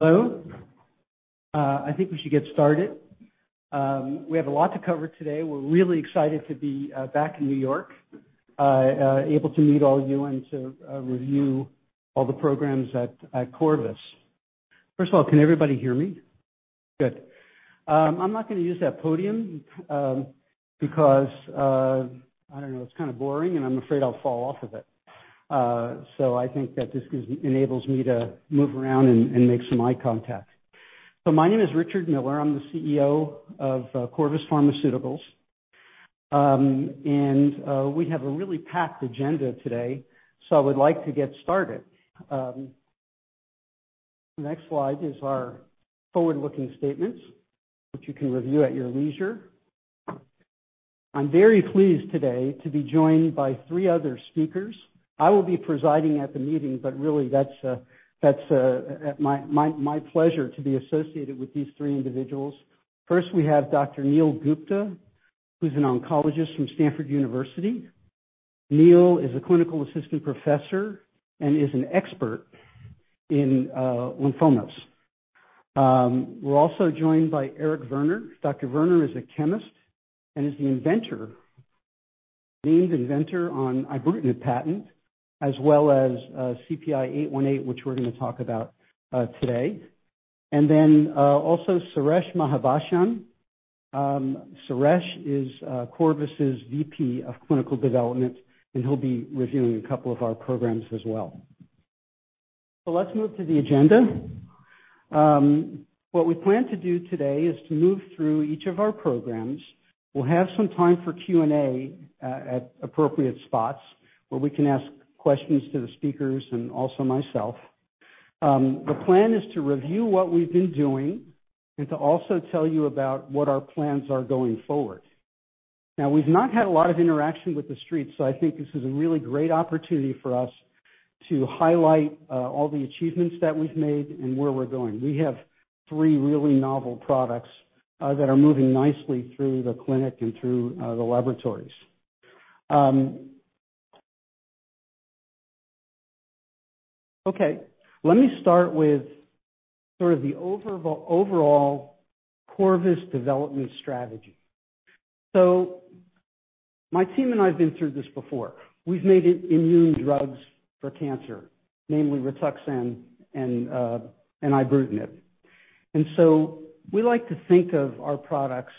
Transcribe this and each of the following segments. Hello. I think we should get started. We have a lot to cover today. We're really excited to be back in New York, able to meet all of you and to review all the programs at Corvus. First of all, can everybody hear me? Good. I'm not gonna use that podium because I don't know, it's kinda boring, and I'm afraid I'll fall off of it. I think that this enables me to move around and make some eye contact. My name is Richard Miller. I'm the CEO of Corvus Pharmaceuticals. We have a really packed agenda today, so I would like to get started. The next slide is our forward-looking statements, which you can review at your leisure. I'm very pleased today to be joined by three other speakers. I will be presiding at the meeting, but really, that's at my pleasure to be associated with these three individuals. First, we have Dr. Neel K. Gupta, who's an oncologist from Stanford University. Neel is a clinical assistant professor and is an expert in lymphomas. We're also joined by Erik Verner. Dr. Verner is a chemist and is the inventor, named inventor on ibrutinib patent, as well as CPI-818, which we're gonna talk about today. Also Suresh Mahabhashyam. Suresh is Corvus's VP of Clinical Development, and he'll be reviewing a couple of our programs as well. Let's move to the agenda. What we plan to do today is to move through each of our programs. We'll have some time for Q&A at appropriate spots where we can ask questions to the speakers and also myself. The plan is to review what we've been doing and to also tell you about what our plans are going forward. Now, we've not had a lot of interaction with the street, so I think this is a really great opportunity for us to highlight all the achievements that we've made and where we're going. We have three really novel products that are moving nicely through the clinic and through the laboratories. Okay, let me start with sort of the overall Corvus development strategy. My team and I have been through this before. We've made immune drugs for cancer, namely Rituxan and ibrutinib. We like to think of our products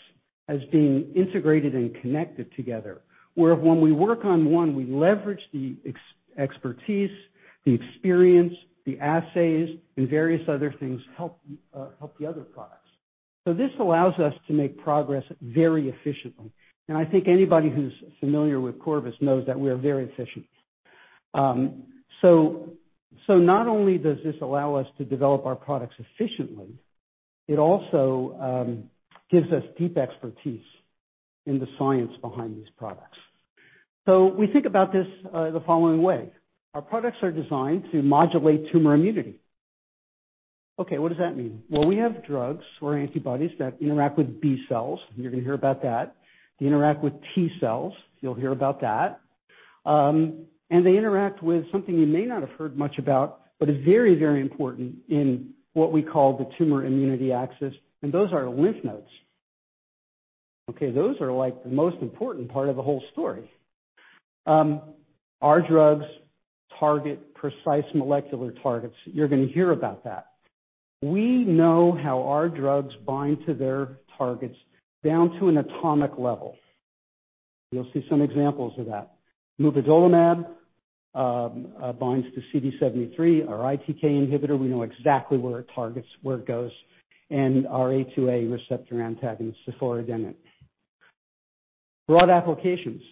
as being integrated and connected together, where when we work on one, we leverage the expertise, the experience, the assays, and various other things help the other products. This allows us to make progress very efficiently. I think anybody who's familiar with Corvus knows that we're very efficient. Not only does this allow us to develop our products efficiently, it also gives us deep expertise in the science behind these products. We think about this the following way. Our products are designed to modulate tumor immunity. Okay, what does that mean? Well, we have drugs or antibodies that interact with B cells. You're gonna hear about that. They interact with T cells. You'll hear about that. They interact with something you may not have heard much about, but is very, very important in what we call the tumor-immunity axis, and those are lymph nodes. Okay, those are, like, the most important part of the whole story. Our drugs target precise molecular targets. You're gonna hear about that. We know how our drugs bind to their targets down to an atomic level. You'll see some examples of that. Mupadolimab binds to CD73. Our ITK inhibitor, we know exactly where it targets, where it goes, and our A2A receptor antagonist, ciforadenant. Broad applications.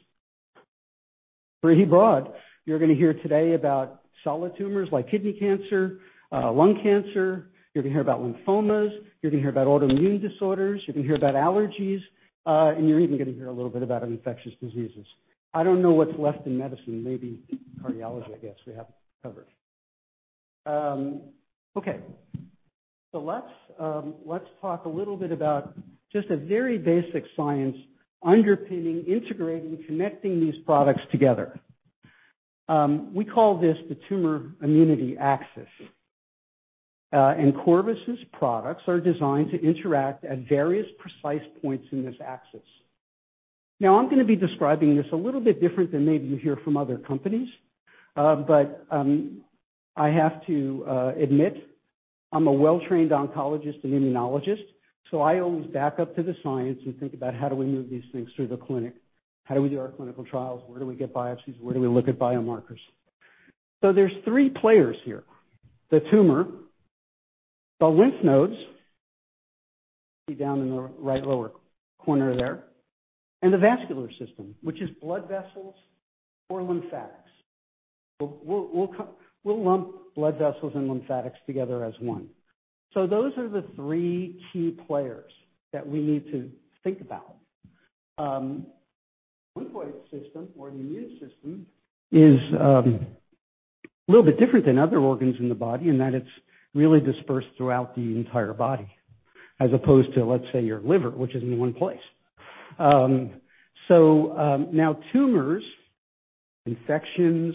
Pretty broad. You're gonna hear today about solid tumors like kidney cancer, lung cancer. You're gonna hear about lymphomas. You're gonna hear about autoimmune disorders. You're gonna hear about allergies, and you're even gonna hear a little bit about infectious diseases. I don't know what's left in medicine. Maybe cardiology, I guess, we haven't covered. Okay. Let's talk a little bit about just the very basic science underpinning, integrating, connecting these products together. We call this the tumor-immunity axis. Corvus's products are designed to interact at various precise points in this axis. Now, I'm gonna be describing this a little bit different than maybe you hear from other companies. I have to admit, I'm a well-trained oncologist and immunologist, so I always back up to the science and think about, how do we move these things through the clinic? How do we do our clinical trials? Where do we get biopsies? Where do we look at biomarkers? There's three players here, the tumor, the lymph nodes, see down in the right lower corner there, and the vascular system, which is blood vessels or lymphatics. We'll lump blood vessels and lymphatics together as one. Those are the three key players that we need to think about. The lymphatic system or the immune system is a little bit different than other organs in the body in that it's really dispersed throughout the entire body as opposed to, let's say, your liver, which is in one place. Now tumors, infections,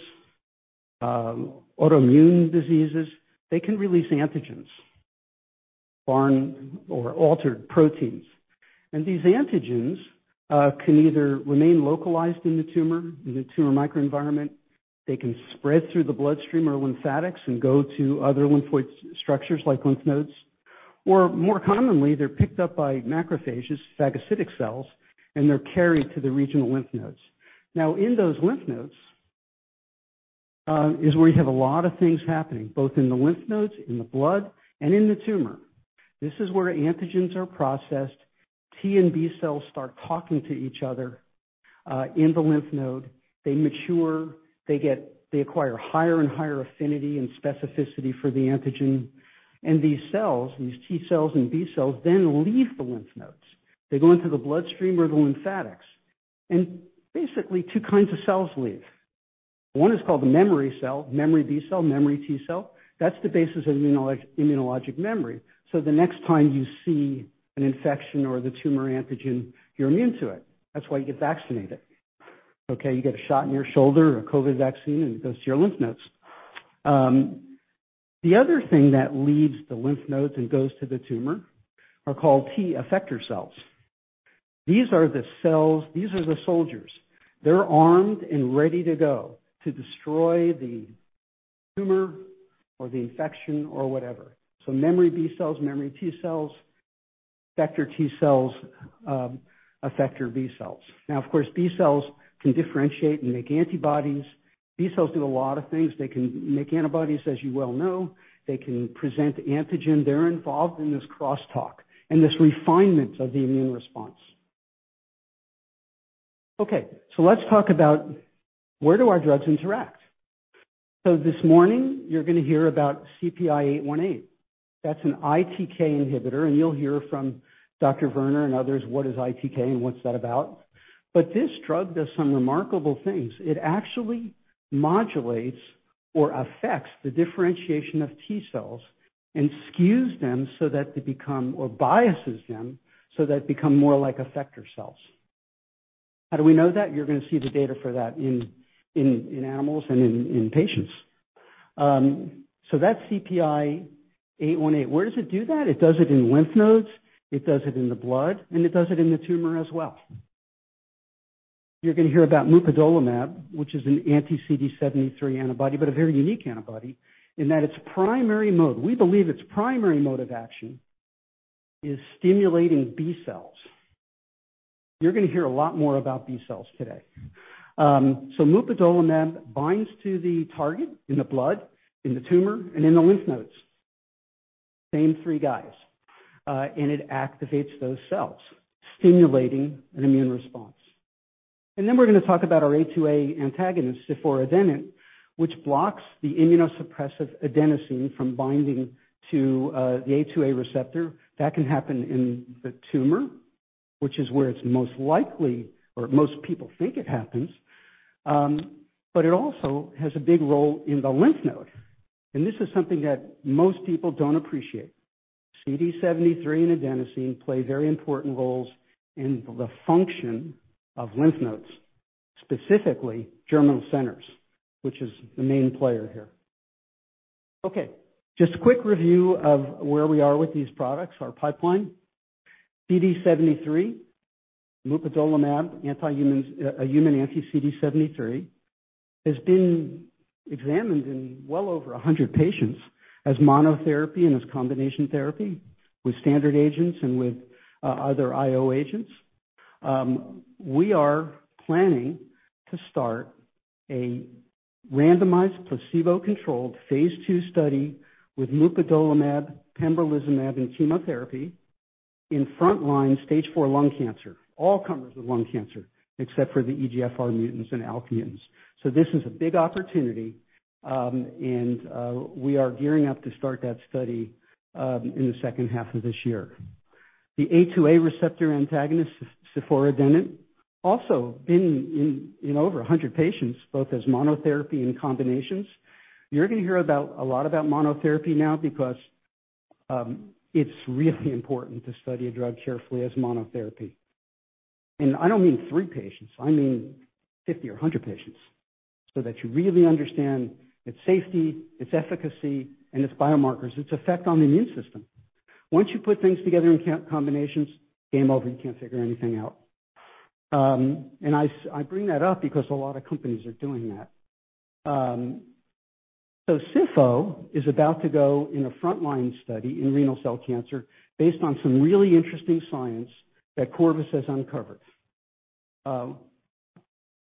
autoimmune diseases, they can release antigens, foreign or altered proteins. These antigens can either remain localized in the tumor, in the tumor microenvironment. They can spread through the bloodstream or lymphatics and go to other lymphoid structures like lymph nodes. Or more commonly, they're picked up by macrophages, phagocytic cells, and they're carried to the regional lymph nodes. Now, in those lymph nodes, is where you have a lot of things happening, both in the lymph nodes, in the blood, and in the tumor. This is where antigens are processed. T and B cells start talking to each other, in the lymph node. They mature, they acquire higher and higher affinity and specificity for the antigen. And these cells, these T cells and B cells, then leave the lymph nodes. They go into the bloodstream or the lymphatics. And basically, two kinds of cells leave. One is called the memory cell, memory B cell, memory T cell. That's the basis of immunologic memory. So the next time you see an infection or the tumor antigen, you're immune to it. That's why you get vaccinated. Okay. You get a shot in your shoulder, a COVID vaccine, and it goes to your lymph nodes. The other thing that leaves the lymph nodes and goes to the tumor are called T effector cells. These are the cells, these are the soldiers. They're armed and ready to go to destroy the tumor or the infection or whatever. Memory B cells, memory T cells, effector T cells, effector B cells. Now, of course, B cells can differentiate and make antibodies. B cells do a lot of things. They can make antibodies, as you well know. They can present antigen. They're involved in this crosstalk and this refinement of the immune response. Okay, let's talk about where do our drugs interact. This morning you're gonna hear about CPI-818. That's an ITK inhibitor, and you'll hear from Dr. Verner and others what is ITK and what's that about. This drug does some remarkable things. It actually modulates or affects the differentiation of T cells and skews them so that they become, or biases them, so they become more like effector cells. How do we know that? You're gonna see the data for that in animals and in patients. That's CPI-818. Where does it do that? It does it in lymph nodes, it does it in the blood, and it does it in the tumor as well. You're gonna hear about mupadolimab, which is an anti-CD73 antibody, but a very unique antibody in that its primary mode, we believe its primary mode of action is stimulating B cells. You're gonna hear a lot more about B cells today. mupadolimab binds to the target in the blood, in the tumor, and in the lymph nodes. Same three guys. It activates those cells, stimulating an immune response. We're gonna talk about our A2A antagonist, ciforadenant, which blocks the immunosuppressive adenosine from binding to, the A2A receptor. That can happen in the tumor, which is where it's most likely or most people think it happens, but it also has a big role in the lymph node, and this is something that most people don't appreciate. CD73 and adenosine play very important roles in the function of lymph nodes, specifically germinal centers, which is the main player here. Okay, just a quick review of where we are with these products, our pipeline. CD73, mupadolimab, a human anti-CD73, has been examined in well over 100 patients as monotherapy and as combination therapy with standard agents and with, other IO agents. We are planning to start a randomized placebo-controlled phase II study with mupadolimab, pembrolizumab, and chemotherapy in front line stage four lung cancer, all comers with lung cancer except for the EGFR mutants and ALK mutants. This is a big opportunity, and we are gearing up to start that study in the H2 of this year. The A2A receptor antagonist, ciforadenant, also been in over 100 patients, both as monotherapy and combinations. You're gonna hear about a lot about monotherapy now because it's really important to study a drug carefully as monotherapy. I don't mean three patients, I mean 50 or 100 patients, so that you really understand its safety, its efficacy, and its biomarkers, its effect on the immune system. Once you put things together in combinations, game over, you can't figure anything out. I bring that up because a lot of companies are doing that. Ciforadenant is about to go in a first-line study in renal cell cancer based on some really interesting science that Corvus has uncovered.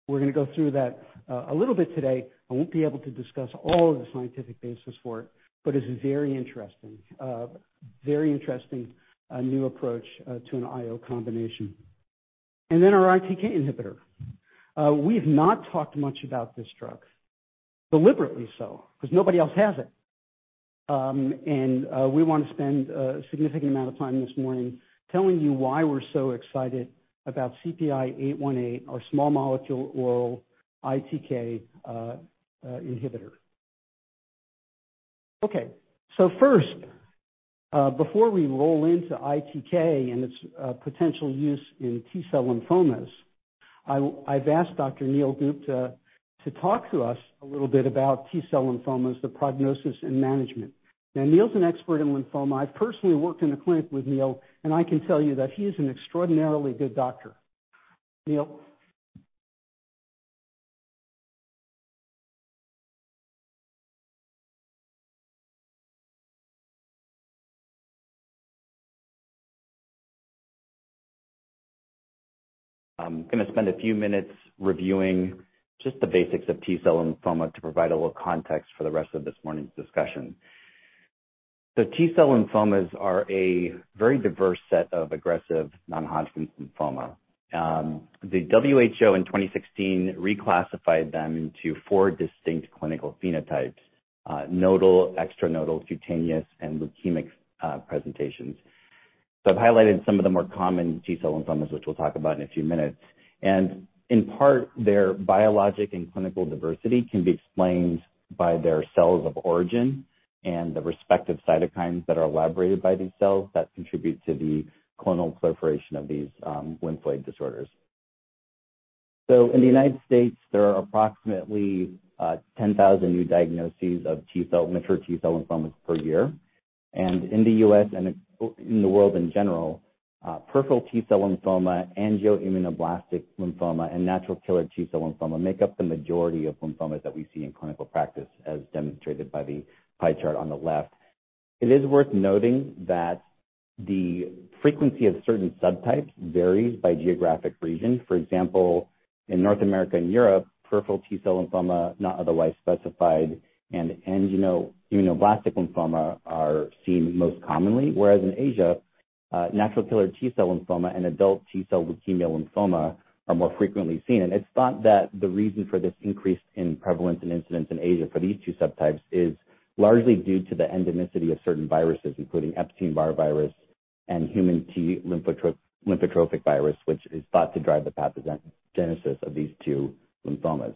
We're gonna go through that a little bit today. I won't be able to discuss all of the scientific basis for it, but it's very interesting new approach to an IO combination. Our ITK inhibitor. We've not talked much about this drug, deliberately so, 'cause nobody else has it. We wanna spend a significant amount of time this morning telling you why we're so excited about CPI-818, our small molecule oral ITK inhibitor. Okay. First, before we roll into ITK and its potential use in T-cell lymphomas, I've asked Dr. Neel K. Gupta to talk to us a little bit about T-cell lymphomas, the prognosis and management. Now, Neel's an expert in lymphoma. I've personally worked in the clinic with Neel, and I can tell you that he is an extraordinarily good doctor. Neel? I'm gonna spend a few minutes reviewing just the basics of T-cell lymphoma to provide a little context for the rest of this morning's discussion. T-cell lymphomas are a very diverse set of aggressive non-Hodgkin's lymphoma. The WHO in 2016 reclassified them into four distinct clinical phenotypes. Nodal, extranodal, cutaneous, and leukemic presentations. I've highlighted some of the more common T-cell lymphomas, which we'll talk about in a few minutes. In part, their biologic and clinical diversity can be explained by their cells of origin and the respective cytokines that are elaborated by these cells that contribute to the clonal proliferation of these lymphoid disorders. In the United States, there are approximately 10,000 new diagnoses of T-cell, mature T-cell lymphomas per year. In the U.S. and in the world in general, peripheral T-cell lymphoma, angioimmunoblastic lymphoma, and natural killer T-cell lymphoma make up the majority of lymphomas that we see in clinical practice, as demonstrated by the pie chart on the left. It is worth noting that the frequency of certain subtypes varies by geographic region. For example, in North America and Europe, peripheral T-cell lymphoma, not otherwise specified, and angioimmunoblastic lymphoma are seen most commonly. Whereas in Asia, natural killer T-cell lymphoma and adult T-cell leukemia lymphoma are more frequently seen. It's thought that the reason for this increase in prevalence and incidence in Asia for these two subtypes is largely due to the endemicity of certain viruses, including Epstein-Barr virus and human T-lymphotropic virus, which is thought to drive the pathogenesis of these two lymphomas.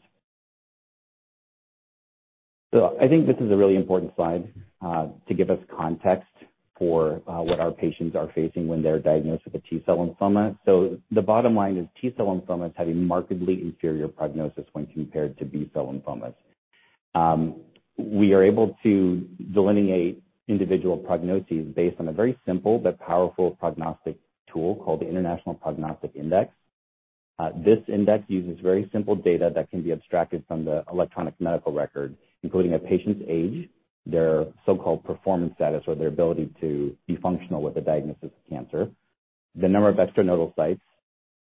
I think this is a really important slide to give us context for what our patients are facing when they're diagnosed with a T-cell lymphoma. The bottom line is T-cell lymphomas have a markedly inferior prognosis when compared to B-cell lymphomas. We are able to delineate individual prognoses based on a very simple but powerful prognostic tool called the International Prognostic Index. This index uses very simple data that can be abstracted from the electronic medical record, including a patient's age, their so-called performance status or their ability to be functional with a diagnosis of cancer, the number of extranodal sites,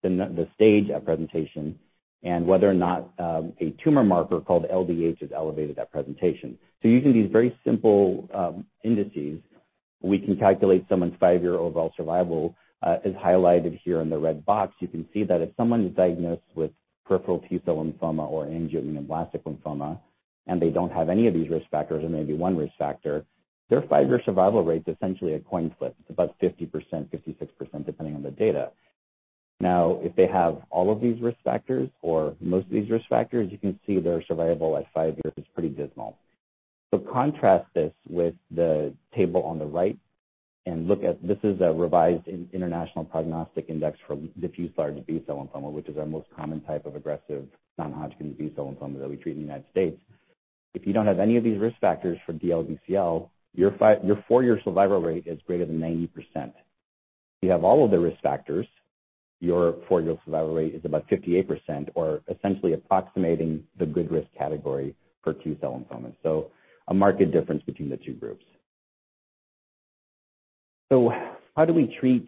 the stage at presentation, and whether or not a tumor marker called LDH is elevated at presentation. Using these very simple indices, we can calculate someone's five-year overall survival. As highlighted here in the red box, you can see that if someone is diagnosed with peripheral T-cell lymphoma or angioimmunoblastic lymphoma, and they don't have any of these risk factors or maybe one risk factor, their five-year survival rate is essentially a coin flip. It's about 50%, 56%, depending on the data. Now, if they have all of these risk factors or most of these risk factors, you can see their survival at five years is pretty dismal. Contrast this with the table on the right and look at this. This is a revised International Prognostic Index for diffuse large B-cell lymphoma, which is our most common type of aggressive non-Hodgkin's B-cell lymphoma that we treat in the United States. If you don't have any of these risk factors for DLBCL, your four-year survival rate is greater than 90%. If you have all of the risk factors, your four-year survival rate is about 58% or essentially approximating the good risk category for T-cell lymphoma. A marked difference between the two groups. How do we treat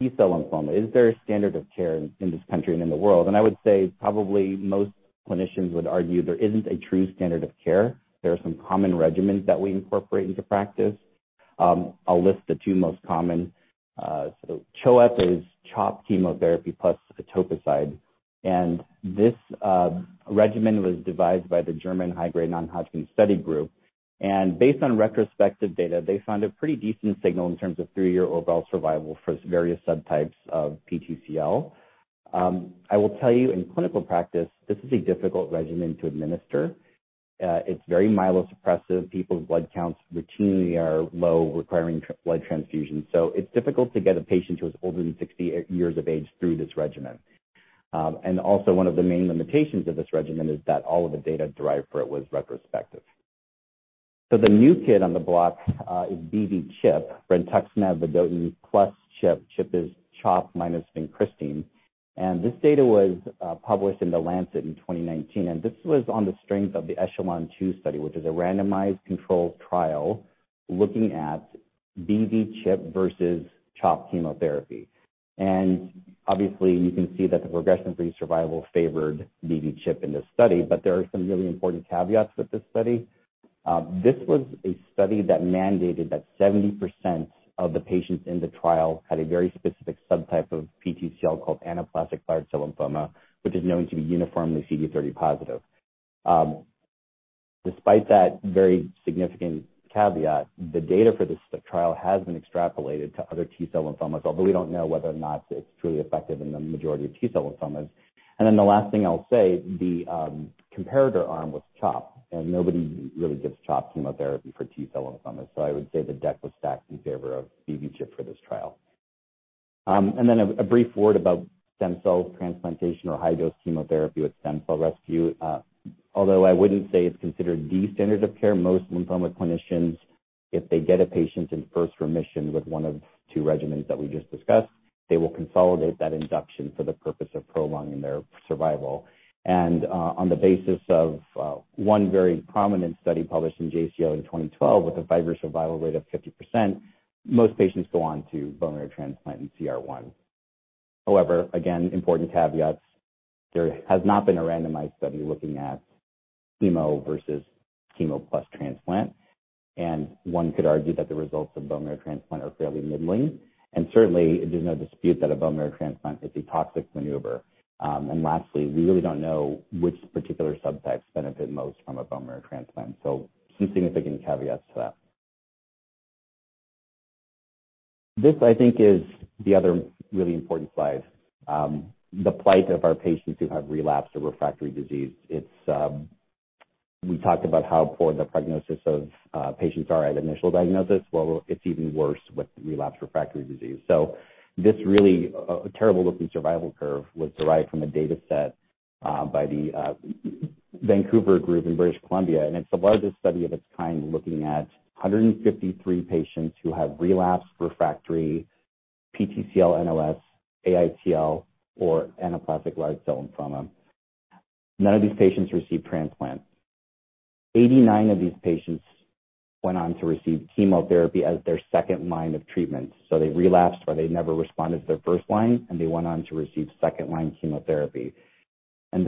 T-cell lymphoma? Is there a standard of care in this country and in the world? I would say probably most clinicians would argue there isn't a true standard of care. There are some common regimens that we incorporate into practice. I'll list the two most common. CHOEP is CHOP chemotherapy plus etoposide. This regimen was devised by the German High-Grade Non-Hodgkin's Lymphoma Study Group. Based on retrospective data, they found a pretty decent signal in terms of three-year overall survival for various subtypes of PTCL. I will tell you, in clinical practice, this is a difficult regimen to administer. It's very myelosuppressive. People's blood counts routinely are low, requiring blood transfusion. It's difficult to get a patient who is older than 60 years of age through this regimen. One of the main limitations of this regimen is that all of the data derived for it was retrospective. The new kid on the block is BV-CHP, brentuximab vedotin plus CHP. CHP is CHOP minus vincristine. This data was published in The Lancet in 2019, and this was on the strength of the ECHELON-2 study, which is a randomized controlled trial looking at BV-CHP versus CHOP chemotherapy. Obviously, you can see that the progression-free survival favored BV-CHP in this study, but there are some really important caveats with this study. This was a study that mandated that 70% of the patients in the trial had a very specific subtype of PTCL called anaplastic large cell lymphoma, which is known to be uniformly CD30 positive. Despite that very significant caveat, the data for this trial has been extrapolated to other T-cell lymphomas, although we don't know whether or not it's truly effective in the majority of T-cell lymphomas. Then the last thing I'll say, the comparator arm was CHOP, and nobody really gives CHOP chemotherapy for T-cell lymphomas. I would say the deck was stacked in favor of BV-CHP for this trial. A brief word about stem cell transplantation or high-dose chemotherapy with stem cell rescue. Although I wouldn't say it's considered the standard of care, most lymphoma clinicians, if they get a patient in first remission with one of two regimens that we just discussed, they will consolidate that induction for the purpose of prolonging their survival. On the basis of one very prominent study published in JCO in 2012 with a five-year survival rate of 50%, most patients go on to bone marrow transplant in CR1. However, again, important caveats. There has not been a randomized study looking at chemo versus chemo plus transplant, and one could argue that the results of bone marrow transplant are fairly middling. Certainly, there's no dispute that a bone marrow transplant is a toxic maneuver. Lastly, we really don't know which particular subtypes benefit most from a bone marrow transplant, so some significant caveats to that. This, I think, is the other really important slide. The plight of our patients who have relapsed and refractory disease. It's, we talked about how poor the prognosis of patients are at initial diagnosis. Well, it's even worse with relapsed and refractory disease. This really terrible-looking survival curve was derived from a dataset by the Vancouver Group in British Columbia, and it's the largest study of its kind, looking at 153 patients who have relapsed and refractory PTCL, NOS, AITL, or anaplastic large cell lymphoma. None of these patients received transplants. 89 of these patients went on to receive chemotherapy as their second line of treatment, so they relapsed or they never responded to their first line, and they went on to receive second-line chemotherapy.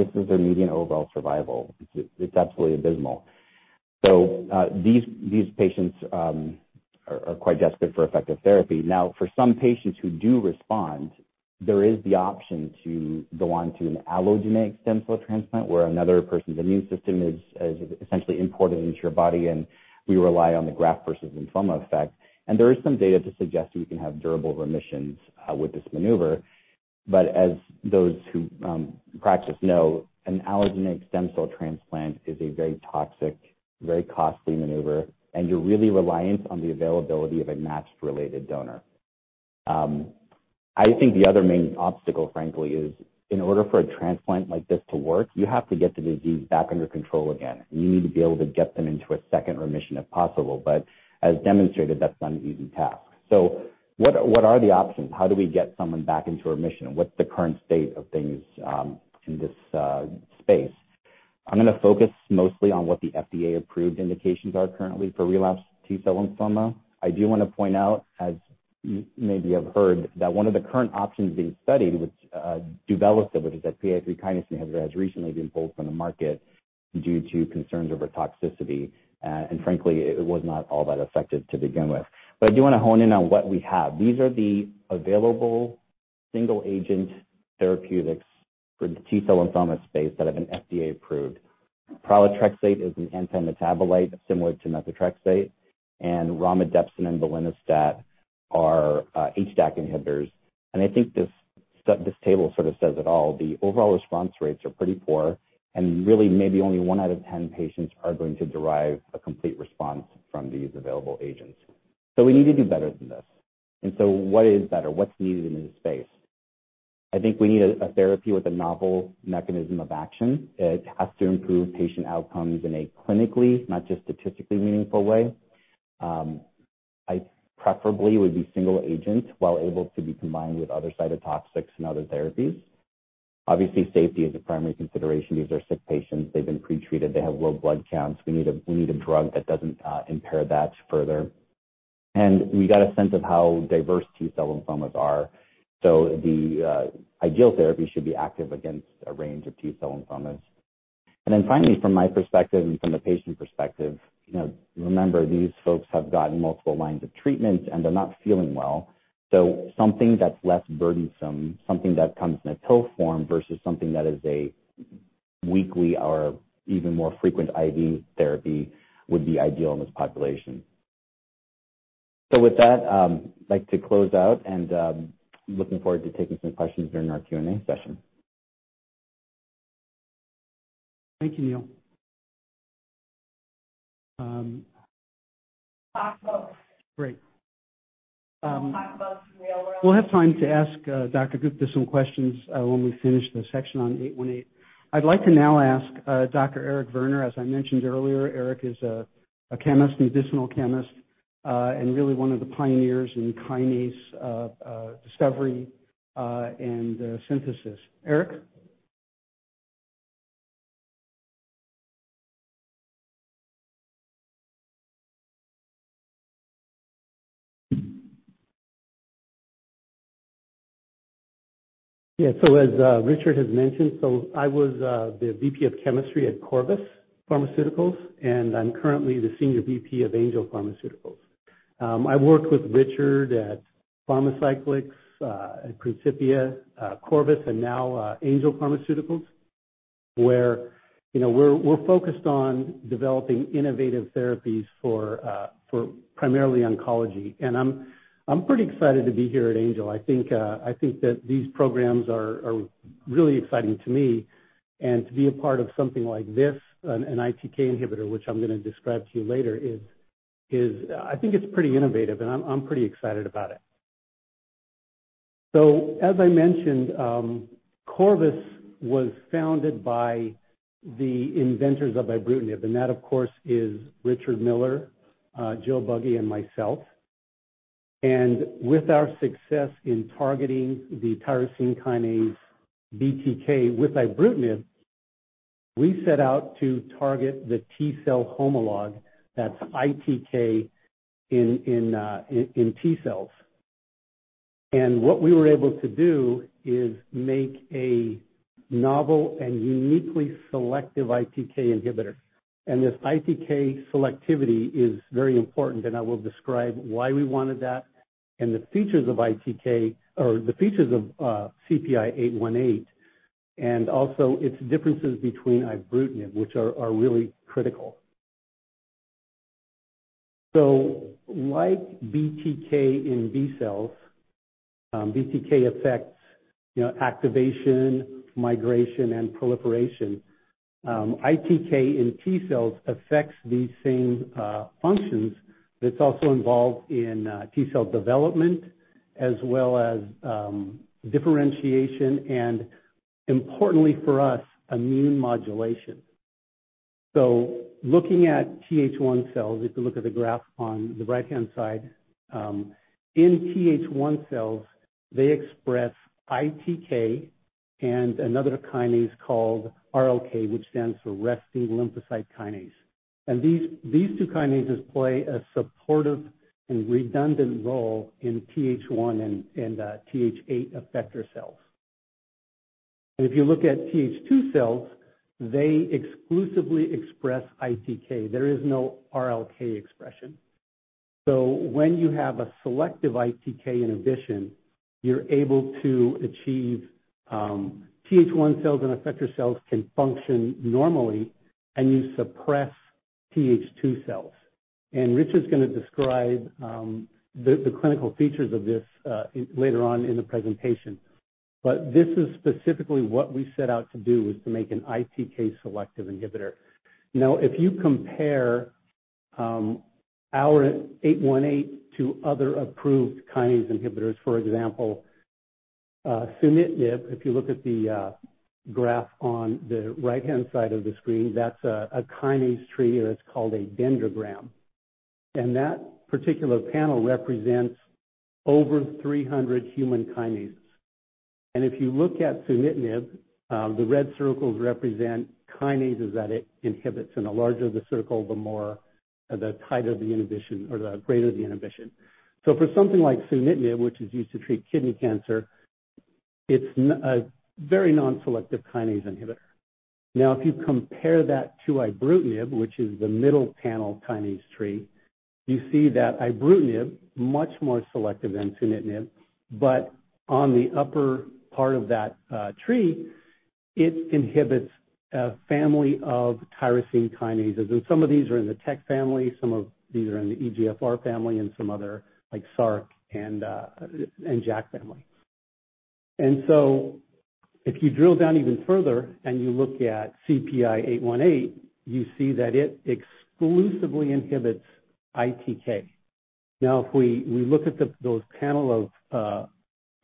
This is their median overall survival. It's absolutely abysmal. These patients are quite desperate for effective therapy. Now, for some patients who do respond, there is the option to go on to an allogeneic stem cell transplant, where another person's immune system is essentially imported into your body, and we rely on the graft versus lymphoma effect. There is some data to suggest we can have durable remissions with this maneuver. As those who practice know, an allogeneic stem cell transplant is a very toxic, very costly maneuver, and you're really reliant on the availability of a matched-related donor. I think the other main obstacle, frankly, is in order for a transplant like this to work, you have to get the disease back under control again. You need to be able to get them into a second remission if possible. As demonstrated, that's not an easy task. What are the options? How do we get someone back into remission? What's the current state of things in this space? I'm gonna focus mostly on what the FDA-approved indications are currently for relapsed T-cell lymphoma. I do wanna point out, as maybe you have heard, that one of the current options being studied, which, duvelisib, which is a PI3K inhibitor, has recently been pulled from the market due to concerns over toxicity. Frankly, it was not all that effective to begin with. I do wanna hone in on what we have. These are the available single agent therapeutics for the T-cell lymphoma space that have been FDA approved. Pralatrexate is an antimetabolite similar to methotrexate, and romidepsin and belinostat are HDAC inhibitors. I think this table sort of says it all. The overall response rates are pretty poor, and really maybe only one out of ten patients are going to derive a complete response from these available agents. We need to do better than this. What is better? What's needed in this space? I think we need a therapy with a novel mechanism of action. It has to improve patient outcomes in a clinically, not just statistically meaningful way. Preferably would be single agent, while able to be combined with other cytotoxics and other therapies. Obviously, safety is a primary consideration. These are sick patients. They've been pre-treated. They have low blood counts. We need a drug that doesn't impair that further. We got a sense of how diverse T-cell lymphomas are. The ideal therapy should be active against a range of T-cell lymphomas. Then finally, from my perspective and from the patient perspective, you know, remember, these folks have gotten multiple lines of treatment, and they're not feeling well. Something that's less burdensome, something that comes in a pill form versus something that is a weekly or even more frequent IV therapy would be ideal in this population. With that, I'd like to close out and, looking forward to taking some questions during our Q&A session. Thank you, Neel. Great. We'll have time to ask Dr. Gupta some questions when we finish the section on CPI-818. I'd like to now ask Dr. Erik Verner. As I mentioned earlier, Eric is a chemist, a medicinal chemist, and really one of the pioneers in kinase discovery and synthesis. Eric? Yeah. As Richard has mentioned, I was the VP of chemistry at Corvus Pharmaceuticals, and I'm currently the Senior VP of Angel Pharmaceuticals. I worked with Richard at Pharmacyclics, at Principia, Corvus, and now Angel Pharmaceuticals, where, you know, we're focused on developing innovative therapies for primarily oncology. I'm pretty excited to be here at Angel. I think that these programs are really exciting to me and to be a part of something like this, an ITK inhibitor, which I'm gonna describe to you later, is I think it's pretty innovative, and I'm pretty excited about it. As I mentioned, Corvus was founded by the inventors of ibrutinib, and that of course is Richard Miller, Joseph Buggy, and myself. With our success in targeting the tyrosine kinase BTK with ibrutinib, we set out to target the T cell homolog that's ITK in T cells. What we were able to do is make a novel and uniquely selective ITK inhibitor. This ITK selectivity is very important, and I will describe why we wanted that and the features of ITK or the features of CPI-818, and also its differences between ibrutinib, which are really critical. Like BTK in B cells, BTK affects, you know, activation, migration, and proliferation. ITK in T cells affects these same functions, but it's also involved in T-cell development as well as differentiation and importantly for us, immune modulation. Looking at TH1 cells, if you look at the graph on the right-hand side, in TH1 cells, they express ITK and another kinase called RLK, which stands for resting lymphocyte kinase. These two kinases play a supportive and redundant role in TH1 and TH17 effector cells. If you look at TH2 cells, they exclusively express ITK. There is no RLK expression. When you have a selective ITK inhibition, you're able to achieve TH1 cells and effector cells can function normally, and you suppress TH2 cells. Richard's gonna describe the clinical features of this later on in the presentation. This is specifically what we set out to do, was to make an ITK selective inhibitor. Now, if you compare, our eight-one-eight to other approved kinase inhibitors, for example, sunitinib. If you look at the graph on the right-hand side of the screen, that's a kinase tree, or it's called a dendrogram. That particular panel represents over 300 human kinases. If you look at sunitinib, the red circles represent kinases that it inhibits. The larger the circle, the more or the tighter the inhibition or the greater the inhibition. For something like sunitinib, which is used to treat kidney cancer, it's a very non-selective kinase inhibitor. Now if you compare that to ibrutinib, which is the middle panel kinase tree, you see that ibrutinib, much more selective than sunitinib, but on the upper part of that tree, it inhibits a family of tyrosine kinases. Some of these are in the Tec family, some of these are in the EGFR family, and some other like Src and JAK family. If you drill down even further and you look at CPI-818, you see that it exclusively inhibits ITK. Now if we look at those panel of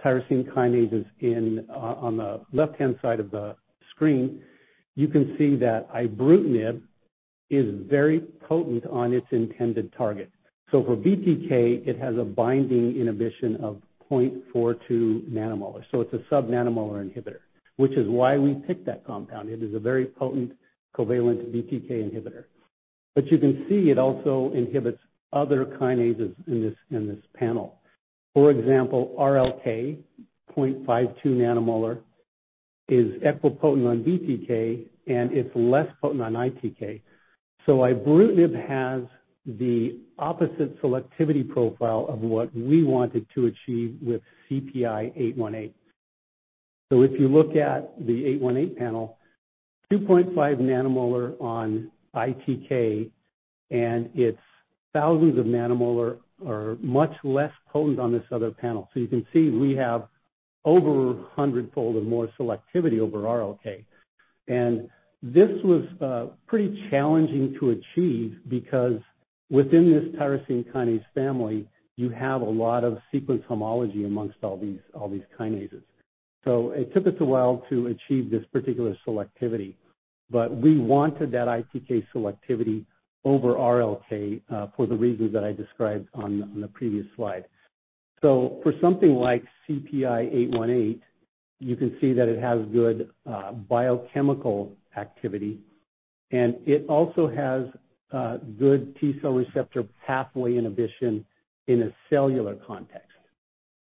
tyrosine kinases on the left-hand side of the screen, you can see that ibrutinib is very potent on its intended target. For BTK, it has a binding inhibition of 0.42 nanomolar. It's a sub-nanomolar inhibitor, which is why we picked that compound. It is a very potent covalent BTK inhibitor. You can see it also inhibits other kinases in this panel. For example, RLK, 0.52 nanomolar, is equipotent on BTK, and it's less potent on ITK. Ibrutinib has the opposite selectivity profile of what we wanted to achieve with CPI-818. If you look at the 818 panel, 2.5 nanomolar on ITK and its thousands of nanomolar are much less potent on this other panel. You can see we have over a hundredfold of more selectivity over RLK. This was pretty challenging to achieve because within this tyrosine kinase family, you have a lot of sequence homology amongst all these kinases. It took us a while to achieve this particular selectivity, but we wanted that ITK selectivity over RLK for the reasons that I described on the previous slide. For something like CPI-818, you can see that it has good biochemical activity, and it also has good T cell receptor pathway inhibition in a cellular context.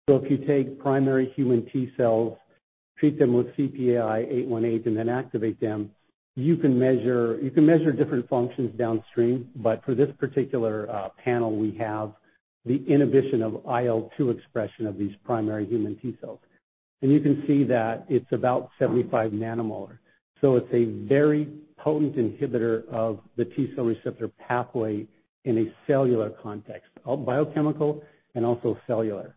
If you take primary human T cells, treat them with CPI-818, and then activate them, you can measure different functions downstream, but for this particular panel, we have the inhibition of IL-2 expression of these primary human T cells. You can see that it's about 75 nanomolar. It's a very potent inhibitor of the T cell receptor pathway in a cellular context, biochemical and also cellular.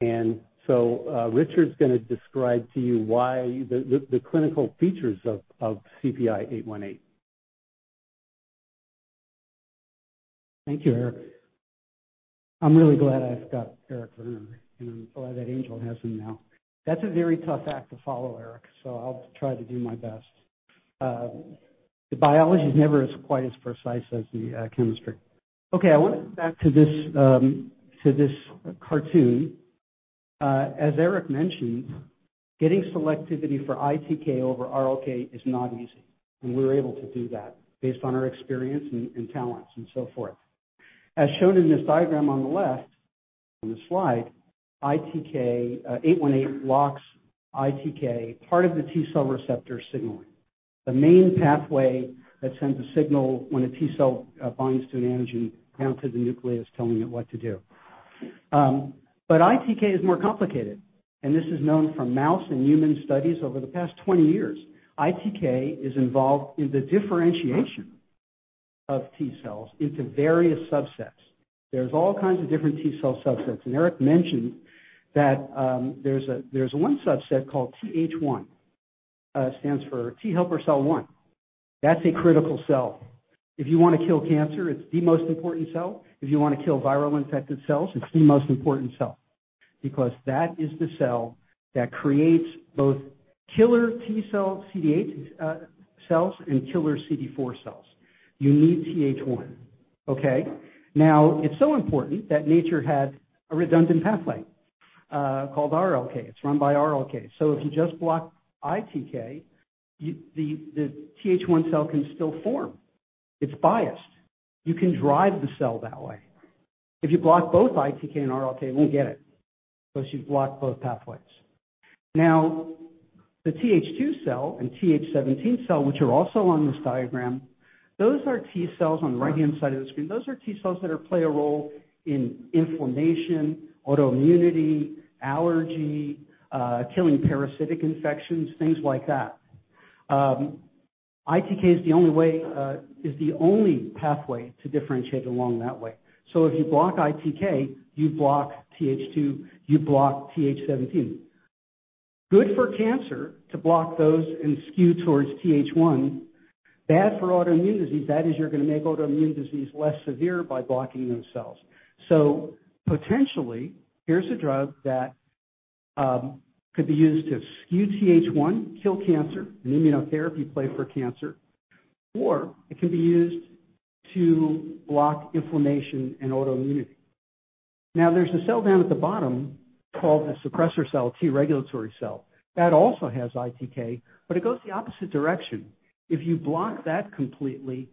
Richard's gonna describe to you why the clinical features of CPI-818. Thank you, Eric. I'm really glad I've got Eric around, and I'm glad that Angel has him now. That's a very tough act to follow Eric, so I'll try to do my best. The biology is never quite as precise as the chemistry. Okay, I want to get back to this cartoon. As Eric mentioned, getting selectivity for ITK over RLK is not easy, and we're able to do that based on our experience and talents and so forth. As shown in this diagram on the left, on the slide, CPI-818 blocks ITK, part of the T cell receptor signaling. The main pathway that sends a signal when a T cell binds to an antigen down to the nucleus telling it what to do. ITK is more complicated, and this is known from mouse and human studies over the past 20 years. ITK is involved in the differentiation of T cells into various subsets. There's all kinds of different T cell subsets, and Eric mentioned that, there's one subset called TH1, stands for T helper cell one. That's a critical cell. If you wanna kill cancer, it's the most important cell. If you wanna kill viral infected cells, it's the most important cell because that is the cell that creates both killer T cell CD8 cells and killer CD4 cells. You need TH1. Okay? Now, it's so important that nature has a redundant pathway, called RLK. It's run by RLK. If you just block ITK, the TH1 cell can still form. It's biased. You can drive the cell that way. If you block both ITK and RLK, it won't get it 'cause you've blocked both pathways. Now, the TH2 cell and TH17 cell, which are also on this diagram, those are T cells on the right-hand side of the screen. Those are T cells that'll play a role in inflammation, autoimmunity, allergy, killing parasitic infections, things like that. ITK is the only pathway to differentiate along that way. If you block ITK, you block TH2, you block TH17. Good for cancer to block those and skew towards TH1. Bad for autoimmune disease. Bad is you're gonna make autoimmune disease less severe by blocking those cells. Potentially, here's a drug that could be used to skew TH1, kill cancer, an immunotherapy play for cancer, or it can be used to block inflammation and autoimmunity. Now, there's a cell down at the bottom called a suppressor cell, T regulatory cell. That also has ITK, but it goes the opposite direction. If you block that completely,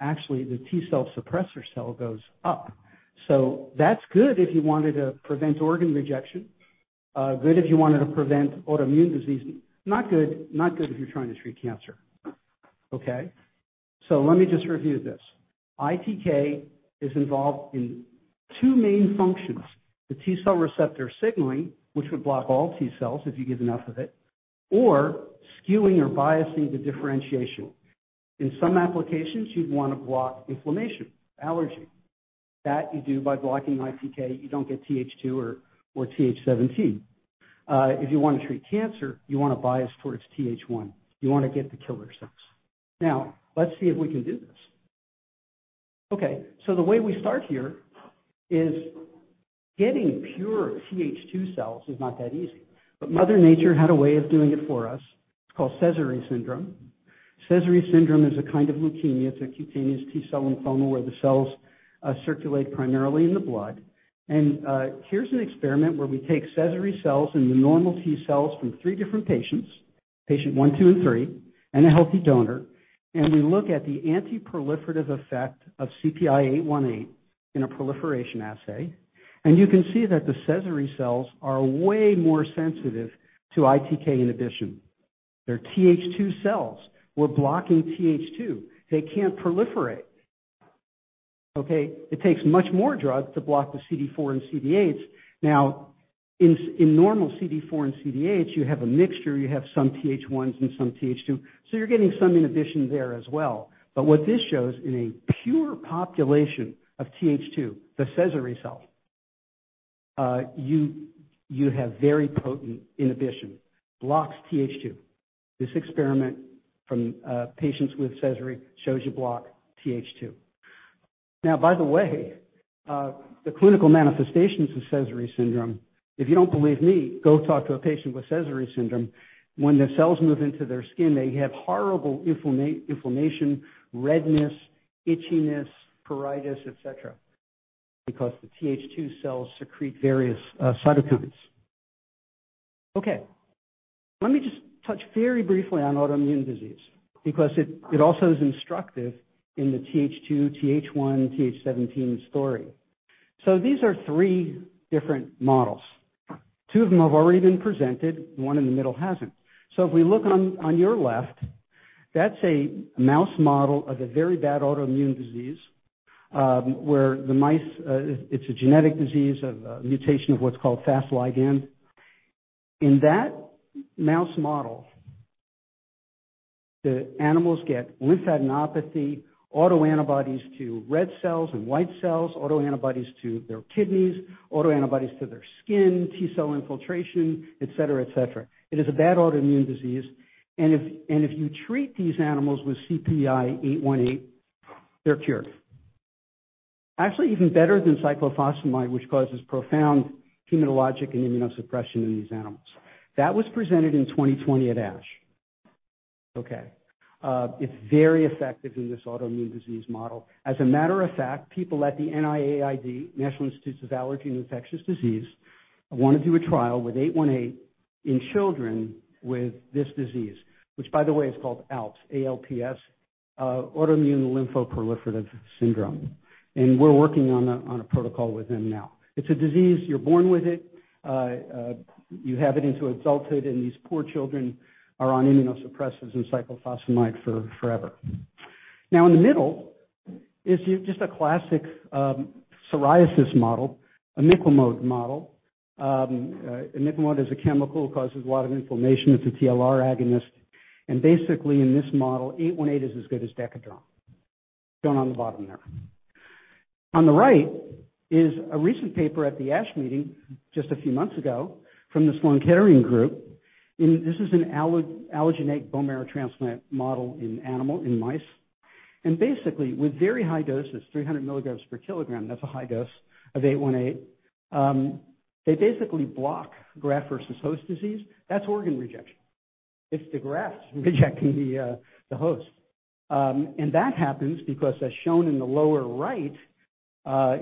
actually the T cell suppressor cell goes up. That's good if you wanted to prevent organ rejection, good if you wanted to prevent autoimmune disease. Not good if you're trying to treat cancer. Okay? Let me just review this. ITK is involved in two main functions, the T cell receptor signaling, which would block all T cells if you give enough of it, or skewing or biasing the differentiation. In some applications, you'd wanna block inflammation, allergy. That you do by blocking ITK. You don't get TH2 or TH17. If you wanna treat cancer, you want to bias towards TH1. You wanna get the killer cells. Now, let's see if we can do this. Okay, the way we start here is getting pure TH2 cells is not that easy, but mother nature had a way of doing it for us. It's called Sézary syndrome. Sézary syndrome is a kind of leukemia. It's a cutaneous T-cell lymphoma where the cells circulate primarily in the blood. Here's an experiment where we take Sézary cells and the normal T cells from three different patients, patient one, two, and three, and a healthy donor, and we look at the anti-proliferative effect of CPI-818 in a proliferation assay. You can see that the Sézary cells are way more sensitive to ITK inhibition. They're TH2 cells. We're blocking TH2. They can't proliferate. Okay? It takes much more drug to block the CD4 and CD8. In normal CD4 and CD8, you have a mixture. You have some TH1s and some TH2, so you're getting some inhibition there as well. But what this shows in a pure population of TH2, the Sézary cell, you have very potent inhibition, blocks TH2. This experiment from patients with Sézary shows you block TH2. Now, by the way, the clinical manifestations of Sézary syndrome, if you don't believe me, go talk to a patient with Sézary syndrome. When their cells move into their skin, they have horrible inflammation, redness, itchiness, pruritus, et cetera, because the TH2 cells secrete various cytokines. Okay, let me just touch very briefly on autoimmune disease because it also is instructive in the TH2, TH1, TH17 story. These are three different models. Two of them have already been presented, one in the middle hasn't. If we look on your left, that's a mouse model of a very bad autoimmune disease, where the mice, it's a genetic disease of a mutation of what's called Fas ligand. In that mouse model the animals get lymphadenopathy, autoantibodies to red cells and white cells, autoantibodies to their kidneys, autoantibodies to their skin, T cell infiltration, etc., etc. It is a bad autoimmune disease and if you treat these animals with CPI-818, they're cured. Actually, even better than cyclophosphamide, which causes profound hematologic and immunosuppression in these animals. That was presented in 2020 at ASH. Okay. It is very effective in this autoimmune disease model. As a matter of fact, people at the NIAID, National Institute of Allergy and Infectious Diseases, wanna do a trial with eight-one-eight in children with this disease, which by the way is called ALPS, A-L-P-S, autoimmune lymphoproliferative syndrome. We're working on a protocol with them now. It's a disease, you're born with it. You have it into adulthood, and these poor children are on immunosuppressants and cyclophosphamide forever. Now, in the middle is just a classic psoriasis model, an imiquimod model. An imiquimod is a chemical, causes a lot of inflammation. It's a TLR agonist. Basically, in this model, eight-one-eight is as good as Decadron. Shown on the bottom there. On the right is a recent paper at the ASH meeting just a few months ago from the Sloan Kettering group. This is an allogeneic bone marrow transplant model in animals, in mice. Basically, with very high doses, 300 milligrams per kilogram, that's a high dose of CPI-818, they basically block graft-versus-host disease. That's organ rejection. It's the grafts rejecting the host. That happens because as shown in the lower right,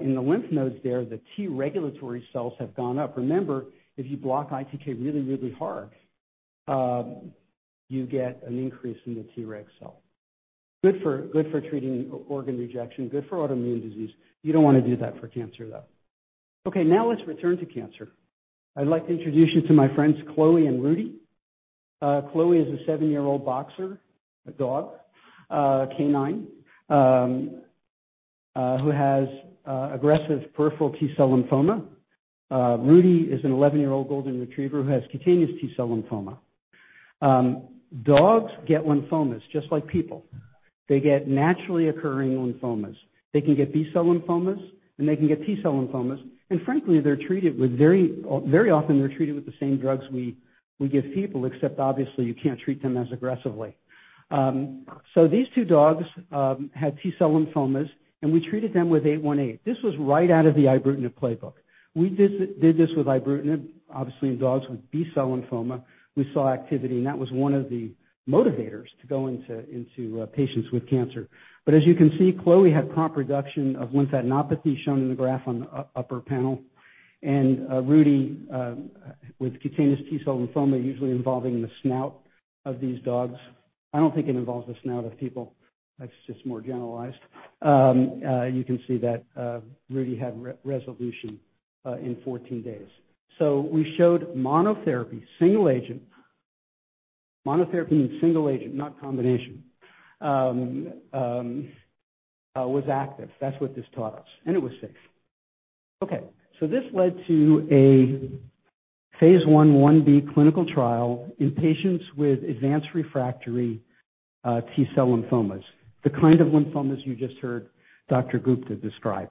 in the lymph nodes there, the T-regulatory cells have gone up. Remember, if you block ITK really, really hard, you get an increase in the T-reg cell. Good for treating organ rejection, good for autoimmune disease. You don't wanna do that for cancer, though. Okay, now let's return to cancer. I'd like to introduce you to my friends Chloe and Rudy. Chloe is a seven-year-old boxer, a dog, canine, who has aggressive peripheral T-cell lymphoma. Rudy is an 11-year-old golden retriever who has cutaneous T-cell lymphoma. Dogs get lymphomas just like people. They get naturally occurring lymphomas. They can get B-cell lymphomas, and they can get T-cell lymphomas. Frankly, they're treated with very, very often they're treated with the same drugs we give people, except obviously you can't treat them as aggressively. These two dogs had T-cell lymphomas, and we treated them with eight-one-eight. This was right out of the ibrutinib playbook. We did this with ibrutinib, obviously in dogs with B-cell lymphoma. We saw activity, and that was one of the motivators to go into patients with cancer. As you can see, Chloe had prompt reduction of lymphadenopathy shown in the graph on the upper panel. Rudy, with cutaneous T-cell lymphoma usually involving the snout of these dogs. I don't think it involves the snout of people. That's just more generalized. You can see that Rudy had resolution in 14 days. We showed monotherapy, single agent. Monotherapy means single agent, not combination. It was active. That's what this taught us, and it was safe. This led to a phase I/IB clinical trial in patients with advanced refractory T-cell lymphomas. The kind of lymphomas you just heard Dr. Gupta describe.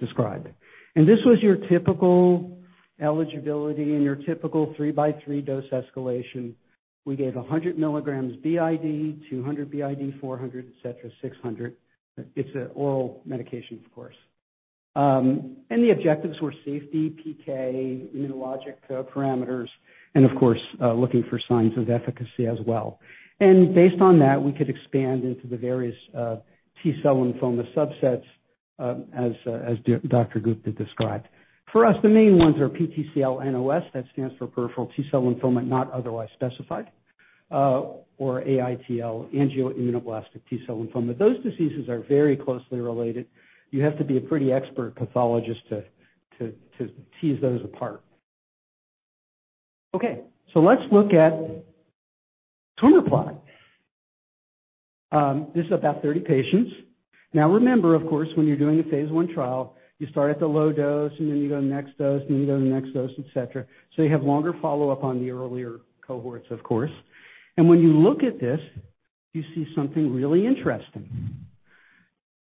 This was your typical eligibility and your typical three-by-three dose escalation. We gave 100 milligrams BID, 200 BID, 400, etc., 600. It's an oral medication, of course. The objectives were safety, PK, immunologic parameters, and of course, looking for signs of efficacy as well. Based on that, we could expand into the various T-cell lymphoma subsets, as Dr. Gupta described. For us, the main ones are PTCL-NOS, that stands for peripheral T-cell lymphoma, not otherwise specified, or AITL, angioimmunoblastic T-cell lymphoma. Those diseases are very closely related. You have to be a pretty expert pathologist to tease those apart. Okay, so let's look at tumor plot. This is about 30 patients. Now, remember, of course, when you're doing a phase I trial, you start at the low dose, and then you go to the next dose, and then you go to the next dose, et cetera. You have longer follow-up on the earlier cohorts, of course. When you look at this, you see something really interesting.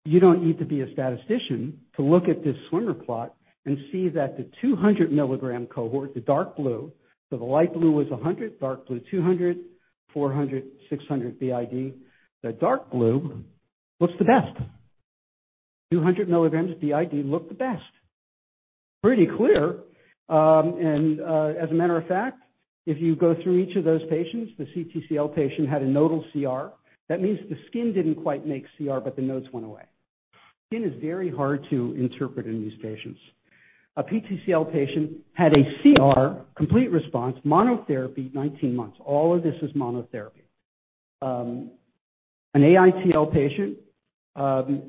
You don't need to be a statistician to look at this swimmer plot and see that the 200 milligram cohort, the dark blue. The light blue was 100, dark blue 200, 400, 600 BID. The dark blue looks the best. 200 milligrams BID looked the best. Pretty clear. As a matter of fact, if you go through each of those patients, the CTCL patient had a nodal CR. That means the skin didn't quite make CR, but the nodes went away. Skin is very hard to interpret in these patients. A PTCL patient had a CR, complete response, monotherapy, 19 months. All of this is monotherapy. An AITL patient. Another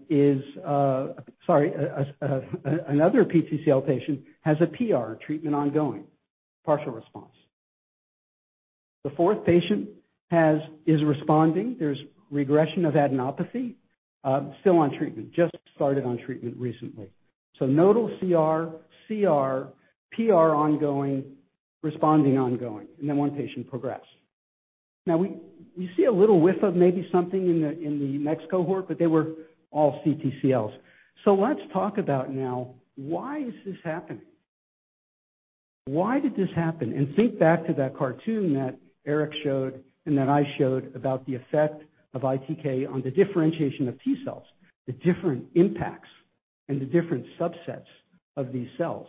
PTCL patient has a PR, treatment ongoing, partial response. The fourth patient is responding. There's regression of adenopathy, still on treatment. Just started on treatment recently. Nodal CR, PR ongoing, responding ongoing, and then one patient progressed. Now we see a little whiff of maybe something in the next cohort, but they were all CTCLs. Let's talk about why this is happening. Why did this happen? Think back to that cartoon that Eric showed and that I showed about the effect of ITK on the differentiation of T cells, the different impacts and the different subsets of these cells.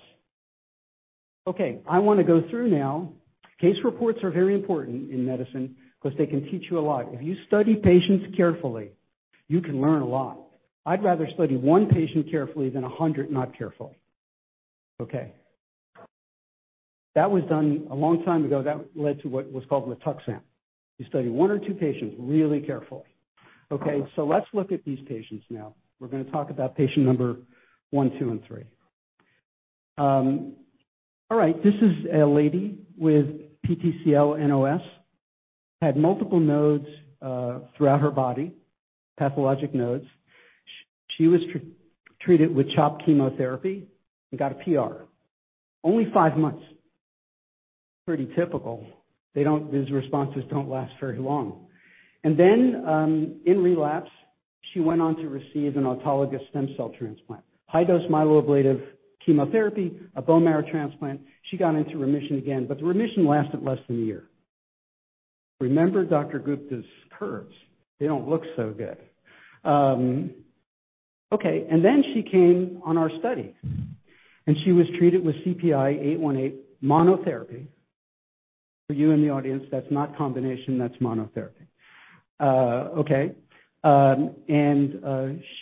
Okay, I wanna go through now. Case reports are very important in medicine 'cause they can teach you a lot. If you study patients carefully, you can learn a lot. I'd rather study one patient carefully than a hundred not carefully. Okay. That was done a long time ago. That led to what was called Rituximab. You study one or two patients really carefully. Okay, let's look at these patients now. We're gonna talk about patient number one, two, and three. All right, this is a lady with PTCL NOS, had multiple nodes throughout her body, pathologic nodes. She was treated with CHOP chemotherapy and got a PR. Only five months. Pretty typical. These responses don't last very long. Then, in relapse, she went on to receive an autologous stem cell transplant, high-dose myeloablative chemotherapy, a bone marrow transplant. She got into remission again, but the remission lasted less than a year. Remember Dr. Gupta's curves. They don't look so good. Okay, then she came on our study, and she was treated with CPI-818 monotherapy. For you in the audience, that's not combination, that's monotherapy.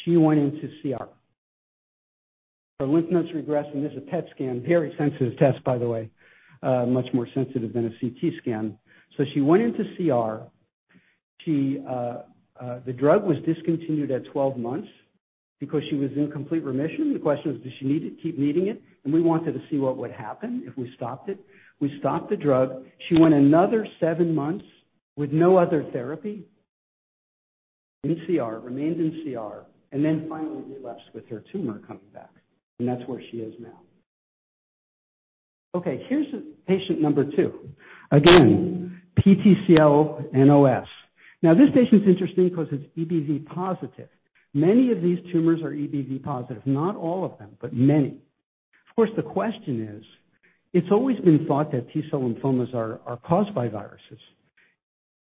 She went into CR. Her lymph nodes regressed, and this is a PET scan, very sensitive test by the way, much more sensitive than a CT scan. She went into CR. The drug was discontinued at 12 months because she was in complete remission. The question was, does she need it, keep needing it? We wanted to see what would happen if we stopped it. We stopped the drug. She went another seven months with no other therapy. In CR, remained in CR, and then finally relapsed with her tumor coming back. That's where she is now. Okay, here's patient number two. Again, PTCL NOS. Now this patient's interesting 'cause it's EBV positive. Many of these tumors are EBV positive. Not all of them, but many. Of course, the question is, it's always been thought that T-cell lymphomas are caused by viruses.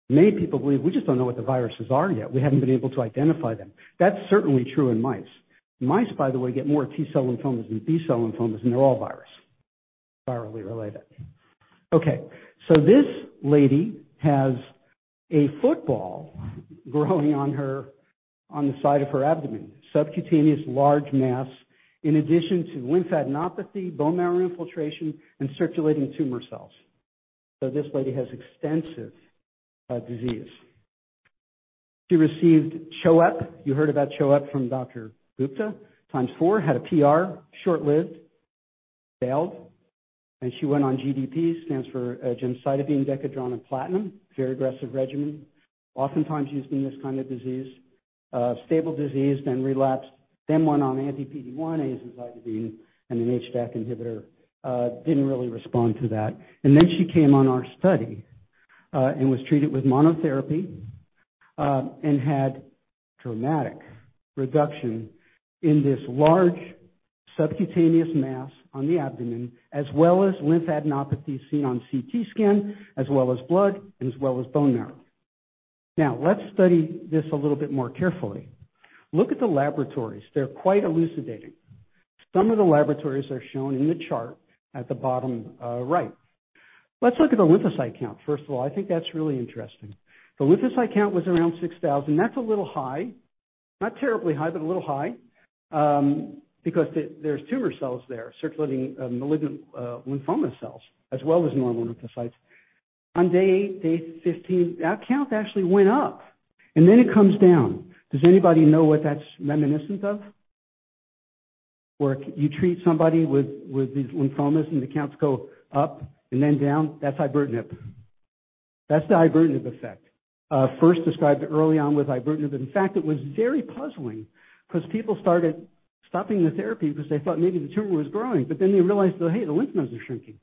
Many people believe we just don't know what the viruses are yet. We haven't been able to identify them. That's certainly true in mice. Mice, by the way, get more T-cell lymphomas than B-cell lymphomas, and they're all virally related. Okay, this lady has a football growing on her, on the side of her abdomen, subcutaneous large mass, in addition to lymphadenopathy, bone marrow infiltration, and circulating tumor cells. This lady has extensive disease. She received CHOEP. You heard about CHOEP from Dr. Gupta, four times, had a PR, short-lived, failed, and she went on GDP, stands for gemcitabine, Decadron, and platinum. Very aggressive regimen, oftentimes used in this kind of disease. Stable disease, then relapsed, then went on anti-PD-1, azacitidine, and an HDAC inhibitor. Didn't really respond to that. She came on our study and was treated with monotherapy and had dramatic reduction in this large subcutaneous mass on the abdomen, as well as lymphadenopathy seen on CT scan, as well as blood, and as well as bone marrow. Now, let's study this a little bit more carefully. Look at the laboratories. They're quite elucidating. Some of the laboratories are shown in the chart at the bottom, right. Let's look at the lymphocyte count first of all. I think that's really interesting. The lymphocyte count was around 6,000. That's a little high. Not terribly high, but a little high, because there's tumor cells there, circulating, malignant lymphoma cells, as well as normal lymphocytes. On day 15, that count actually went up, and then it comes down. Does anybody know what that's reminiscent of? Where you treat somebody with these lymphomas and the counts go up and then down? That's ibrutinib. That's the ibrutinib effect. First described early on with ibrutinib. In fact, it was very puzzling 'cause people started stopping the therapy because they thought maybe the tumor was growing, but then they realized that, hey, the lymph nodes are shrinking.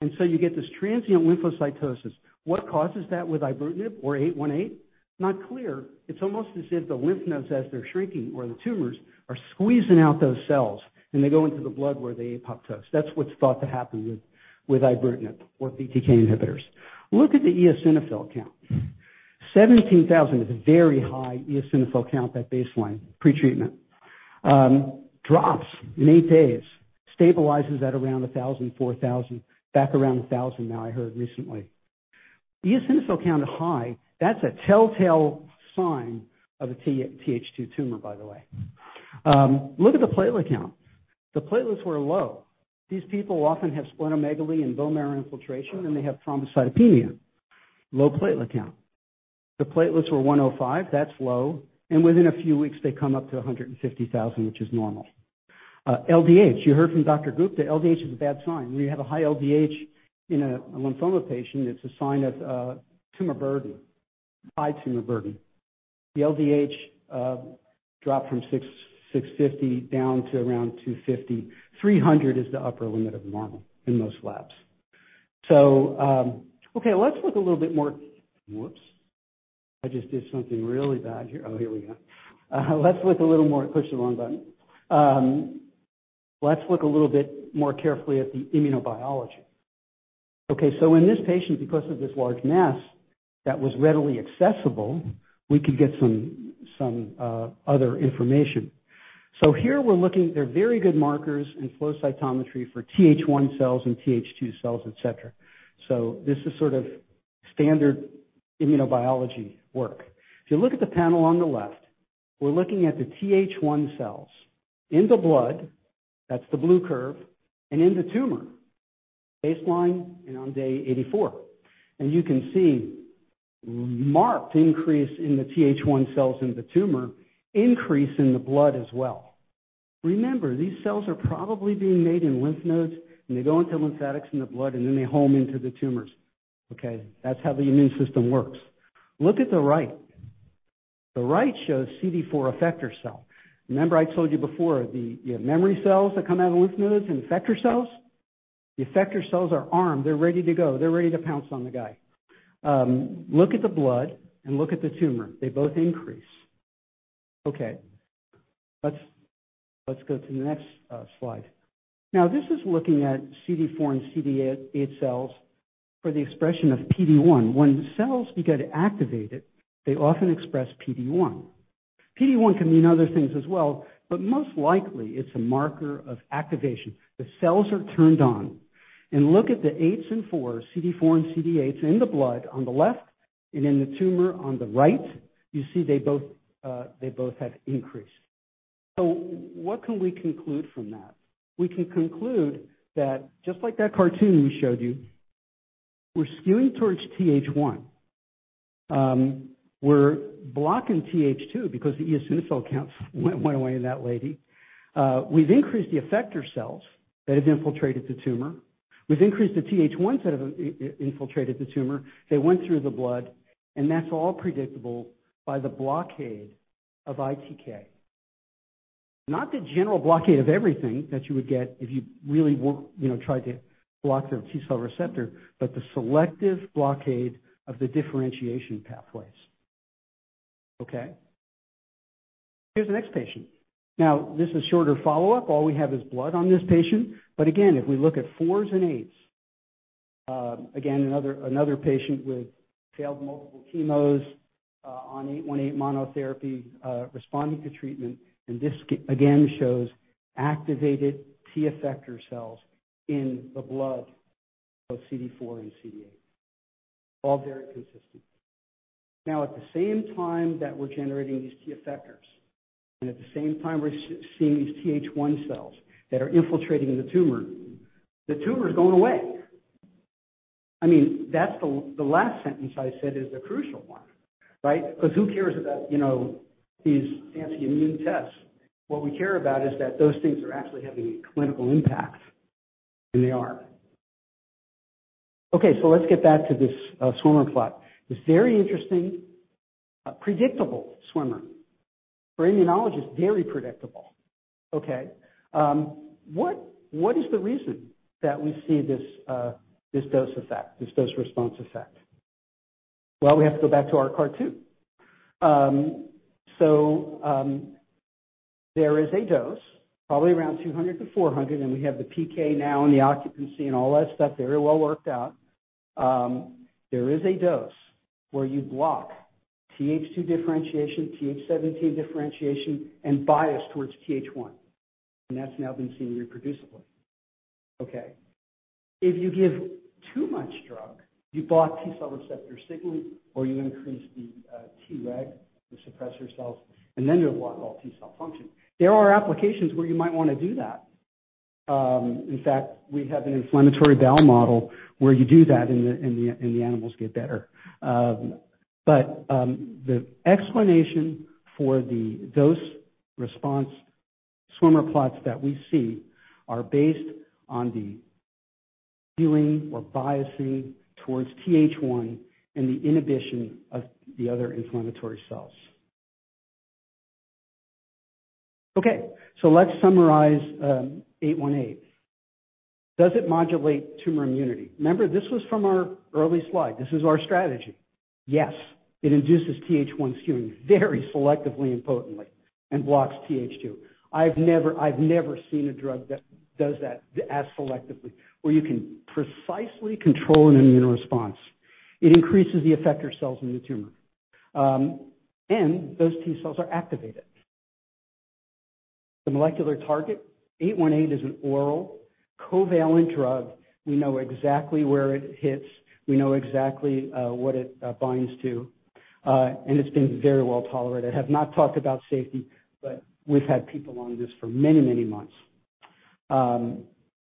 You get this transient lymphocytosis. What causes that with ibrutinib or CPI-818? Not clear. It's almost as if the lymph nodes as they're shrinking or the tumors are squeezing out those cells, and they go into the blood where they apoptose. That's what's thought to happen with ibrutinib or BTK inhibitors. Look at the eosinophil count. 17,000 is a very high eosinophil count at baseline, pretreatment. Drops in 8 days, stabilizes at around 1,000, 4,000, back around 1,000 now I heard recently. Eosinophil count is high. That's a telltale sign of a TH2 tumor by the way. Look at the platelet count. The platelets were low. These people often have splenomegaly and bone marrow infiltration, and they have thrombocytopenia, low platelet count. The platelets were 105. That's low. Within a few weeks they come up to 150,000, which is normal. LDH. You heard from Dr. Gupta LDH is a bad sign. When you have a high LDH in a lymphoma patient, it's a sign of tumor burden. High tumor burden. The LDH dropped from 665 down to around 250. 300 is the upper limit of normal in most labs. Let's look a little bit more carefully at the immunobiology. In this patient, because of this large mass that was readily accessible, we could get some other information. Here we're looking at their very good markers and flow cytometry for TH1 cells and TH2 cells, et cetera. This is sort of standard immunobiology work. If you look at the panel on the left, we're looking at the TH1 cells in the blood, that's the blue curve, and in the tumor, baseline and on day 84. You can see marked increase in the TH1 cells in the tumor, increase in the blood as well. Remember, these cells are probably being made in lymph nodes, and they go into lymphatics in the blood, and then they home into the tumors, okay? That's how the immune system works. Look at the right. The right shows CD4 effector cell. Remember I told you before, the, you know, memory cells that come out of lymph nodes and effector cells? The effector cells are armed. They're ready to go. They're ready to pounce on the guy. Look at the blood and look at the tumor. They both increase. Okay. Let's go to the next slide. Now, this is looking at CD4 and CD8 cells for the expression of PD-1. When cells get activated, they often express PD-1. PD-1 can mean other things as well, but most likely it's a marker of activation. The cells are turned on. Look at the eights and fours, CD4 and CD8 in the blood on the left and in the tumor on the right. You see they both have increased. What can we conclude from that? We can conclude that just like that cartoon we showed you, we're skewing towards TH1. We're blocking TH2 because the eosinophil counts went away in that lady. We've increased the effector cells that have infiltrated the tumor. We've increased the TH1 set of infiltrated the tumor. They went through the blood, and that's all predictable by the blockade of ITK. Not the general blockade of everything that you would get if you really were, you know, tried to block their T cell receptor, but the selective blockade of the differentiation pathways. Okay? Here's the next patient. This is shorter follow-up. All we have is blood on this patient. If we look at CD4 and CD8, again, another patient with failed multiple chemos, on CPI-818 monotherapy, responding to treatment. This again shows activated T effector cells in the blood of CD4 and CD8. All very consistent. Now, at the same time that we're generating these T effectors, and at the same time we're seeing these TH1 cells that are infiltrating the tumor, the tumor's going away. I mean, that's the last sentence I said is the crucial one, right? Because who cares about, you know, these fancy immune tests? What we care about is that those things are actually having a clinical impact, and they are. Okay, let's get back to this, swimmer plot. It's very interesting, predictable swimmer. For immunologists, very predictable. Okay, what is the reason that we see this dose effect, this dose response effect? Well, we have to go back to our cartoon. There is a dose, probably around 200-400, and we have the PK now and the occupancy and all that stuff very well worked out. There is a dose where you block TH2 differentiation, TH17 differentiation, and bias toward TH1, and that's now been seen reproducibly. Okay. If you give too much drug, you block T cell receptor signaling or you increase the T reg, the suppressor cells, and then you block all T cell function. There are applications where you might wanna do that. In fact, we have an inflammatory bowel model where you do that and the animals get better. The explanation for the dose response swimmer plots that we see are based on the skewing or biasing towards TH1 and the inhibition of the other inflammatory cells. Okay, so let's summarize eight-one-eight. Does it modulate tumor immunity? Remember, this was from our early slide. This is our strategy. Yes, it induces TH1 skewing very selectively and potently and blocks TH2. I've never seen a drug that does that as selectively, where you can precisely control an immune response. It increases the effector cells in the tumor. Those T cells are activated. The molecular target, eight-one-eight, is an oral covalent drug. We know exactly where it hits. We know exactly what it binds to. It's been very well tolerated. I have not talked about safety, but we've had people on this for many, many months.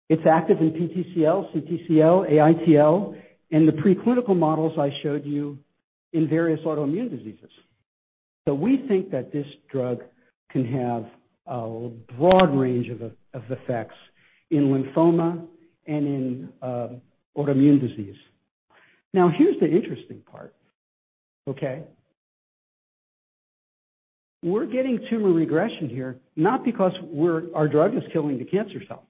It's active in PTCL, CTCL, AITL, in the preclinical models I showed you in various autoimmune diseases. We think that this drug can have a broad range of effects in lymphoma and in, autoimmune disease. Now, here's the interesting part, okay? We're getting tumor regression here, not because our drug is killing the cancer cell.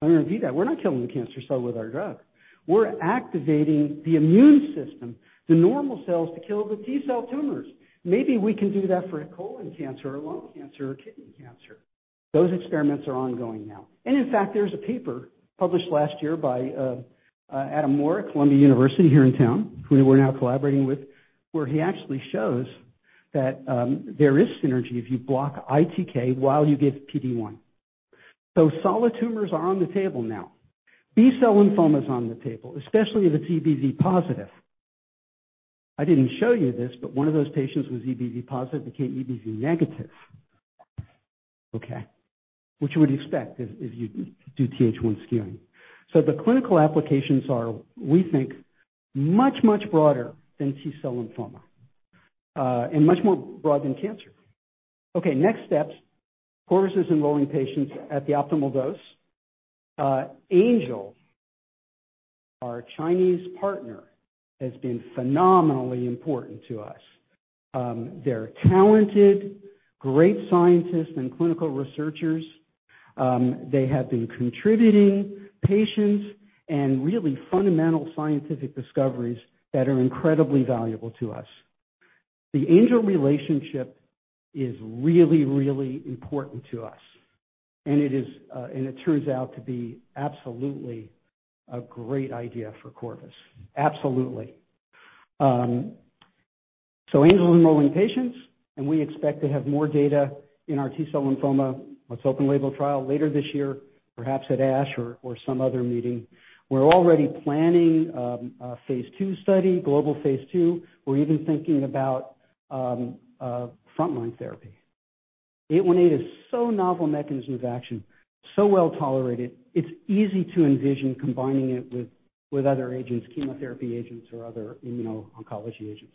I'm gonna repeat that. We're not killing the cancer cell with our drug. We're activating the immune system, the normal cells, to kill the T cell tumors. Maybe we can do that for a colon cancer or lung cancer or kidney cancer. Those experiments are ongoing now. In fact, there's a paper published last year by Adam Mor at Columbia University here in town, who we're now collaborating with, where he actually shows that there is synergy if you block ITK while you give PD-1. Solid tumors are on the table now. B-cell lymphoma is on the table, especially if it's EBV positive. I didn't show you this, but one of those patients who's EBV positive became EBV negative, okay? Which you would expect if you do TH1 skewing. The clinical applications are, we think, much, much broader than T-cell lymphoma, and much more broad than cancer. Next steps. Corvus is enrolling patients at the optimal dose. Angel, our Chinese partner, has been phenomenally important to us. They're talented, great scientists and clinical researchers. They have been contributing patients and really fundamental scientific discoveries that are incredibly valuable to us. The Angel relationship is really, really important to us, and it is, and it turns out to be absolutely a great idea for Corvus. Absolutely. Angel is enrolling patients, and we expect to have more data in our T-cell lymphoma open-label trial later this year, perhaps at ASH or some other meeting. We're already planning a phase two study, global phase two. We're even thinking about frontline therapy. Eight one eight is so novel mechanism of action, so well-tolerated, it's easy to envision combining it with other agents, chemotherapy agents, or other immuno-oncology agents.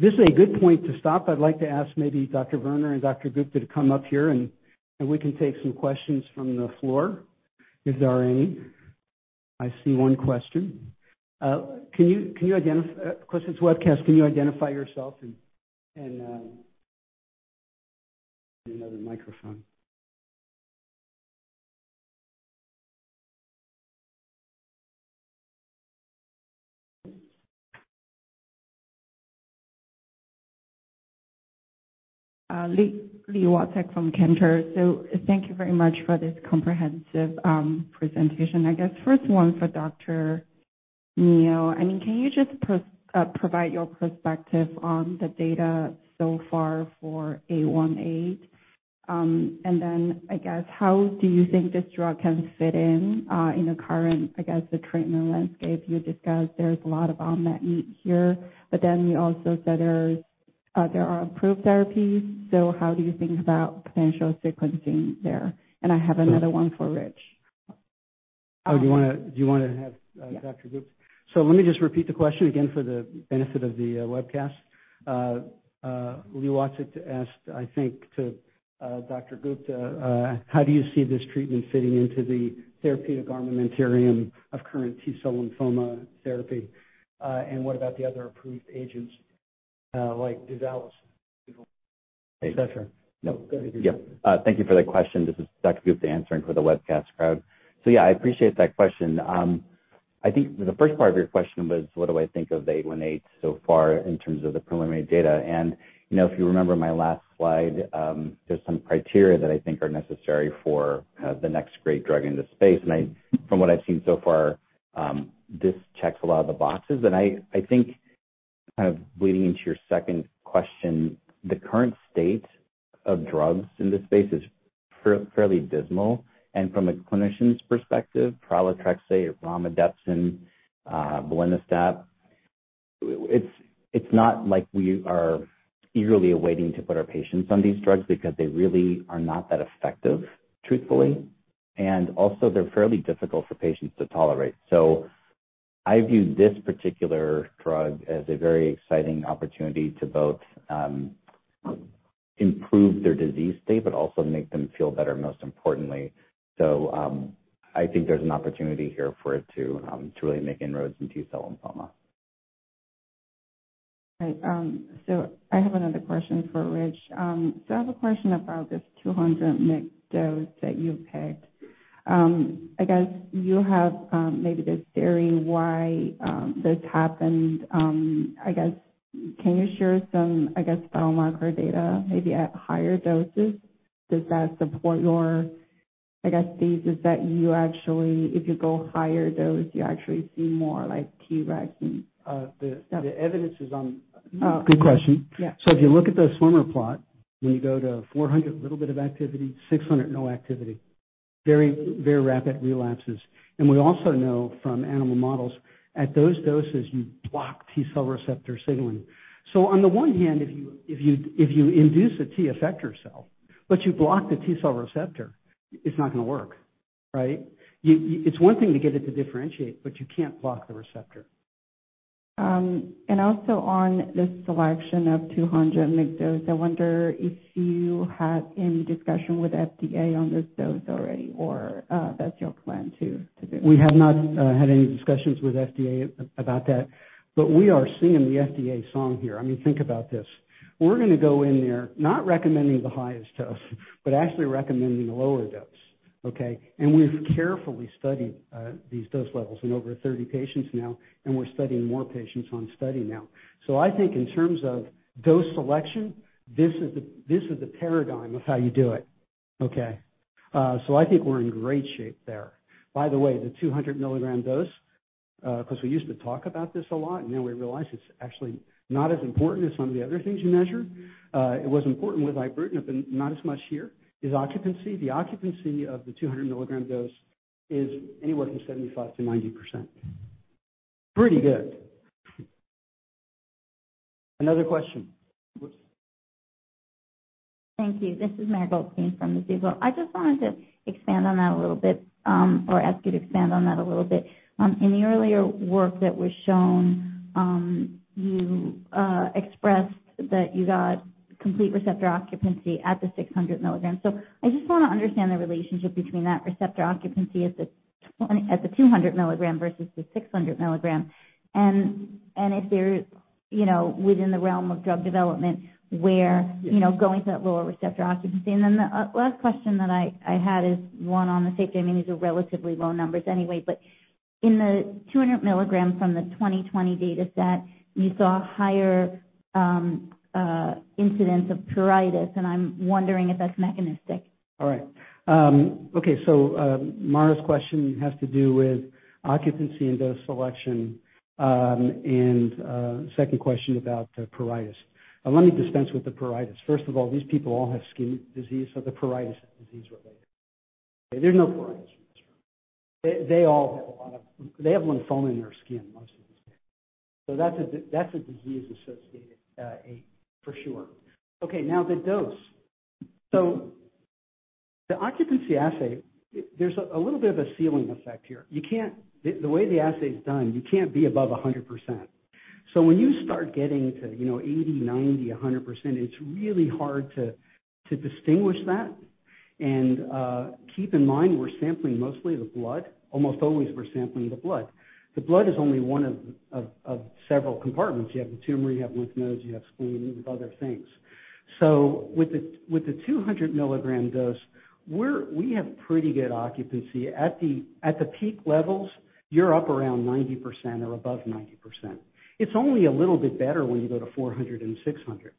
This is a good point to stop. I'd like to ask maybe Dr. Verner and Dr. Gupta to come up here and we can take some questions from the floor if there are any. I see one question. Of course, it's a webcast. Can you identify yourself and another microphone. Lee Watsek from Cantor Fitzgerald. Thank you very much for this comprehensive presentation. I guess first one for Dr. Neel. I mean, can you just provide your perspective on the data so far for CPI-818? And then I guess, how do you think this drug can fit in the current, I guess, the treatment landscape? You discussed there's a lot of unmet need here, but then you also said there are approved therapies. So how do you think about potential sequencing there? And I have another one for Richard Miller. Oh, do you wanna have? Yeah. Dr. Gupta? Let me just repeat the question again for the benefit of the webcast. Lee Watsek asked, I think, to Dr. Gupta, "How do you see this treatment fitting into the therapeutic armamentarium of current T-cell lymphoma therapy? And what about the other approved agents, like duvelisib, et cetera? No. Go ahead. Yeah. Thank you for that question. This is Dr. Gupta answering for the webcast crowd. Yeah, I appreciate that question. I think the first part of your question was what do I think of CPI-818 so far in terms of the preliminary data. You know, if you remember my last slide, there's some criteria that I think are necessary for the next great drug in this space. From what I've seen so far, this checks a lot of the boxes. I think, kind of leading into your second question, the current state of drugs in this space is fairly dismal. From a clinician's perspective, pralatrexate, romidepsin, belinostat, it's not like we are eagerly awaiting to put our patients on these drugs because they really are not that effective, truthfully. Also, they're fairly difficult for patients to tolerate. I view this particular drug as a very exciting opportunity to both, improve their disease state, but also make them feel better, most importantly. I think there's an opportunity here for it to really make inroads in T-cell lymphoma. Right. I have another question for Rich. I have a question about this 200 mg dose that you picked. I guess you have maybe this theory why this happened. I guess can you share some, I guess, biomarker data, maybe at higher doses? Does that support your, I guess, thesis that you actually, if you go higher dose, you actually see more like T-reg and- Uh, the- Yeah. The evidence is on- Oh. Good question. Yeah. If you look at the swimmer plot, when you go to 400, little bit of activity, 600, no activity. Very, very rapid relapses. We also know from animal models, at those doses, you block T-cell receptor signaling. On the one hand, if you induce a T effector cell, but you block the T-cell receptor, it's not gonna work. Right? You, it's one thing to get it to differentiate, but you can't block the receptor. Also on the selection of 200 mg dose, I wonder if you had any discussion with FDA on this dose already or that's your plan to do. We have not had any discussions with FDA about that. We are singing the FDA song here. I mean, think about this. We're gonna go in there not recommending the highest dose, but actually recommending a lower dose. Okay. We've carefully studied these dose levels in over 30 patients now, and we're studying more patients on study now. I think in terms of dose selection, this is the paradigm of how you do it. Okay. I think we're in great shape there. By the way, the 200 milligram dose, 'cause we used to talk about this a lot, and now we realize it's actually not as important as some of the other things you measure. It was important with ibrutinib, but not as much here, is occupancy. The occupancy of the 200 milligram dose is anywhere from 75-90%. Pretty good. Another question. Thank you. This is Mara Goldstein from Clear Street. I just wanted to expand on that a little bit, or ask you to expand on that a little bit. In the earlier work that was shown, you expressed that you got complete receptor occupancy at the 600 milligrams. So I just wanna understand the relationship between that receptor occupancy at the 200 milligram versus the 600 milligram. And if there's, you know, within the realm of drug development, where, you know, going to that lower receptor occupancy. And then the last question that I had is one on the safety. I mean, these are relatively low numbers anyway, but in the 200 milligrams from the 2020 data set, you saw higher incidence of pruritus, and I'm wondering if that's mechanistic. All right. Okay. Mara's question has to do with occupancy and dose selection, and second question about pruritus. Let me dispense with the pruritus. First of all, these people all have skin disease, so the pruritus is disease related. There's no pruritus in this room. They all have a lot of lymphoma in their skin, most of these people. That's a disease-associated ache for sure. Okay, now the dose. The occupancy assay, there's a little bit of a ceiling effect here. You can't. The way the assay's done, you can't be above 100%. When you start getting to, you know, 80, 90, 100%, it's really hard to distinguish that. Keep in mind, we're sampling mostly the blood. Almost always we're sampling the blood. The blood is only one of several compartments. You have the tumor, you have lymph nodes, you have spleen with other things. With the 200 milligram dose, we have pretty good occupancy. At the peak levels, you're up around 90% or above 90%. It's only a little bit better when you go to 400 and 600.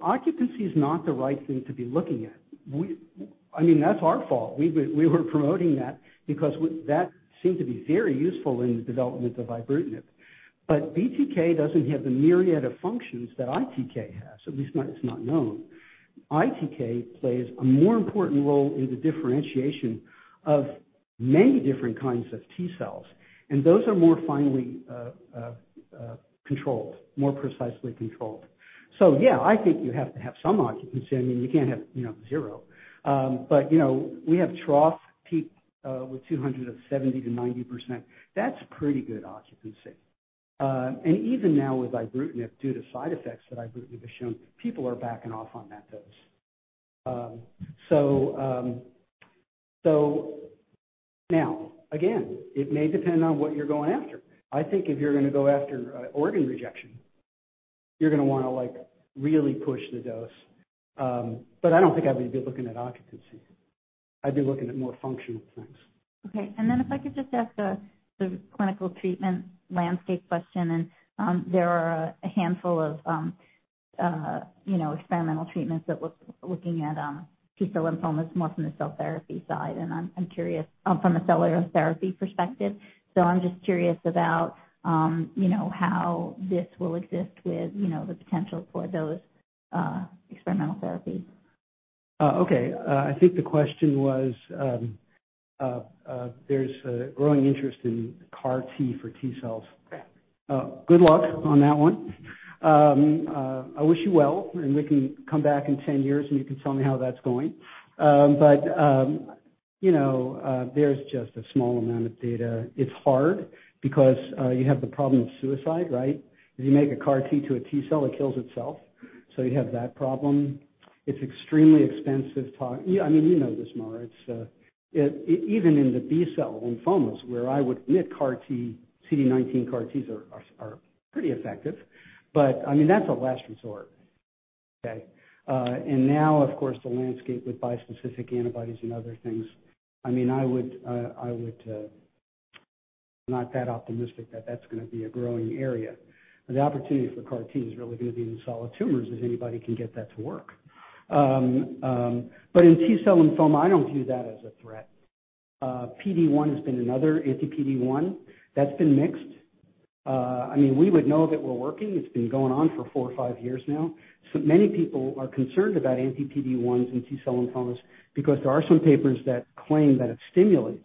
Occupancy is not the right thing to be looking at. I mean, that's our fault. We were promoting that because that seemed to be very useful in the development of ibrutinib. BTK doesn't have the myriad of functions that ITK has. At least not. It's not known. ITK plays a more important role in the differentiation of many different kinds of T cells, and those are more finely controlled, more precisely controlled. Yeah, I think you have to have some occupancy. I mean, you can't have, you know, zero. But you know, we have trough-to-peak with 70%-90%. That's pretty good occupancy. Even now with ibrutinib, due to side effects that ibrutinib has shown, people are backing off on that dose. Now, again, it may depend on what you're going after. I think if you're gonna go after organ rejection, you're gonna wanna, like, really push the dose. I don't think I would be looking at occupancy. I'd be looking at more functional things. Okay. If I could just ask a clinical treatment landscape question and there are a handful of, you know, experimental treatments that we're looking at, T-cell lymphomas more from the cell therapy side. I'm curious from a cellular therapy perspective. I'm just curious about, you know, how this will exist with, you know, the potential for those experimental therapies. Okay. I think the question was, there's a growing interest in CAR T for T cells. Correct. Good luck on that one. I wish you well, and we can come back in 10 years, and you can tell me how that's going. You know, there's just a small amount of data. It's hard because you have the problem of suicide, right? If you make a CAR T to a T cell, it kills itself. So you have that problem. It's extremely expensive. Yeah, I mean, you know this, Mara. Even in the B-cell lymphomas, where I would admit CAR T, CD19 CAR Ts are pretty effective. I mean, that's a last resort. Okay. Now, of course, the landscape with bispecific antibodies and other things. I mean, I would not that optimistic that that's gonna be a growing area. The opportunity for CAR T is really gonna be in solid tumors if anybody can get that to work. In T-cell lymphoma, I don't view that as a threat. PD-1 has been another. Anti-PD-1, that's been mixed. I mean, we would know that we're working. It's been going on for four or five years now. Many people are concerned about anti-PD-1s in T-cell lymphomas because there are some papers that claim that it stimulates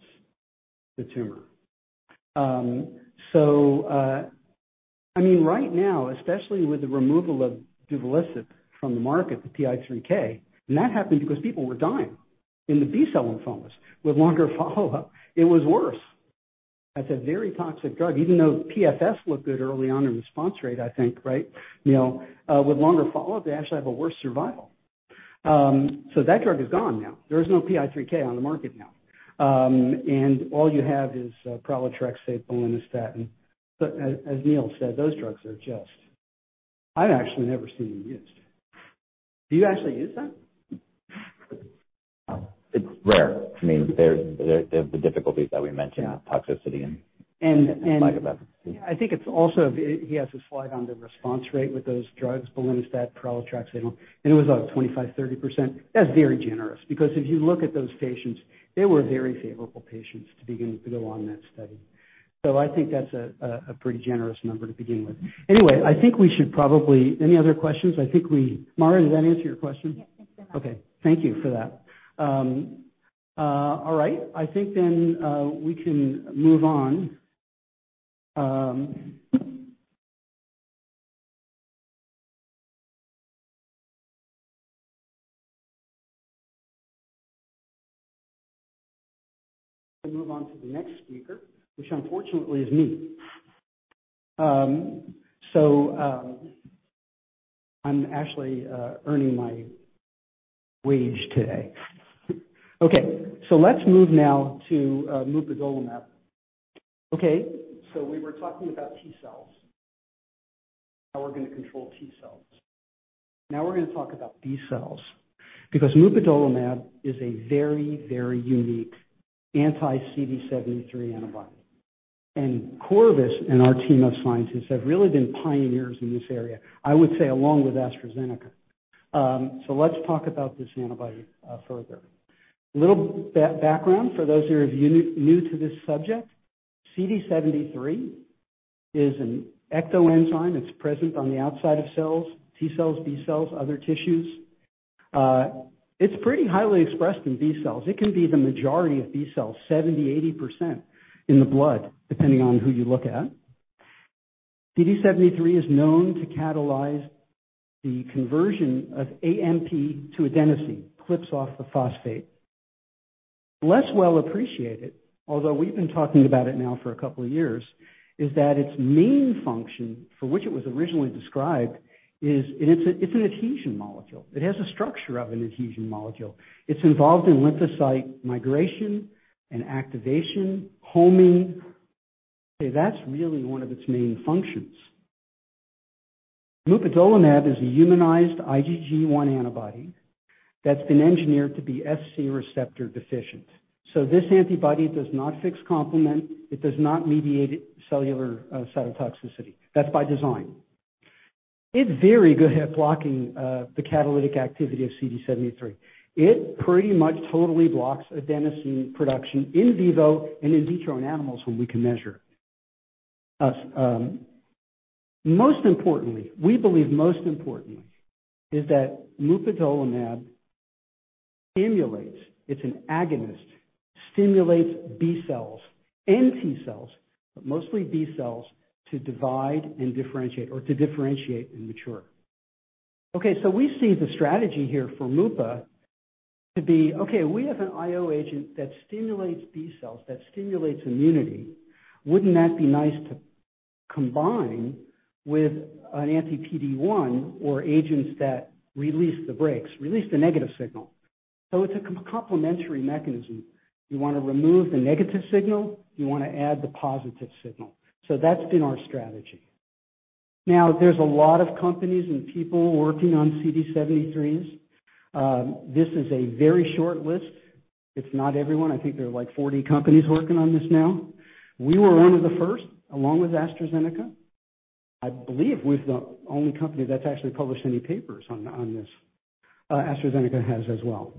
the tumor. I mean, right now, especially with the removal of duvelisib from the market, the PI3K, and that happened because people were dying in the B-cell lymphomas with longer follow-up. It was worse. That's a very toxic drug. Even though PFS looked good early on in the response rate, I think, right? You know, with longer follow-up, they actually have a worse survival. That drug is gone now. There is no PI3K on the market now. All you have is pralatrexate, belinostat. As Neel said, those drugs are just. I've actually never seen them used. Do you actually use them? It's rare. I mean, there, the difficulties that we mentioned. Yeah. toxicity and And, and- lack of efficacy. I think it's also, he has a slide on the response rate with those drugs, belinostat, pralatrexate. It was, like, 25-30%. That's very generous because if you look at those patients, they were very favorable patients to begin, to go on that study. I think that's a pretty generous number to begin with. Anyway, I think we should probably. Any other questions? I think, Mara, did that answer your question? Yes. Thanks so much. Okay. Thank you for that. All right. I think then, we can move on. We move on to the next speaker, which unfortunately is me. So, I'm actually earning my wage today. Okay, so let's move now to mupadolimab. Okay, so we were talking about T cells, how we're gonna control T cells. Now we're gonna talk about B cells because mupadolimab is a very, very unique anti-CD73 antibody. Corvus and our team of scientists have really been pioneers in this area, I would say along with AstraZeneca. So let's talk about this antibody further. A little background for those who are new to this subject. CD73 is an ectoenzyme. It's present on the outside of cells, T cells, B cells, other tissues. It's pretty highly expressed in B cells. It can be the majority of B-cells, 70, 80% in the blood, depending on who you look at. CD73 is known to catalyze the conversion of AMP to adenosine, clips off the phosphate. Less well appreciated, although we've been talking about it now for a couple of years, is that its main function for which it was originally described is it's an adhesion molecule. It has a structure of an adhesion molecule. It's involved in lymphocyte migration and activation, homing. Okay, that's really one of its main functions. Mupadolimab is a humanized IgG1 antibody that's been engineered to be Fc receptor deficient. So this antibody does not fix complement. It does not mediate cellular cytotoxicity. That's by design. It's very good at blocking the catalytic activity of CD73. It pretty much totally blocks adenosine production in vivo and in vitro in animals when we can measure. As most importantly, we believe most importantly is that mupadolimab stimulates, it's an agonist, stimulates B-cells and T-cells, but mostly B-cells, to divide and differentiate or to differentiate and mature. Okay, we see the strategy here for Mupa to be, okay, we have an IO agent that stimulates B-cells, that stimulates immunity. Wouldn't that be nice to combine with an anti-PD-1 or agents that release the brakes, release the negative signal? It's a complementary mechanism. You wanna remove the negative signal, you wanna add the positive signal. That's been our strategy. Now, there's a lot of companies and people working on CD73s. This is a very short list. It's not everyone. I think there are, like, 40 companies working on this now. We were one of the first, along with AstraZeneca. I believe we're the only company that's actually published any papers on this. AstraZeneca has as well.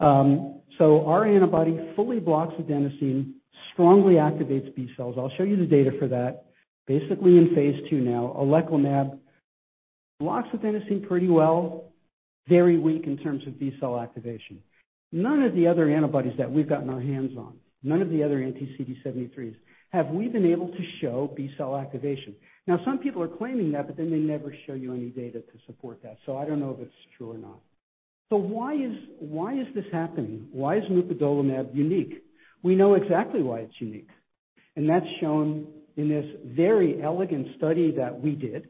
Our antibody fully blocks adenosine, strongly activates B cells. I'll show you the data for that. Basically in phase two now. Oleclumab blocks adenosine pretty well, very weak in terms of B-cell activation. None of the other antibodies that we've gotten our hands on, none of the other anti-CD73s have we been able to show B-cell activation. Now, some people are claiming that, but then they never show you any data to support that. I don't know if it's true or not. Why is this happening? Why is mupadolimab unique? We know exactly why it's unique, and that's shown in this very elegant study that we did.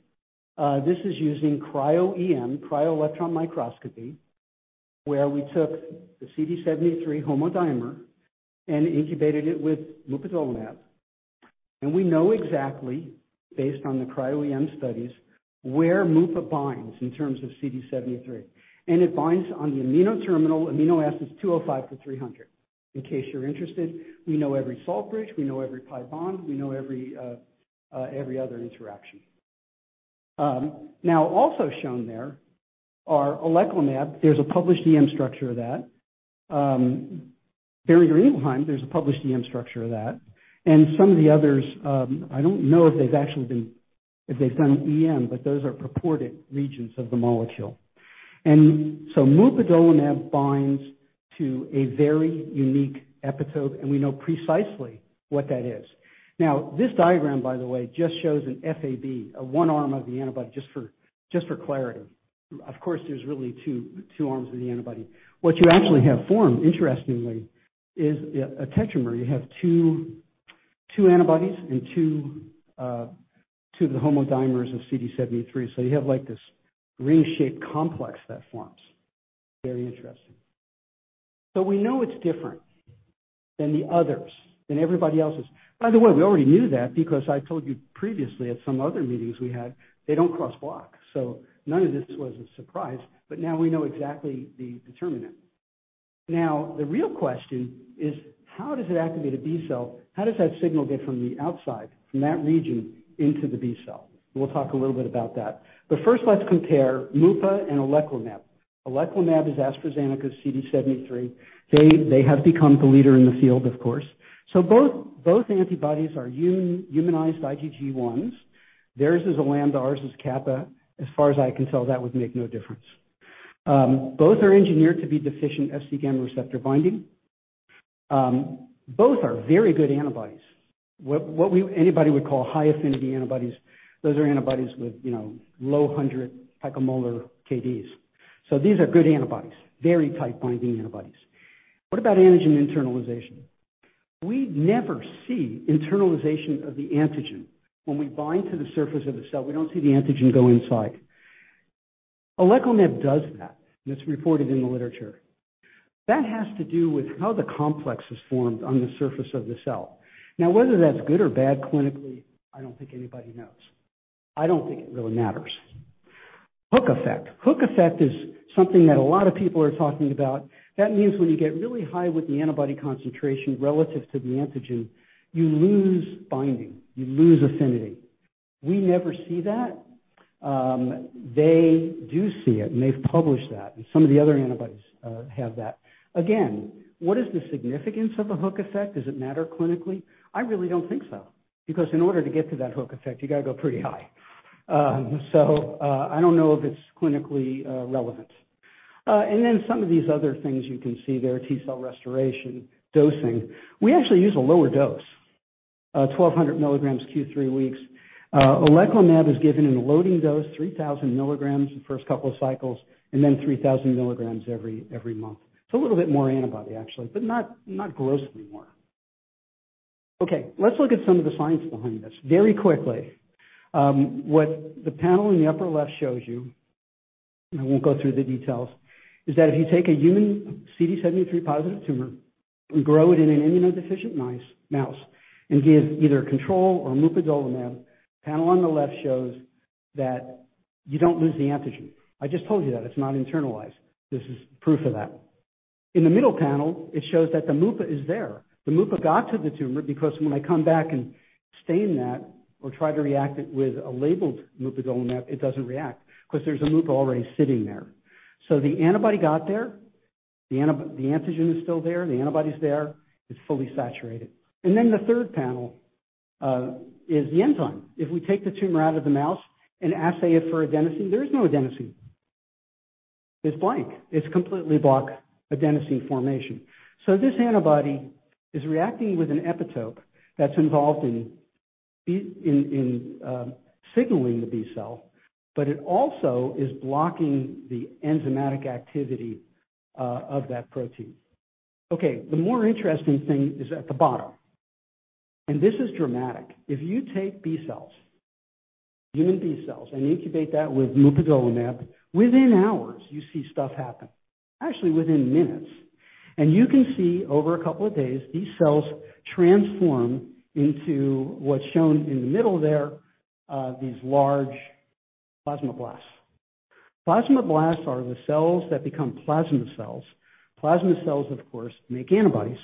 This is using cryo-EM, cryo-electron microscopy, where we took the CD73 homodimer and incubated it with mupadolimab. We know exactly, based on the cryo-EM studies, where Mupa binds in terms of CD73. It binds on the amino terminal, amino acids 205-300. In case you're interested, we know every salt bridge, we know every pi bond, we know every other interaction. Now also shown there are oleclumab. There's a published EM structure of that. Dalutrafusp alfa, there's a published EM structure of that. Some of the others, I don't know if they've actually been, if they've done EM, but those are purported regions of the molecule. Mupadolimab binds to a very unique epitope, and we know precisely what that is. Now, this diagram, by the way, just shows an Fab, one arm of the antibody, just for clarity. Of course, there's really two arms of the antibody. What you actually have formed, interestingly, is a tetramer. You have two antibodies and two of the homodimers of CD73. So you have, like, this ring-shaped complex that forms. Very interesting. So we know it's different than the others, than everybody else's. By the way, we already knew that because I told you previously at some other meetings we had, they don't cross block. So none of this was a surprise, but now we know exactly the determinant. Now, the real question is how does it activate a B cell? How does that signal get from the outside, from that region into the B cell? We'll talk a little bit about that, but first, let's compare mupadolimab and oleclumab. Oleclumab is AstraZeneca's CD73. They have become the leader in the field, of course. Both antibodies are humanized IgG1s. Theirs is a lambda, ours is kappa. As far as I can tell, that would make no difference. Both are engineered to be deficient Fc gamma receptor binding. Both are very good antibodies. Anybody would call high-affinity antibodies. Those are antibodies with low 100 picomolar Kds. These are good antibodies, very tight-binding antibodies. What about antigen internalization? We never see internalization of the antigen. When we bind to the surface of the cell, we don't see the antigen go inside. Oleclumab does that, and it's reported in the literature. That has to do with how the complex is formed on the surface of the cell. Now, whether that's good or bad clinically, I don't think anybody knows. I don't think it really matters. Hook effect. Hook effect is something that a lot of people are talking about. That means when you get really high with the antibody concentration relative to the antigen, you lose binding, you lose affinity. We never see that. They do see it, and they've published that, and some of the other antibodies have that. Again, what is the significance of a hook effect? Does it matter clinically? I really don't think so because in order to get to that hook effect, you gotta go pretty high. So, I don't know if it's clinically relevant. And then some of these other things you can see there, T-cell restoration, dosing. We actually use a lower dose, 1200 milligrams q 3 weeks. Oleclumab is given in a loading dose, 3000 milligrams the first couple of cycles, and then 3000 milligrams every month. It's a little bit more antibody, actually, but not grossly more. Okay, let's look at some of the science behind this. Very quickly, what the panel in the upper left shows you, and I won't go through the details, is that if you take a human CD73 positive tumor and grow it in an immunodeficient mouse and give either control or mupadolimab, panel on the left shows that you don't lose the antigen. I just told you that it's not internalized. This is proof of that. In the middle panel, it shows that the mupadolimab is there. The mupadolimab got to the tumor because when I come back and stain that or try to react it with a labeled mupadolimab, it doesn't react 'cause there's a mupadolimab already sitting there. The antibody got there. The antigen is still there. The antibody's there. It's fully saturated. Then the third panel is the enzyme. If we take the tumor out of the mouse and assay it for adenosine, there is no adenosine. It's blank. It's completely block adenosine formation. This antibody is reacting with an epitope that's involved in signaling the B cell, but it also is blocking the enzymatic activity of that protein. Okay. The more interesting thing is at the bottom, and this is dramatic. If you take B cells, human B cells, and incubate that with mupadolimab, within hours you see stuff happen. Actually, within minutes. You can see over a couple of days, these cells transform into what's shown in the middle there, these large plasmablasts. Plasmablasts are the cells that become plasma cells. Plasma cells, of course, make antibodies.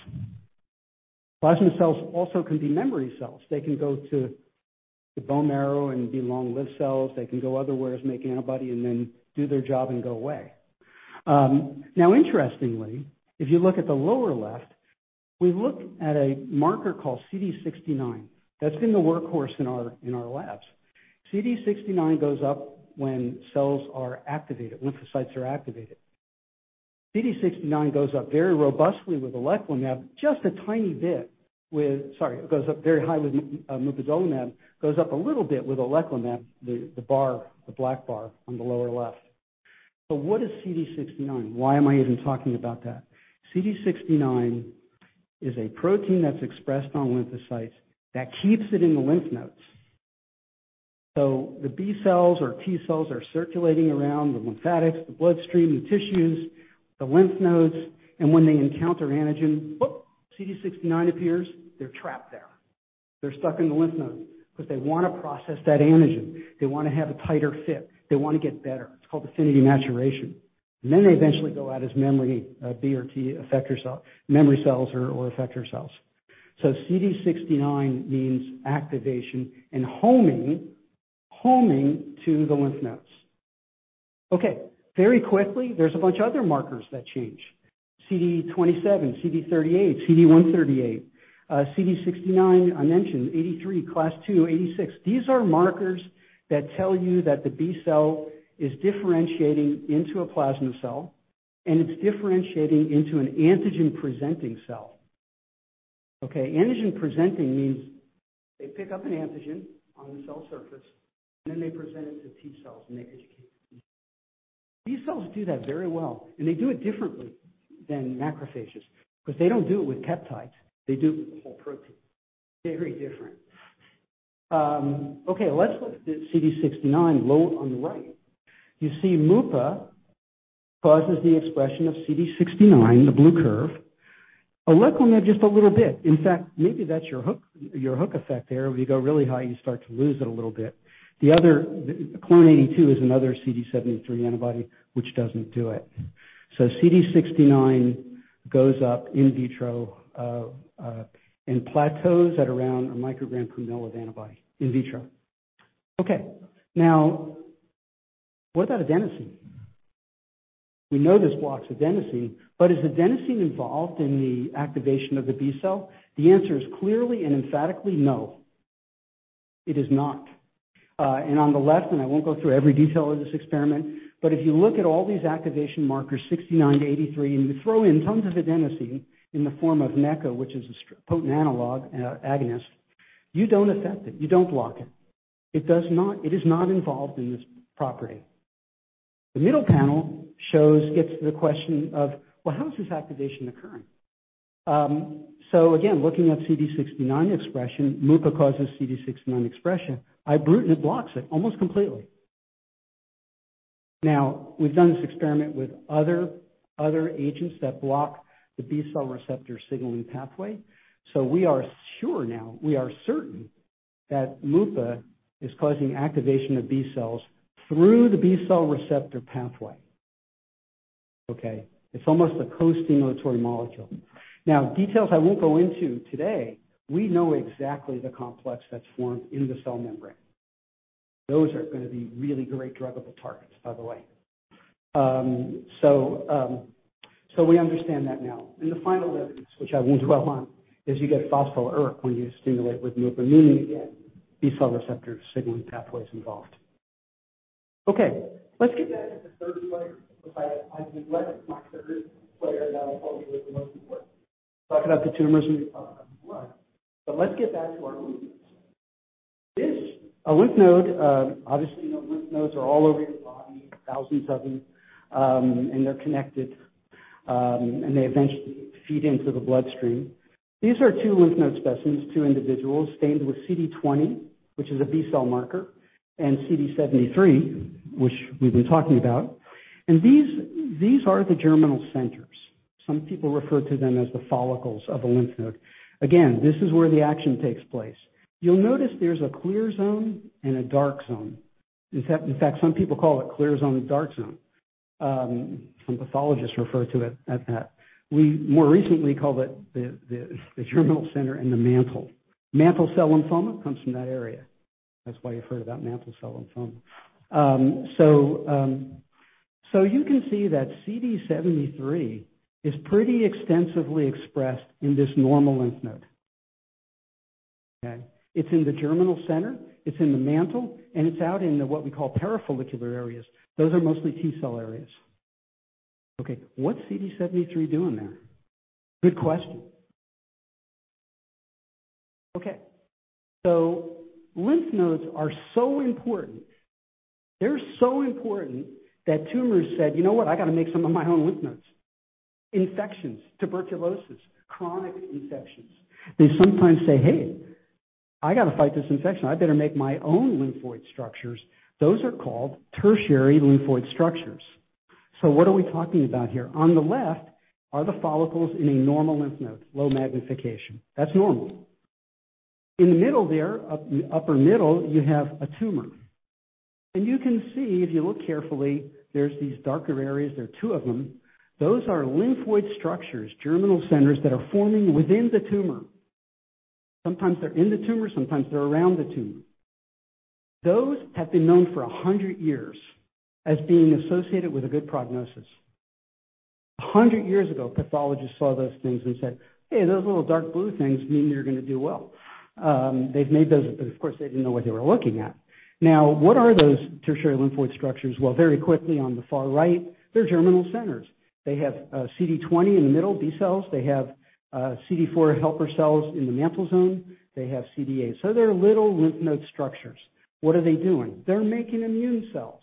Plasma cells also can be memory cells. They can go to the bone marrow and be long-lived cells. They can go elsewhere, make antibody, and then do their job and go away. Now interestingly, if you look at the lower left, we look at a marker called CD69. That's been the workhorse in our labs. CD69 goes up when cells are activated, lymphocytes are activated. CD69 goes up very high with mupadolimab, goes up a little bit with oleclumab, the black bar on the lower left. So what is CD69? Why am I even talking about that? CD69 is a protein that's expressed on lymphocytes that keeps it in the lymph nodes. The B cells or T cells are circulating around the lymphatics, the bloodstream, the tissues, the lymph nodes, and when they encounter antigen, whoop, CD69 appears. They're trapped there. They're stuck in the lymph nodes 'cause they wanna process that antigen. They wanna have a tighter fit. They wanna get better. It's called affinity maturation. Then they eventually go out as memory, B or T effector cell, memory cells or effector cells. CD69 means activation and homing to the lymph nodes. Okay. Very quickly, there's a bunch of other markers that change, CD27, CD38, CD138, CD69. I mentioned CD83, HLA class II, CD86. These are markers that tell you that the B cell is differentiating into a plasma cell, and it's differentiating into an antigen-presenting cell. Okay, antigen-presenting means they pick up an antigen on the cell surface, and then they present it to T cells, and they educate the T cells. B cells do that very well, and they do it differently than macrophages because they don't do it with peptides. They do it with the whole protein. Very different. Okay, let's look at CD69 low on the right. You see mupadolimab causes the expression of CD69, the blue curve, oleclumab just a little bit. In fact, maybe that's your hook, your hook effect there, where if you go really high, you start to lose it a little bit. The other, Clone eighty-two is another CD73 antibody, which doesn't do it. CD69 goes up in vitro, and plateaus at around a microgram per ml of antibody in vitro. Okay. Now, what about adenosine? We know this blocks adenosine, but is adenosine involved in the activation of the B cell? The answer is clearly and emphatically no. It is not. And on the left, and I won't go through every detail of this experiment, but if you look at all these activation markers, 69 to 83, and you throw in tons of adenosine in the form of NECA, which is a potent analog, agonist, you don't affect it. You don't block it. It is not involved in this property. The middle panel gets to the question of, well, how is this activation occurring? So again, looking at CD69 expression, mupadolimab causes CD69 expression. Ibrutinib blocks it almost completely. Now, we've done this experiment with other agents that block the B cell receptor signaling pathway. We are sure now, we are certain that Mupa is causing activation of B cells through the B cell receptor pathway. Okay? It's almost a co-stimulatory molecule. Details I won't go into today, we know exactly the complex that's formed in the cell membrane. Those are gonna be really great druggable targets, by the way. We understand that now. The final evidence, which I won't dwell on, is you get phospho-ERK when you stimulate with Mupa, meaning, again, B cell receptor signaling pathway is involved. Okay. Let's get back to the third player because I neglected my third player that I told you was the most important. Talked about the tumors and we talked about the blood. Let's get back to our lymph nodes. A lymph node, obviously, you know, lymph nodes are all over your body, thousands of them, and they're connected, and they eventually feed into the bloodstream. These are two lymph node specimens, two individuals stained with CD20, which is a B cell marker, and CD73, which we've been talking about. These are the germinal centers. Some people refer to them as the follicles of a lymph node. Again, this is where the action takes place. You'll notice there's a clear zone and a dark zone. In fact, some people call it clear zone and dark zone. Some pathologists refer to it as that. We more recently called it the germinal center and the mantle. Mantle cell lymphoma comes from that area. That's why you've heard about mantle cell lymphoma. You can see that CD73 is pretty extensively expressed in this normal lymph node. Okay? It's in the germinal center, it's in the mantle, and it's out in the what we call parafollicular areas. Those are mostly T cell areas. Okay, what's CD73 doing there? Good question. Okay. Lymph nodes are so important. They're so important that tumors said, "You know what? I gotta make some of my own lymph nodes." Infections, tuberculosis, chronic infections. They sometimes say, "Hey, I gotta fight this infection. I better make my own lymphoid structures." Those are called tertiary lymphoid structures. What are we talking about here? On the left are the follicles in a normal lymph node. Low magnification. That's normal. In the middle there, up in the upper middle, you have a tumor. You can see, if you look carefully, there's these darker areas. There are two of them. Those are lymphoid structures, germinal centers that are forming within the tumor. Sometimes they're in the tumor, sometimes they're around the tumor. Those have been known for 100 years as being associated with a good prognosis. 100 years ago, pathologists saw those things and said, "Hey, those little dark blue things mean you're gonna do well." But of course, they didn't know what they were looking at. Now, what are those tertiary lymphoid structures? Well, very quickly on the far right, they're germinal centers. They have CD20 in the middle, B cells. They have CD4 helper cells in the mantle zone. They have CD8. So they're little lymph node structures. What are they doing? They're making immune cells.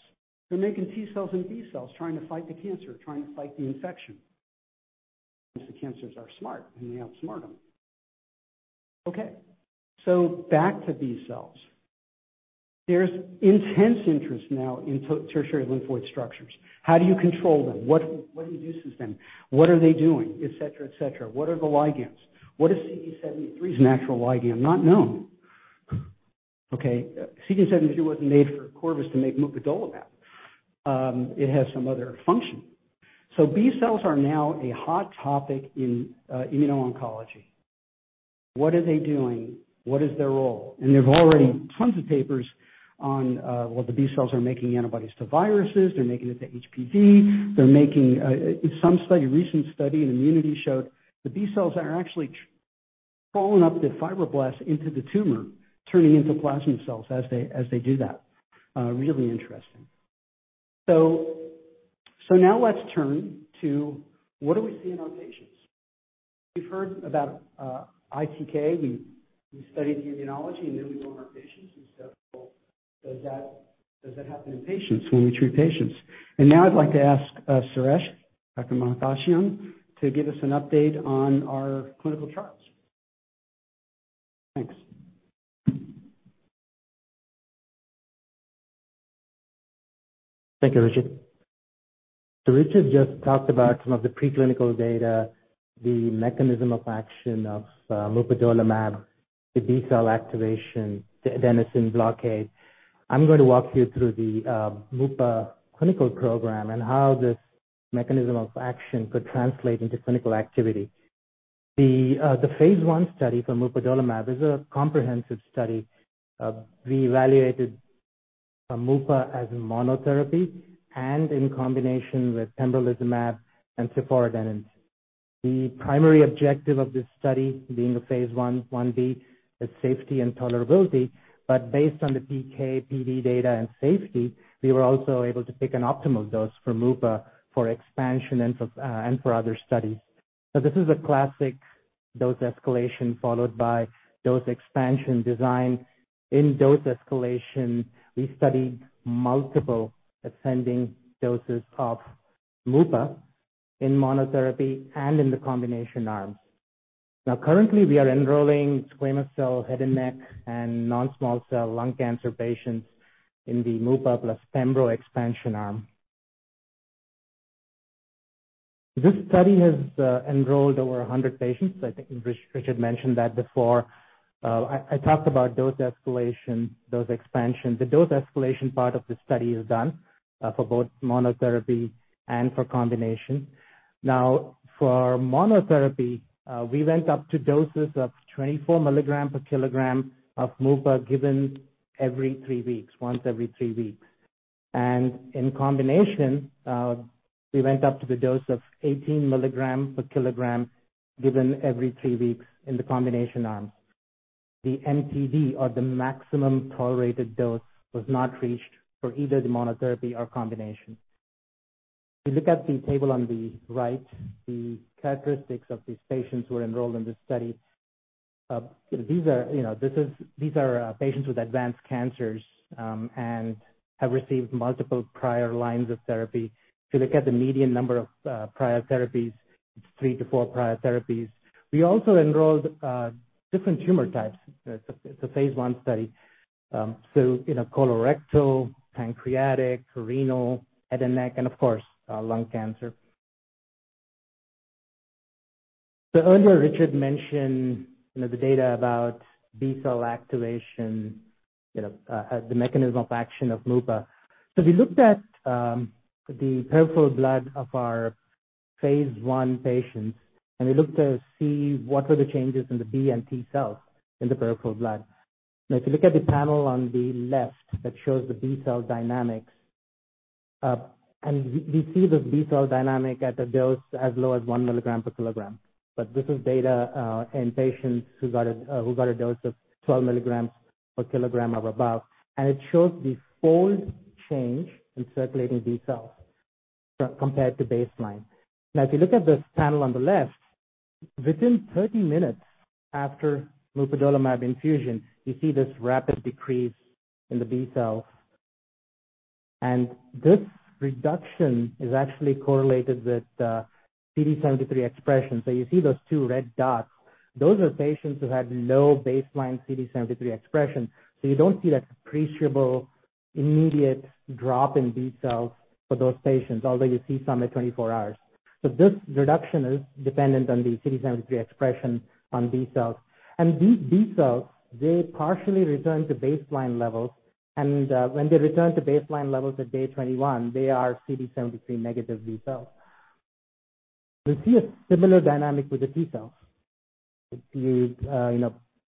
They're making T cells and B cells, trying to fight the cancer, trying to fight the infection. The cancers are smart, and they outsmart them. Okay, back to B cells. There's intense interest now in tertiary lymphoid structures. How do you control them? What induces them? What are they doing? Et cetera. What are the ligands? What is CD73's natural ligand? Not known. Okay. CD73 wasn't made for Corvus to make mupadolimab. It has some other function. B cells are now a hot topic in immuno-oncology. What are they doing? What is their role? There's already tons of papers on, well, the B cells are making antibodies to viruses. They're making it to HPV. They're making, in some study, recent study, in Immunity showed the B cells are actually crawling up the fibroblasts into the tumor, turning into plasma cells as they do that. Really interesting. Now let's turn to what we see in our patients. We've heard about ITK. We studied the immunology, and then we go on our patients and does that happen in patients when we treat patients? I'd like to ask Suresh, Dr. Mahabhashyam, to give us an update on our clinical trials. Thanks. Thank you, Richard. Richard just talked about some of the preclinical data, the mechanism of action of mupadolimab, the B cell activation, the adenosine blockade. I'm going to walk you through the mupa clinical program and how this mechanism of action could translate into clinical activity. The phase I study for mupadolimab is a comprehensive study. We evaluated mupa as monotherapy and in combination with pembrolizumab and ciforadenant. The primary objective of this study being a phase I, 1b, is safety and tolerability. Based on the PK/PD data and safety, we were also able to pick an optimal dose for mupa for expansion and for other studies. This is a classic dose escalation followed by dose expansion design. In dose escalation, we studied multiple ascending doses of mupa in monotherapy and in the combination arms. Now, currently we are enrolling squamous cell head and neck and non-small cell lung cancer patients in the mupadolimab plus pembrolizumab expansion arm. This study has enrolled over 100 patients. I think Richard mentioned that before. I talked about dose escalation, dose expansion. The dose escalation part of the study is done for both monotherapy and for combination. Now, for monotherapy, we went up to doses of 24 milligrams per kilogram of mupadolimab given every three weeks, once every three weeks. In combination, we went up to the dose of 18 milligrams per kilogram given every three weeks in the combination arms. The MTD, or the maximum tolerated dose, was not reached for either the monotherapy or combination. If you look at the table on the right, the characteristics of these patients who are enrolled in this study, these are, you know, patients with advanced cancers and have received multiple prior lines of therapy. If you look at the median number of prior therapies, it's three-four prior therapies. We also enrolled different tumor types. It's a phase I study in a colorectal, pancreatic, renal, head and neck, and of course, lung cancer. Earlier, Richard mentioned, you know, the data about B cell activation, you know, as the mechanism of action of mupadolimab. We looked at the peripheral blood of our phase I patients, and we looked to see what were the changes in the B and T cells in the peripheral blood. Now, if you look at the panel on the left that shows the B cell dynamics, and we see the B cell dynamic at a dose as low as 1 milligram per kilogram. This is data in patients who got a dose of 12 milligrams per kilogram or above. It shows the fold change in circulating B cells compared to baseline. Now, if you look at this panel on the left, within 30 minutes after mupadolimab infusion, you see this rapid decrease in the B cells. This reduction is actually correlated with CD73 expression. You see those two red dots. Those are patients who had low baseline CD73 expression, so you don't see that appreciable immediate drop in B cells for those patients, although you see some at 24 hours. This reduction is dependent on the CD73 expression on B cells. These B cells, they partially return to baseline levels and, when they return to baseline levels at day 21, they are CD73 negative B cells. We see a similar dynamic with the T cells. If you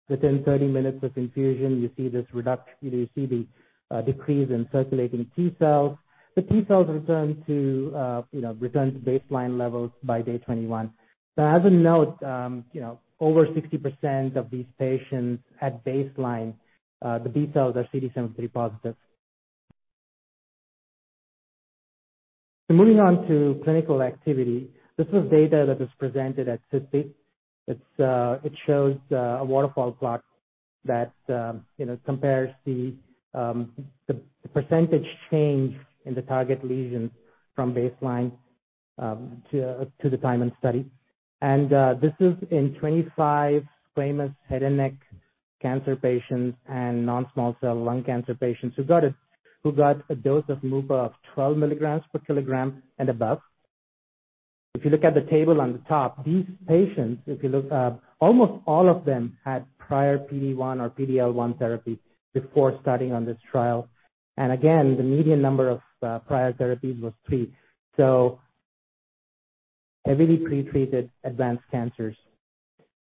within 30 minutes of infusion, you see this reduction. You see the decrease in circulating T cells. The T cells return to baseline levels by day 21. Now, as a note, over 60% of these patients at baseline, the B cells are CD73 positive. Moving on to clinical activity. This is data that was presented at SITC. It shows a waterfall plot that you know compares the percentage change in the target lesion from baseline to the time in study. This is in 25 squamous head and neck cancer patients and non-small cell lung cancer patients who got a dose of mupadolimab of 12 milligrams per kilogram and above. If you look at the table on the top, these patients, if you look, almost all of them had prior PD-1 or PD-L1 therapy before starting on this trial. Again, the median number of prior therapies was 3. Heavily pretreated advanced cancers.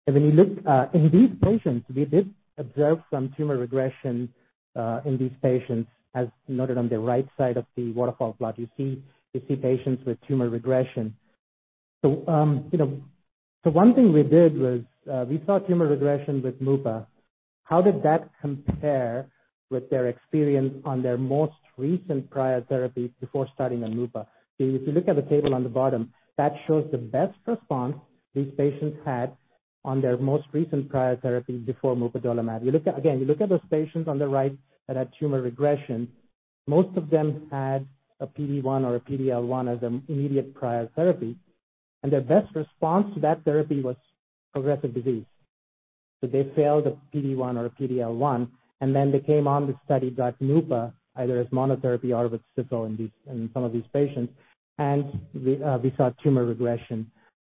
When you look in these patients, we did observe some tumor regression in these patients, as noted on the right side of the waterfall plot. You see patients with tumor regression. You know, one thing we did was we saw tumor regression with mupa. How did that compare with their experience on their most recent prior therapy before starting on mupa? If you look at the table on the bottom, that shows the best response these patients had on their most recent prior therapy before mupadolimab. You look at those patients on the right that had tumor regression. Most of them had a PD-1 or a PD-L1 as an immediate prior therapy, and their best response to that therapy was progressive disease. They failed a PD-1 or a PD-L1, and then they came on the study, got mupa, either as monotherapy or with cifo in these, in some of these patients, and we saw tumor regression.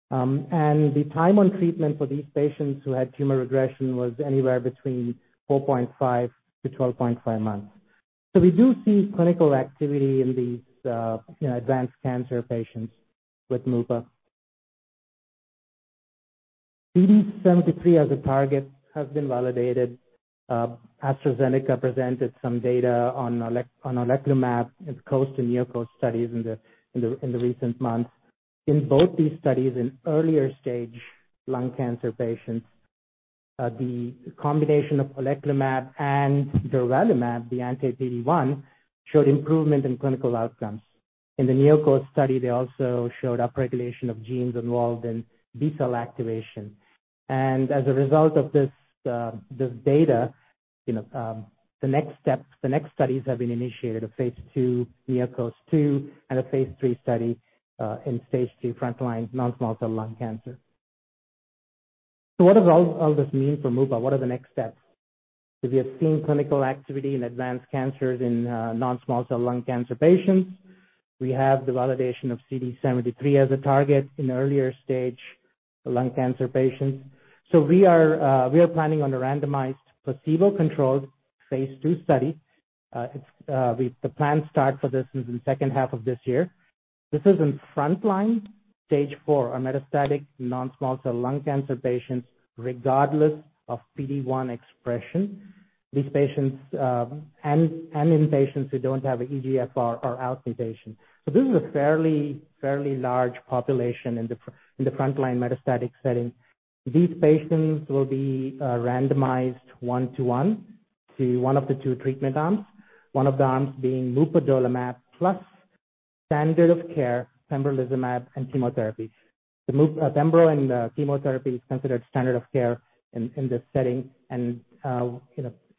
The time on treatment for these patients who had tumor regression was anywhere between 4.5-12.5 months. We do see clinical activity in these, you know, advanced cancer patients with mupadolimab. CD73 as a target has been validated. AstraZeneca presented some data on oleclumab, its COAST and NeoCOAST studies in the recent months. In both these studies in earlier stage lung cancer patients, the combination of oleclumab and durvalumab, the anti-PD1, showed improvement in clinical outcomes. In the NeoCOAST study, they also showed upregulation of genes involved in B cell activation. As a result of this data, you know, the next steps, the next studies have been initiated, a phase II NeoCOAST-2 and a phase III study, in phase II frontline non-small cell lung cancer. What does all this mean for mupadolimab? What are the next steps? We have seen clinical activity in advanced cancers in non-small cell lung cancer patients. We have the validation of CD73 as a target in earlier stage lung cancer patients. We are planning on a randomized placebo-controlled phase II study. The planned start for this is in H2 of this year. This is in frontline stage four or metastatic non-small cell lung cancer patients, regardless of PD-1 expression. These patients and in patients who don't have an EGFR or ALK mutation. This is a fairly large population in the frontline metastatic setting. These patients will be randomized one to one to one of the two treatment arms, one of the arms being mupadolimab plus standard of care pembrolizumab and chemotherapy. The mupadolimab-pembrolizumab and chemotherapy is considered standard of care in this setting. You know,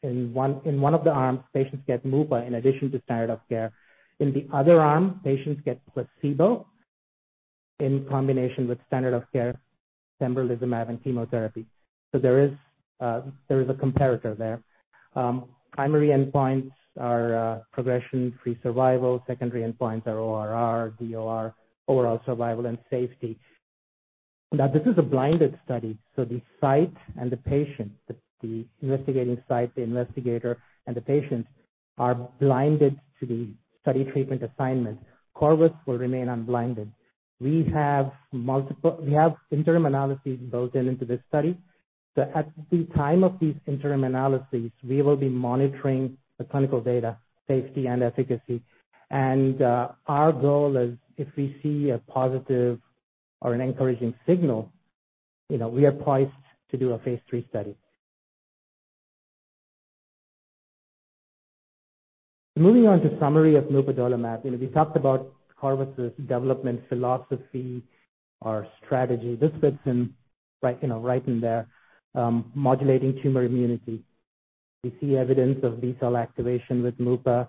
in one of the arms, patients get mupadolimab in addition to standard of care. In the other arm, patients get placebo in combination with standard of care pembrolizumab and chemotherapy. There is a comparator there. Primary endpoints are progression-free survival. Secondary endpoints are ORR, DOR, overall survival, and safety. This is a blinded study, so the site, the investigator, and the patient are blinded to the study treatment assignment. Corvus will remain unblinded. We have multiple interim analyses built into this study. At the time of these interim analyses, we will be monitoring the clinical data, safety and efficacy. Our goal is if we see a positive or an encouraging signal, you know, we are poised to do a phase three study. Moving on to summary of mupadolimab. You know, we talked about Corvus' development philosophy, our strategy. This fits in right, you know, right in there, modulating tumor immunity. We see evidence of B-cell activation with mupa,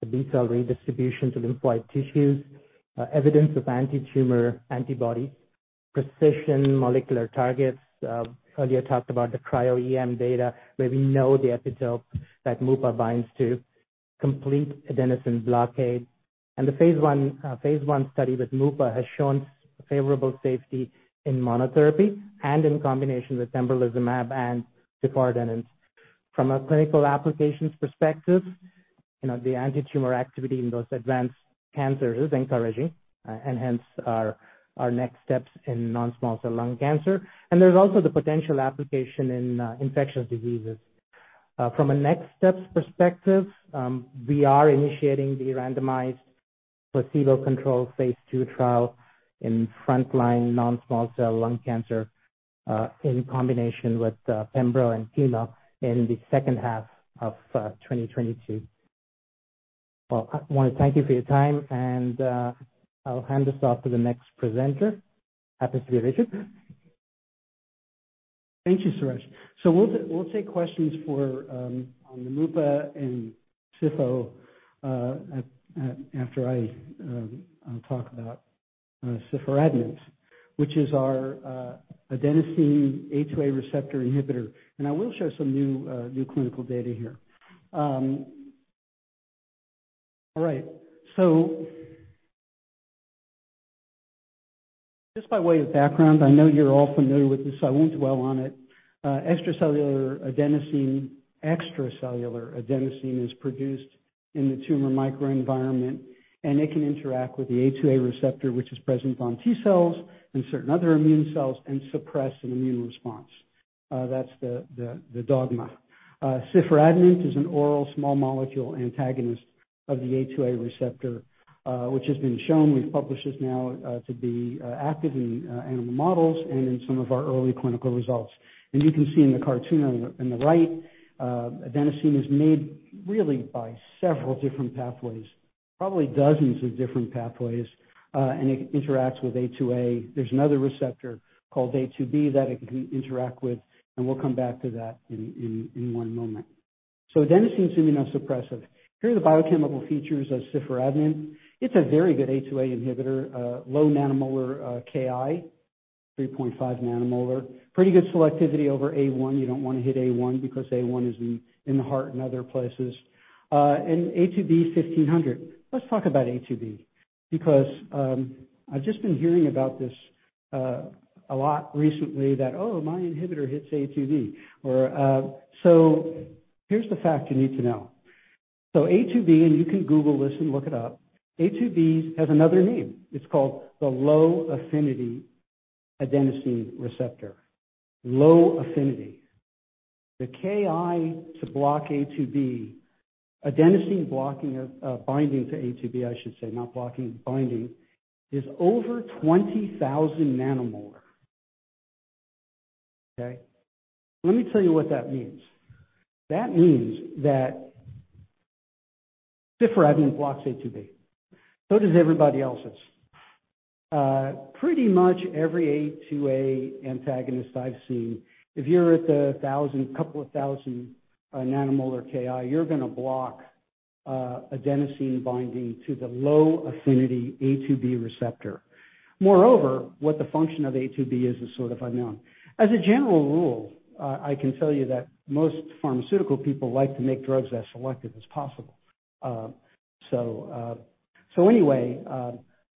the B-cell redistribution to lymphoid tissues, evidence of antitumor antibodies, precision molecular targets. Earlier talked about the cryo-EM data where we know the epitope that mupa binds to. Complete adenosine blockade. The phase one study with mupa has shown favorable safety in monotherapy and in combination with pembrolizumab and ciforadenant. From a clinical applications perspective, you know, the antitumor activity in those advanced cancers is encouraging, and hence our next steps in non-small cell lung cancer. There's also the potential application in infectious diseases. From a next steps perspective, we are initiating the randomized placebo-controlled phase two trial in frontline non-small cell lung cancer in combination with pembro and chemo in the H2 of 2022. Well, I wanna thank you for your time, and I'll hand this off to the next presenter. Happy to be with you. Thank you, Suresh. We'll take questions on the mupadolimab and ciforadenant after I talk about ciforadenant, which is our adenosine A2A receptor inhibitor. I will show some new clinical data here. Just by way of background, I know you're all familiar with this, so I won't dwell on it. Extracellular adenosine is produced in the tumor microenvironment, and it can interact with the A2A receptor, which is present on T cells and certain other immune cells, and suppress an immune response. That's the dogma. Ciforadenant is an oral small molecule antagonist of the A2A receptor, which has been shown, we've published this now, to be active in animal models and in some of our early clinical results. You can see in the cartoon on the right, adenosine is made really by several different pathways, probably dozens of different pathways, and it interacts with A2A. There's another receptor called A2B that it can interact with, and we'll come back to that in one moment. Adenosine's immunosuppressive. Here are the biochemical features of ciforadenant. It's a very good A2A inhibitor, low nanomolar KI, 3.5 nanomolar. Pretty good selectivity over A1. You don't wanna hit A1 because A1 is in the heart and other places. A2B 1,500. Let's talk about A2B because I've just been hearing about this a lot recently that, "Oh, my inhibitor hits A2B" or. Here's the fact you need to know. A2B, and you can Google this and look it up, A2B has another name. It's called the low-affinity adenosine receptor. Low affinity. The Ki for adenosine binding to A2B, I should say, not blocking, binding, is over 20,000 nanomolar. Okay? Let me tell you what that means. That means that ciforadenant blocks A2B. Does everybody else's. Pretty much every A2A antagonist I've seen, if you're at 1,000, a couple of thousand nanomolar Ki, you're gonna block adenosine binding to the low-affinity A2B receptor. Moreover, what the function of A2B is sort of unknown. As a general rule, I can tell you that most pharmaceutical people like to make drugs as selective as possible.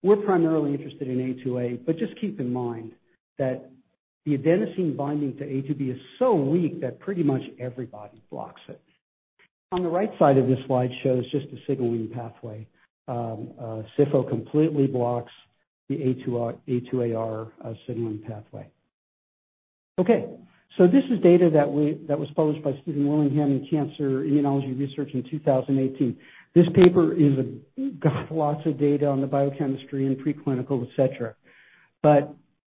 We're primarily interested in A2A, but just keep in mind that the adenosine binding to A2B is so weak that pretty much everybody blocks it. On the right side of this slide shows just a signaling pathway. Ciforadenant completely blocks the A2AR signaling pathway. This is data that was published by Stephen Willingham in Cancer Immunology Research in 2018. This paper got lots of data on the biochemistry and preclinical, et cetera.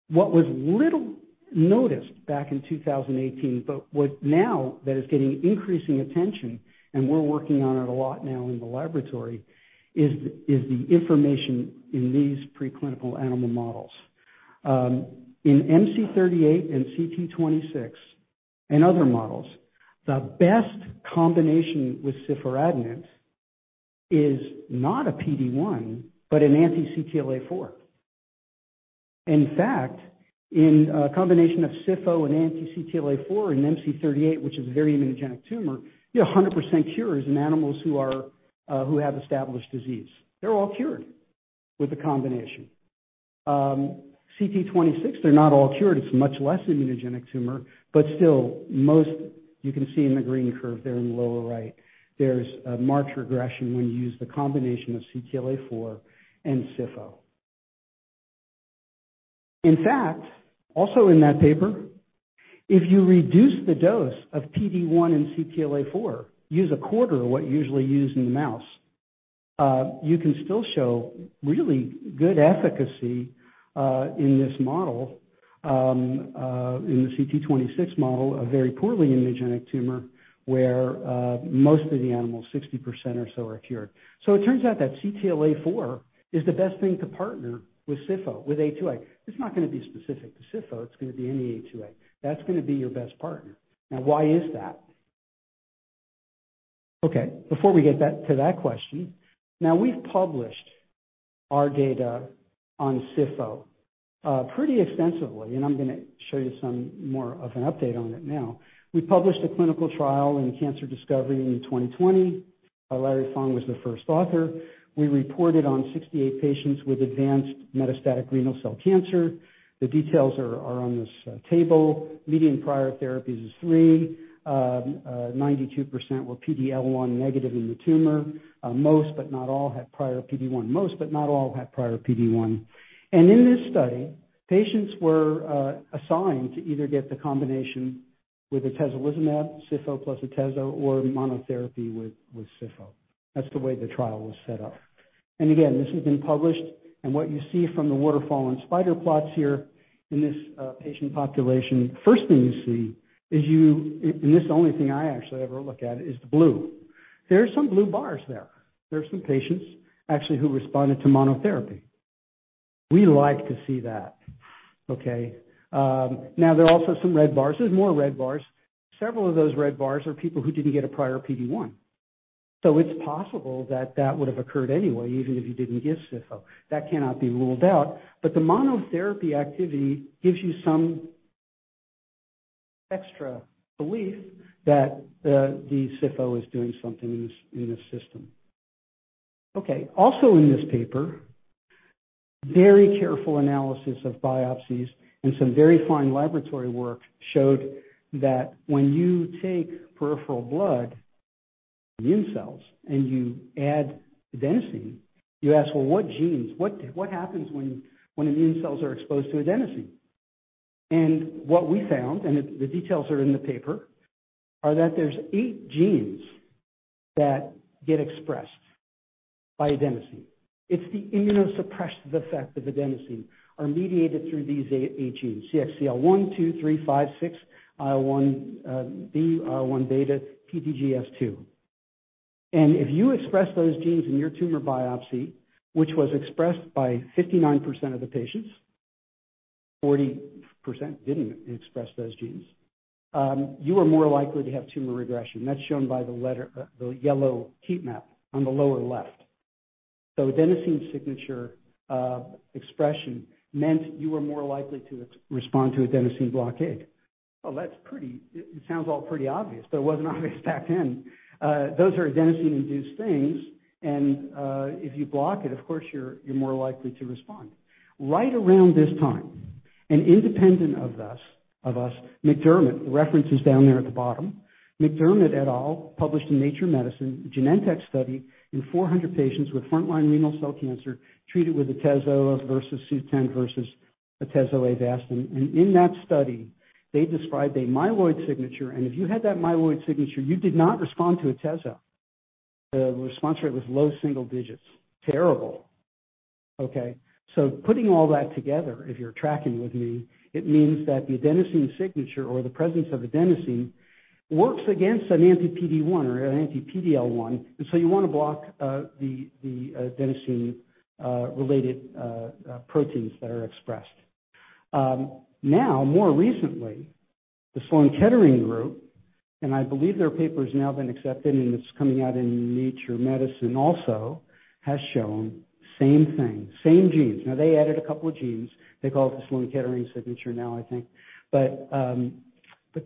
What was little noticed back in 2018, but what now is getting increasing attention, and we're working on it a lot now in the laboratory, is the information in these preclinical animal models. In MC38 and CT26 and other models, the best combination with ciforadenant is not a PD-1 but an anti-CTLA-4. In fact, in a combination of CIFO and anti-CTLA-4 in MC38, which is a very immunogenic tumor, you have 100% cures in animals who have established disease. They're all cured with the combination. CT26, they're not all cured. It's a much less immunogenic tumor, but still, most you can see in the green curve there in the lower right, there's a marked regression when you use the combination of CTLA-4 and CIFO. In fact, also in that paper, if you reduce the dose of PD-1 and CTLA-4, use a quarter of what you usually use in the mouse, you can still show really good efficacy in this model in the CT26 model, a very poorly immunogenic tumor, where most of the animals, 60% or so, are cured. It turns out that CTLA-4 is the best thing to partner with CPI, with A2A. It's not gonna be specific to CPI. It's gonna be any A2A. That's gonna be your best partner. Now, why is that? Before we get to that question, now we've published our data on CPI pretty extensively, and I'm gonna show you some more of an update on it now. We published a clinical trial in Cancer Discovery in 2020. Larry Fong was the first author. We reported on 68 patients with advanced metastatic renal cell cancer. The details are on this table. Median prior therapies is three. 92% were PD-L1 negative in the tumor. Most but not all had prior PD-1. In this study, patients were assigned to either get the combination with atezolizumab, cifo plus atezo, or monotherapy with cifo. That's the way the trial was set up. Again, this has been published, and what you see from the waterfall and spider plots here in this patient population, first thing you see, and this is the only thing I actually ever look at, is the blue. There are some blue bars there. There are some patients actually who responded to monotherapy. We like to see that, okay. Now there are also some red bars. There's more red bars. Several of those red bars are people who didn't get a prior PD-1. It's possible that that would have occurred anyway, even if you didn't give cifo. That cannot be ruled out. The monotherapy activity gives you some extra belief that the CIFO is doing something in this system. Okay, also in this paper, very careful analysis of biopsies and some very fine laboratory work showed that when you take peripheral blood immune cells and you add adenosine, you ask, well, what genes? What happens when immune cells are exposed to adenosine? What we found, the details are in the paper, are that there's eight genes that get expressed by adenosine. The immunosuppressive effect of adenosine are mediated through these eight genes, CXCL1, 2, 3, 5, 6, IL1B, IL-1 beta, PDGF2. If you express those genes in your tumor biopsy, which was expressed by 59% of the patients, 40% didn't express those genes, you are more likely to have tumor regression. That's shown by the letter, the yellow heat map on the lower left. Adenosine signature expression meant you were more likely to respond to adenosine blockade. Well, that's pretty obvious, but it wasn't obvious back then. Those are adenosine-induced things and, if you block it, of course you're more likely to respond. Right around this time, and independent of us, McDermott, the reference is down there at the bottom. McDermott et al. published in Nature Medicine, Genentech study in 400 patients with frontline renal cell cancer treated with atezo versus Sutent versus atezo Avastin. In that study, they described a myeloid signature, and if you had that myeloid signature, you did not respond to atezo. The response rate was low single digits. Terrible. Okay? Putting all that together, if you're tracking with me, it means that the adenosine signature or the presence of adenosine works against an anti-PD-1 or an anti-PD-L1, and so you wanna block the adenosine related proteins that are expressed. Now, more recently, the Sloan Kettering group, and I believe their paper's now been accepted and it's coming out in Nature Medicine also, has shown same thing, same genes. They added a couple of genes. They call it the Sloan Kettering signature now, I think.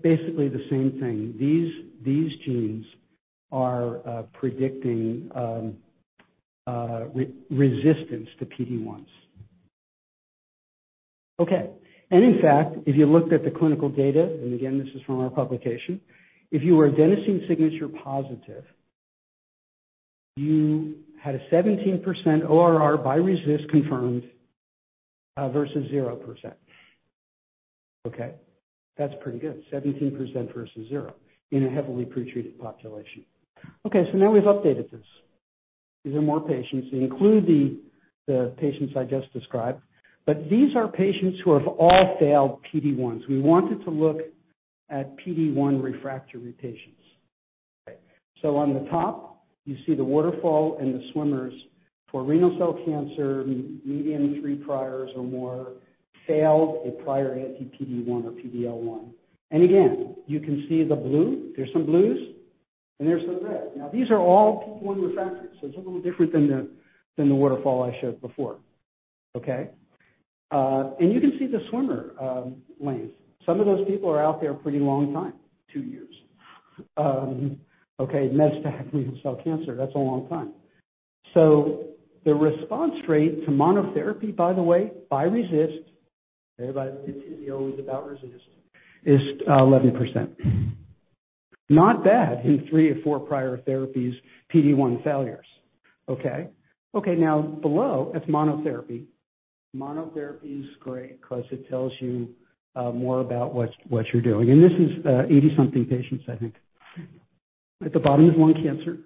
Basically the same thing. These genes are predicting resistance to PD-1s. Okay. In fact, if you looked at the clinical data, and again this is from our publication, if you were adenosine signature positive, you had a 17% ORR by RECIST confirmed versus 0%. Okay? That's pretty good, 17% versus 0 in a heavily pretreated population. Okay, now we've updated this. These are more patients. They include the patients I just described, but these are patients who have all failed PD-1s. We wanted to look at PD-1-refractory patients. On the top, you see the waterfall and the swimmers for renal cell cancer, median three priors or more failed a prior anti-PD-1 or PD-L1. Again, you can see the blue. There's some blues and there's the red. Now, these are all PD-1 refractory, so it's a little different than the waterfall I showed before. Okay. You can see the swimmer lanes. Some of those people are out there a pretty long time, two years. Metastatic renal cell cancer, that's a long time. The response rate to monotherapy, by the way, by RECIST, everybody did atezolizumab without RECIST, is 11%. Not bad in three or four prior therapies, PD-1 failures. Okay? Okay, now below, that's monotherapy. Monotherapy is great 'cause it tells you more about what you're doing. This is 80-something patients, I think. At the bottom is lung cancer.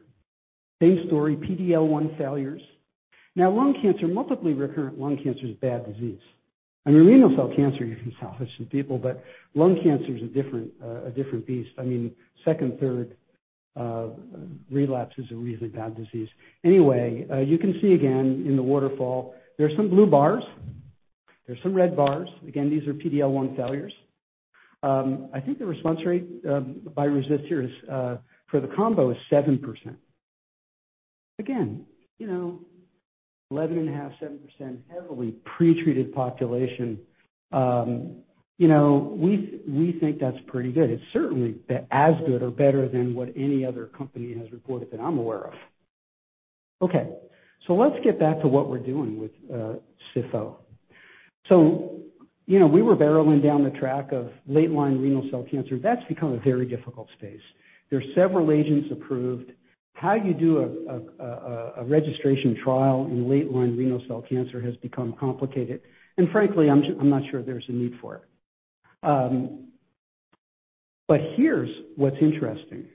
Same story, PD-L1 failures. Lung cancer, multiply recurrent lung cancer is a bad disease. I mean, renal cell cancer, you can salvage some people, but lung cancer is a different beast. I mean, second, third relapse is a really bad disease. Anyway, you can see again in the waterfall, there's some blue bars, there's some red bars. Again, these are PD-L1 failures. I think the response rate by RECIST here is for the combo 7%. You know, 11.5, 7% heavily pretreated population. You know, we think that's pretty good. It's certainly as good or better than what any other company has reported that I'm aware of. Okay, let's get back to what we're doing with CIFO. You know, we were barreling down the track of late-line renal cell cancer. That's become a very difficult space. There's several agents approved. How you do a registration trial in late-line renal cell cancer has become complicated, and frankly, I'm not sure there's a need for it. Here's what's interesting.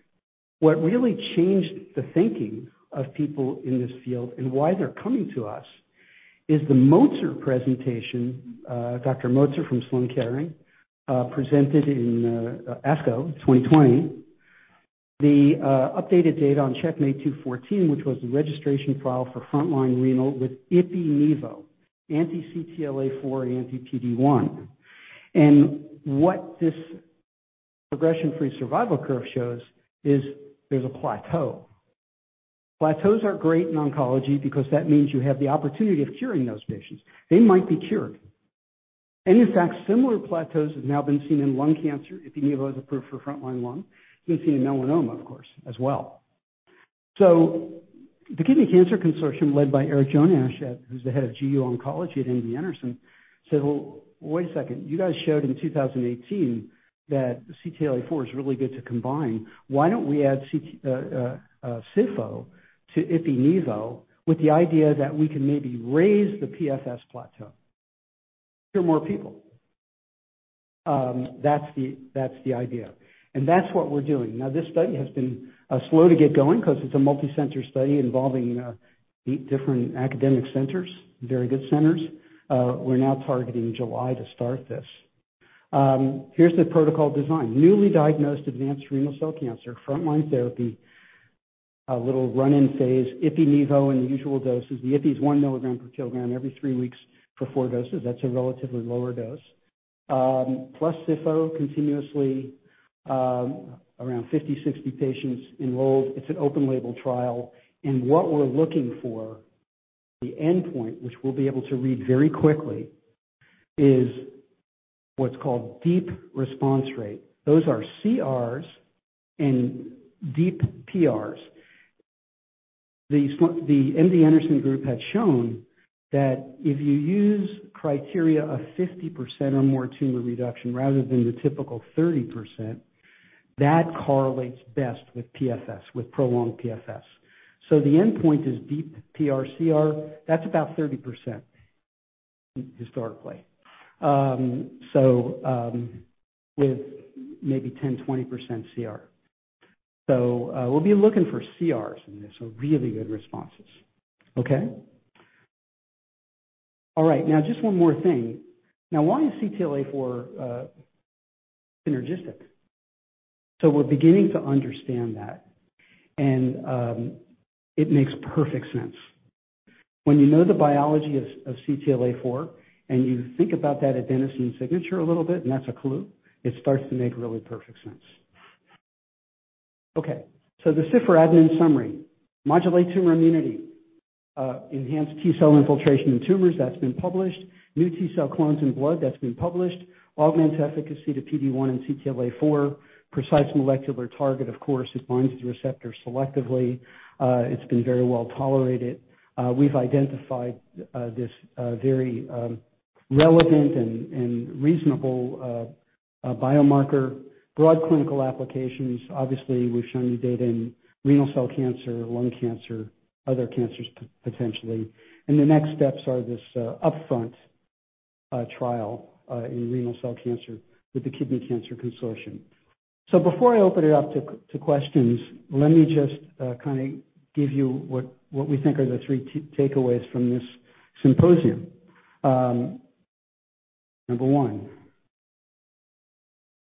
What really changed the thinking of people in this field and why they're coming to us is the Motzer presentation, Dr. Moatsher from Sloan Kettering, presented in ASCO 2020. The updated data on CheckMate 214, which was the registration trial for frontline renal with ipi-nivo, anti-CTLA-4 and anti-PD-1. What this progression-free survival curve shows is there's a plateau. Plateaus are great in oncology because that means you have the opportunity of curing those patients. They might be cured. In fact, similar plateaus have now been seen in lung cancer. Ipi-nivo is approved for frontline lung. We've seen melanoma, of course, as well. The Kidney Cancer Research Consortium led by Eric Jonasch, who's the head of GU Oncology at MD Anderson, said, "Well, wait a second. You guys showed in 2018 that CTLA-4 is really good to combine. Why don't we add ciforadenant to ipi-nivo with the idea that we can maybe raise the PFS plateau, cure more people?" That's the idea. That's what we're doing. Now, this study has been slow to get going 'cause it's a multi-center study involving eight different academic centers, very good centers. We're now targeting July to start this. Here's the protocol design. Newly diagnosed advanced renal cell cancer, frontline therapy, a little run-in phase, ipi-nivo in the usual doses. The ipi is 1 milligram per kilogram every three weeks for four doses. That's a relatively lower dose. Plus ciforadenant continuously, around 50, 60 patients enrolled. It's an open label trial. What we're looking for, the endpoint, which we'll be able to read very quickly, is what's called deep response rate. Those are CRs and deep PRs. The MD Anderson group had shown that if you use criteria of 50% or more tumor reduction rather than the typical 30%, that correlates best with PFS, with prolonged PFS. The endpoint is deep PR/CR. That's about 30% historically. With maybe 10%-20% CR. We'll be looking for CRs in this. Really good responses. Okay? All right. Now just one more thing. Now why is CTLA-4 synergistic? We're beginning to understand that, and it makes perfect sense. When you know the biology of CTLA-4, and you think about that adenosine signature a little bit, and that's a clue, it starts to make really perfect sense. Okay, the CPI-006 admin summary. Modulate tumor immunity, enhance T-cell infiltration in tumors, that's been published. New T-cell clones in blood, that's been published. Augment efficacy to PD-1 and CTLA-4. Precise molecular target, of course, it binds the receptor selectively. It's been very well-tolerated. We've identified this very relevant and reasonable biomarker. Broad clinical applications. Obviously, we've shown you data in renal cell cancer, lung cancer, other cancers potentially. The next steps are this upfront trial in renal cell cancer with the Kidney Cancer Research Consortium. Before I open it up to questions, let me just kinda give you what we think are the three takeaways from this symposium. Number one,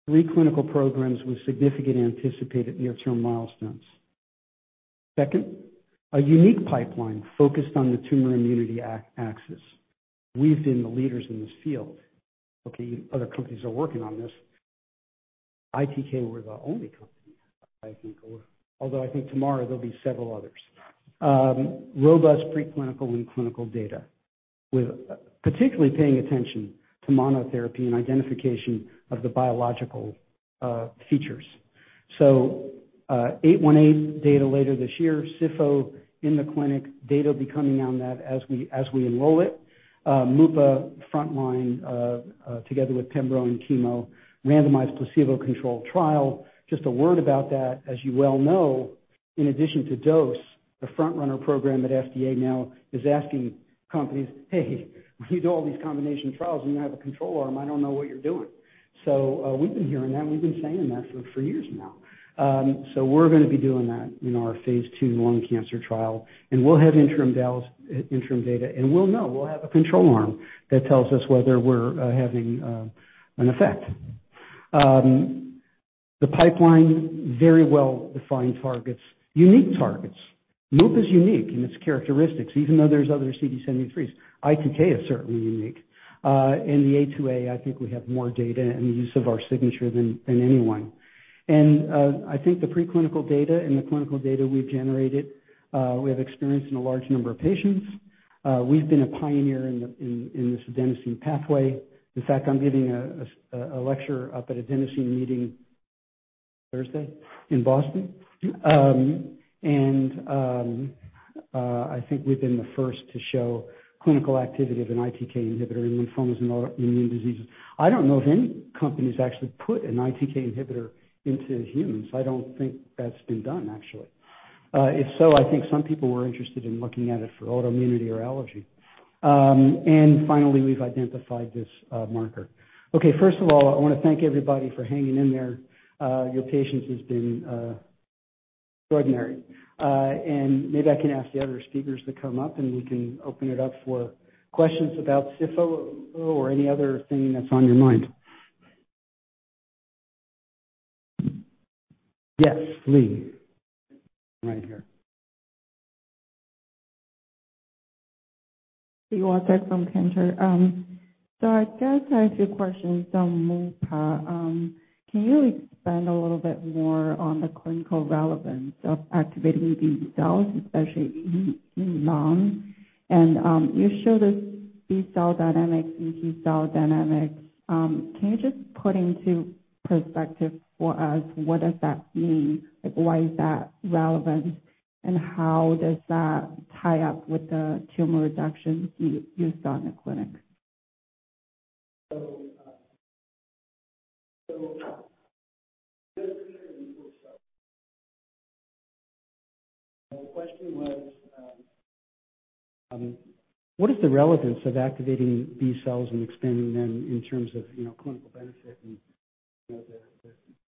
three clinical programs with significant anticipated near-term milestones. Second, a unique pipeline focused on the tumor immunity axis. We've been the leaders in this field. Okay, other companies are working on this. ITK, we're the only company, I think. Although I think tomorrow there'll be several others. Robust preclinical and clinical data with particularly paying attention to monotherapy and identification of the biological features. 818 data later this year. CIFO in the clinic, data will be coming on that as we enroll it. Mupa frontline, together with pembro and chemo, randomized placebo-controlled trial. Just a word about that, as you well know, in addition to dose, the front-runner program at FDA now is asking companies, "Hey, when you do all these combination trials and you have a control arm, I don't know what you're doing." We've been hearing that, and we've been saying that for years now. We're gonna be doing that in our phase two lung cancer trial, and we'll have interim data, and we'll know. We'll have a control arm that tells us whether we're having an effect. The pipeline, very well-defined targets, unique targets. Mupa's unique in its characteristics, even though there's other CD73s. ITK is certainly unique. The A2A, I think we have more data and use of our signature than anyone. I think the preclinical data and the clinical data we've generated, we have experience in a large number of patients. We've been a pioneer in this adenosine pathway. In fact, I'm giving a lecture up at adenosine meeting Thursday in Boston. I think we've been the first to show clinical activity of an ITK inhibitor in lymphomas and immune diseases. I don't know if any company's actually put an ITK inhibitor into humans. I don't think that's been done actually. If so, I think some people were interested in looking at it for autoimmunity or allergy. Finally, we've identified this marker. Okay. First of all, I wanna thank everybody for hanging in there. Your patience has been extraordinary. Maybe I can ask the other speakers to come up, and we can open it up for questions about CIFO or any other thing that's on your mind. Yes, Lee. Right here. From Cantor. I guess I have two questions on Mupa. Can you expand a little bit more on the clinical relevance of activating these cells, especially in non? You showed us B cell dynamics and T cell dynamics. Can you just put into perspective for us what does that mean? Like, why is that relevant, and how does that tie up with the tumor reduction you saw in the clinic? The question was, what is the relevance of activating B cells and expanding them in terms of, you know, clinical benefit and, you know, the--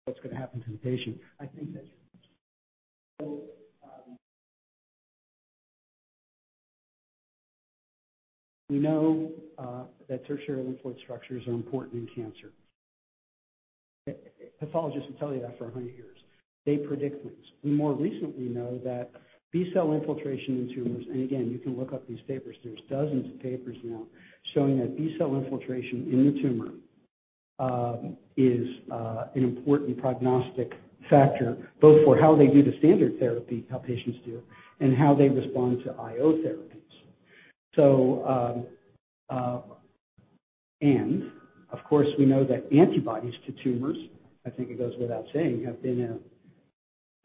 what's gonna happen to the patient? I think that's we know that tertiary lymphoid structures are important in cancer. Pathologists will tell you that for 100 years. They predict this. We more recently know that B cell infiltration in tumors, and again, you can look up these papers, there's dozens of papers now showing that B cell infiltration in the tumor is an important prognostic factor, both for how they do the standard therapy, how patients do, and how they respond to IO therapies. And of course we know that antibodies to tumors, I think it goes without saying, have been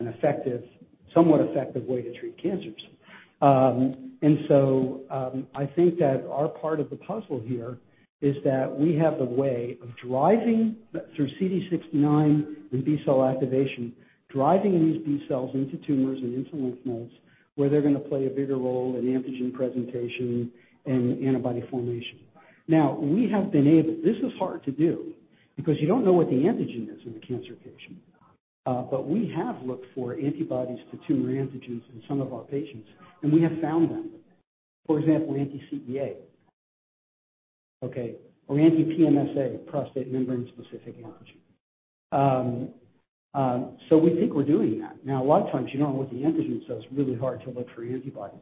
an effective, somewhat effective way to treat cancers. I think that our part of the puzzle here is that we have a way of driving through CD69 and B-cell activation, driving these B cells into tumors and into lymph nodes, where they're gonna play a bigger role in antigen presentation and antibody formation. This is hard to do because you don't know what the antigen is in the cancer patient. We have looked for antibodies to tumor antigens in some of our patients, and we have found them. For example, anti-CEA. Okay. Or anti-PSMA, prostate membrane-specific antigen. We think we're doing that. Now, a lot of times you don't know what the antigen, so it's really hard to look for antibodies.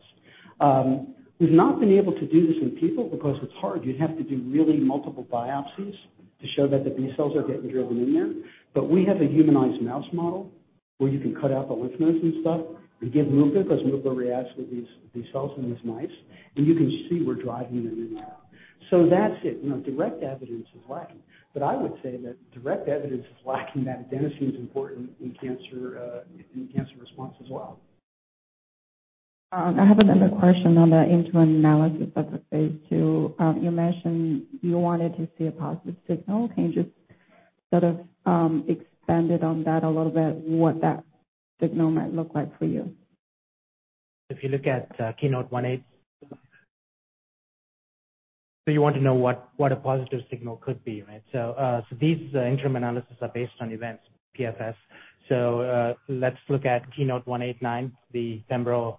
We've not been able to do this in people because it's hard. You'd have to do really multiple biopsies to show that the B cells are getting driven in there. We have a humanized mouse model where you can cut out the lymph nodes and stuff and give mupadolimab, 'cause mupadolimab reacts with these cells in these mice, and you can see we're driving them in there. That's it. You know, direct evidence is lacking, but I would say that direct evidence is lacking that adenosine is important in cancer, in cancer response as well. I have another question on the interim analysis of the phase two. You mentioned you wanted to see a positive signal. Can you just sort of expand it on that a little bit, what that signal might look like for you? If you look at KEYNOTE-189. You want to know what a positive signal could be, right? These interim analysis are based on events, PFS. Let's look at KEYNOTE-189, the pembro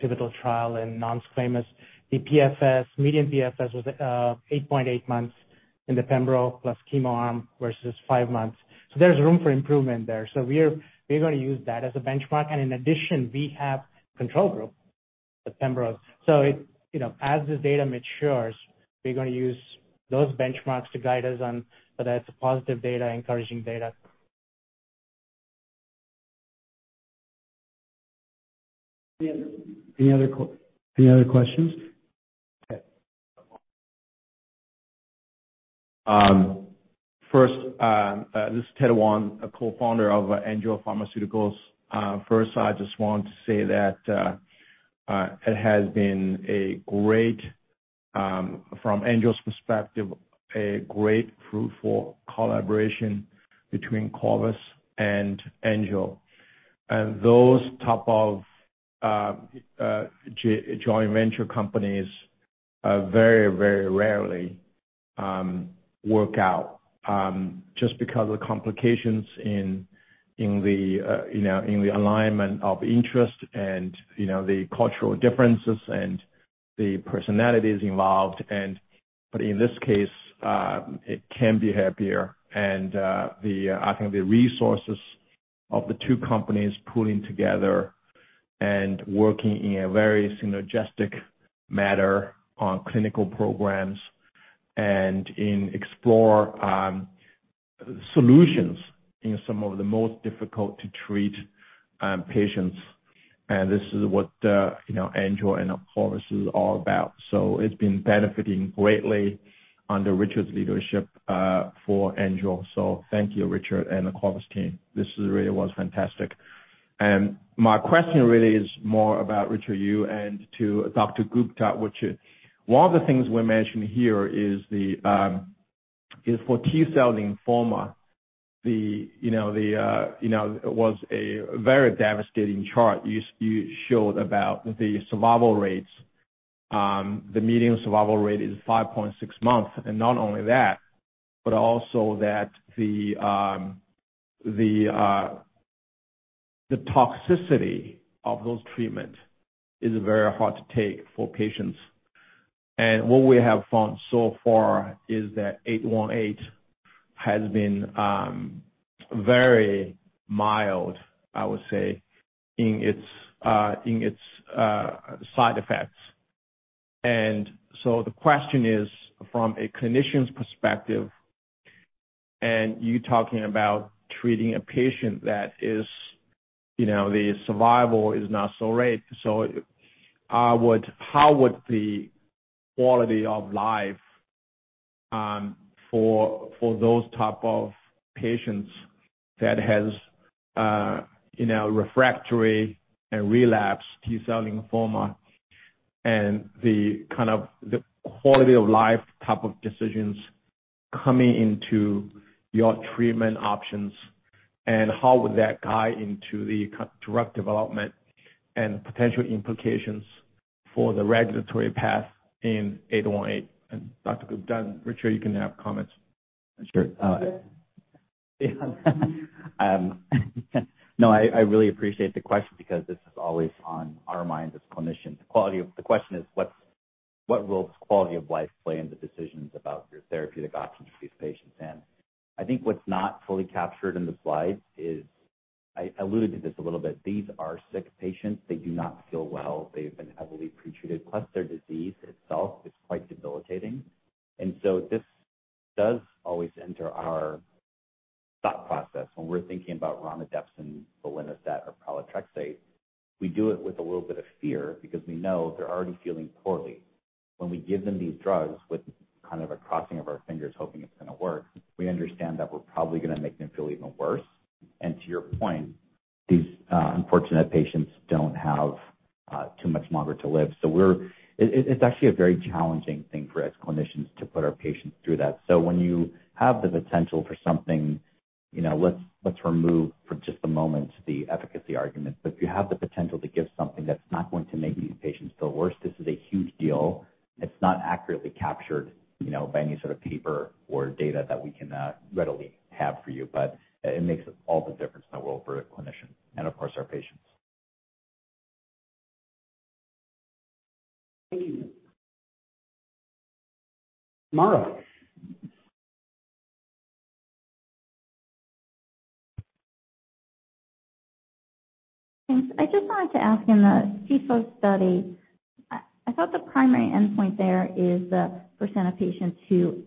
pivotal trial in non-squamous. The PFS, median PFS was 8.8 months in the pembro plus chemo arm versus 5 months. There's room for improvement there. We're gonna use that as a benchmark. In addition, we have control group, the pembro. You know, as the data matures, we're gonna use those benchmarks to guide us on whether that's a positive data, encouraging data. Any other questions? Okay. This is Ted Wang, a co-founder of Angel Pharmaceuticals. First, I just want to say that it has been a great, from Angel's perspective, a great fruitful collaboration between Corvus and Angel. Those type of joint venture companies very rarely work out just because of the complications in the alignment of interest and you know the cultural differences and the personalities involved. But in this case, it can't be happier. I think the resources of the two companies pulling together and working in a very synergistic manner on clinical programs and in exploring solutions in some of the most difficult to treat patients. This is what you know Angel and Corvus is all about. It's been benefiting greatly under Richard's leadership for Angio. Thank you, Richard and the Corvus team. This really was fantastic. My question really is more about Richard and Dr. Gupta, which one of the things we're mentioning here is for T-cell lymphoma, you know, it was a very devastating chart you showed about the survival rates. The median survival rate is 5.6 months. Not only that, but also that the toxicity of those treatments is very hard to take for patients. What we have found so far is that CPI-818 has been very mild, I would say, in its side effects. The question is, from a clinician's perspective and you talking about treating a patient that is, you know, the survival is not so great. How would the quality of life for those type of patients that has, you know, refractory and relapsed T-cell lymphoma and the kind of the quality of life type of decisions coming into your treatment options and how would that guide into the key drug development and potential implications for the regulatory path in 808? Dr. Neel Gupta and Richard Miller, you can have comments. Sure. No, I really appreciate the question because this is always on our mind as clinicians. The question is what role does quality of life play into decisions about your therapeutic options for these patients? I think what's not fully captured in the slides is, I alluded to this a little bit, these are sick patients. They do not feel well. They've been heavily pre-treated, plus their disease itself is quite debilitating. This does always enter our thought process when we're thinking about romidepsin, belinostat or pralatrexate. We do it with a little bit of fear because we know they're already feeling poorly. When we give them these drugs with kind of a crossing of our fingers hoping it's gonna work, we understand that we're probably gonna make them feel even worse. To your point, these unfortunate patients don't have too much longer to live. It's actually a very challenging thing for us clinicians to put our patients through that. When you have the potential for something, you know, let's remove for just a moment the efficacy argument. If you have the potential to give something that's not going to make these patients feel worse, this is a huge deal. It's not accurately captured, you know, by any sort of paper or data that we can readily have for you. It makes all the difference in the world for a clinician and of course our patients. Thank you. Mara? Thanks. I just wanted to ask, in the CIFO study, I thought the primary endpoint there is the percent of patients who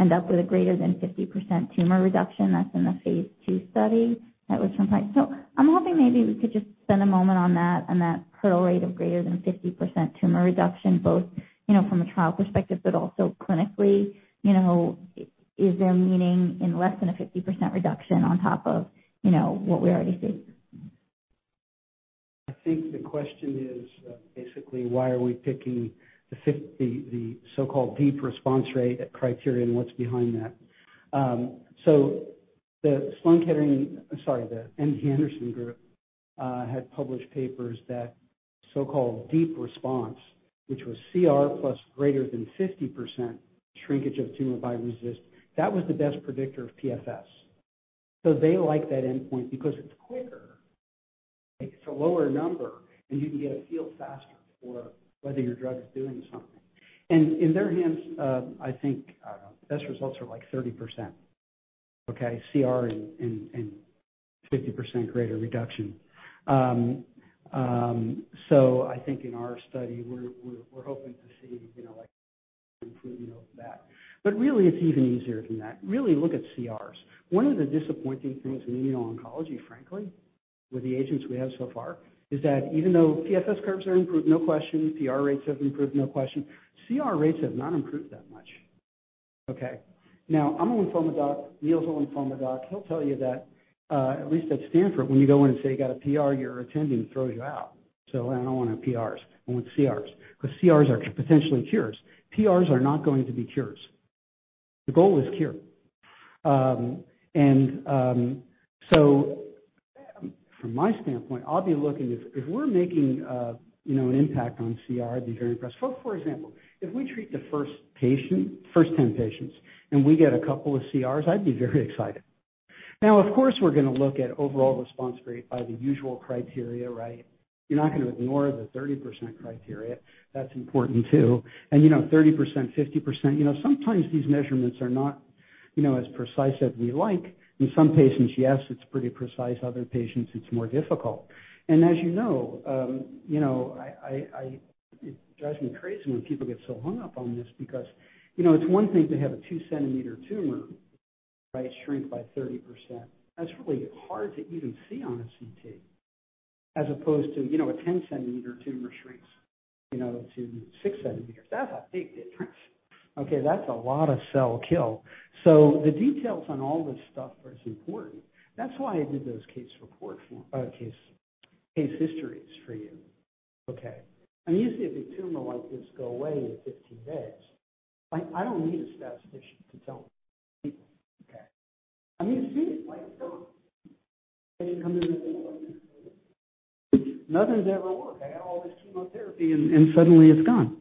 end up with a greater than 50% tumor reduction. That's in the phase two study. I'm hoping maybe we could just spend a moment on that, on that hurdle rate of greater than 50% tumor reduction, both, you know, from a trial perspective, but also clinically. You know, is there meaning in less than a 50% reduction on top of, you know, what we already see? I think the question is basically why are we picking the the so-called deep response rate criteria and what's behind that? The Sloan Kettering, sorry, the MD Anderson group had published papers that so-called deep response, which was CR plus greater than 50% shrinkage of tumor by RECIST, that was the best predictor of PFS. They like that endpoint because it's quicker. It's a lower number, and you can get a feel faster for whether your drug is doing something. In their hands, I think, I don't know, the best results are like 30%. Okay? CR and 50% greater reduction. I think in our study we're hoping to see, you know, like improvement over that. Really it's even easier than that. Really look at CRs. One of the disappointing things in immuno-oncology, frankly, with the agents we have so far, is that even though PFS curves are improved, no question, PR rates have improved, no question, CR rates have not improved that much. Okay? Now I'm a lymphoma doc, Neel's a lymphoma doc. He'll tell you that at least at Stanford, when you go in and say you got a PR, your attending throws you out. I don't want PRs, I want CRs, because CRs are potentially cures. PRs are not going to be cures. The goal is cure. From my standpoint, I'll be looking if we're making an impact on CR, I'd be very impressed. For example, if we treat the first patient, first 10 patients, and we get a couple of CRs, I'd be very excited. Now, of course, we're gonna look at overall response rate by the usual criteria, right? You're not gonna ignore the 30% criteria. That's important too. You know, 30%, 50%, you know, sometimes these measurements are not, you know, as precise as we like. In some patients, yes, it's pretty precise. Other patients, it's more difficult. As you know, you know, it drives me crazy when people get so hung up on this because, you know, it's one thing to have a 2-centimeter tumor shrink by 30%. That's really hard to even see on a CT as opposed to, you know, a 10-centimeter tumor shrinks, you know, to 6 centimeters. That's a big difference, okay? That's a lot of cell kill. The details on all this stuff are as important. That's why I did those case reports for case histories for you. Okay. When you see a big tumor like this go away in 15 days, I don't need a statistician to tell me. Okay. I need to see it. Like, gone. Patient comes in. Nothing's ever worked. I got all this chemotherapy and suddenly it's gone.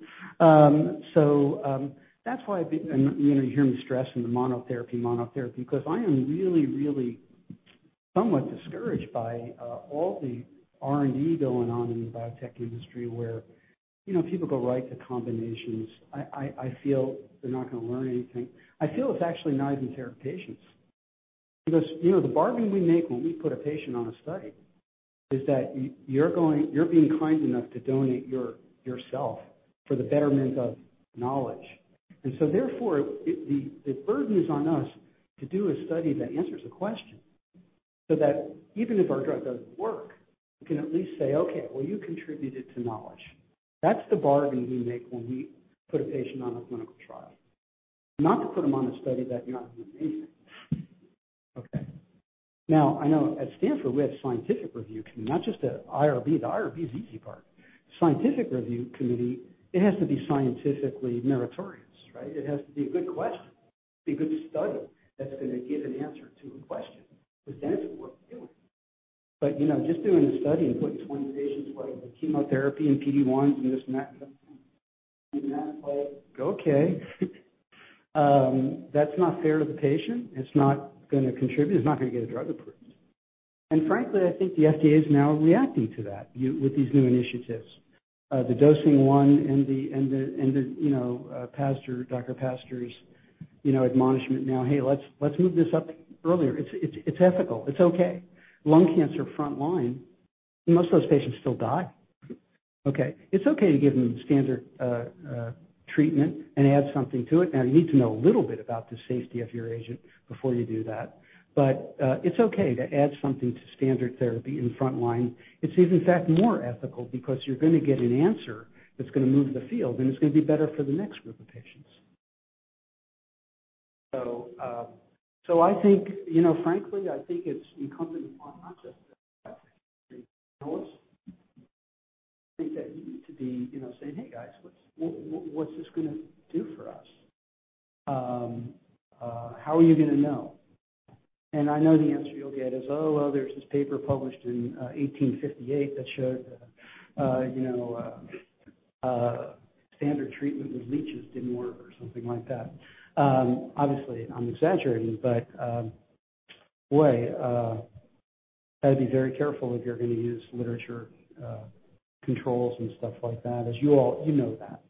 That's why I've been, you know, you hear me stressing the monotherapy because I am really, really somewhat discouraged by all the R&D going on in the biotech industry where, you know, people go right to combinations. I feel they're not gonna learn anything. I feel it's actually not even fair to patients because, you know, the bargain we make when we put a patient on a study is that you're being kind enough to donate yourself for the betterment of knowledge. The burden is on us to do a study that answers a question so that even if our drug doesn't work, we can at least say, "Okay. Well, you contributed to knowledge." That's the bargain we make when we put a patient on a clinical trial, not to put them on a study that's not gonna do anything. Okay. Now, I know at Stanford, we have scientific review committee, not just a IRB. The IRB is the easy part. Scientific review committee, it has to be scientifically meritorious, right? It has to be a good question. Be a good study that's gonna give an answer to a question. That's what we're doing. You know, just doing a study and putting 20 patients like chemotherapy and PD-1 and this and that, and that's like, okay. That's not fair to the patient. It's not gonna contribute. It's not gonna get a drug approved. Frankly, I think the FDA is now reacting to that with these new initiatives. The dosing one and the, you know, Dr. Pazdur's, you know, admonishment now, "Hey, let's move this up earlier. It's ethical. It's okay." Lung cancer frontline, most of those patients still die. Okay. It's okay to give them standard treatment and add something to it. Now, you need to know a little bit about the safety of your agent before you do that. It's okay to add something to standard therapy in front line. It's even, in fact, more ethical because you're gonna get an answer that's gonna move the field, and it's gonna be better for the next group of patients. I think, you know, frankly, I think it's incumbent upon us I think that you need to be, you know, saying, "Hey, guys, what's this gonna do for us? How are you gonna know?" I know the answer you'll get is, "Oh, well, there's this paper published in 1858 that showed that standard treatment with leeches didn't work," or something like that. Obviously, I'm exaggerating, but boy, gotta be very careful if you're gonna use literature controls and stuff like that, as you all know that.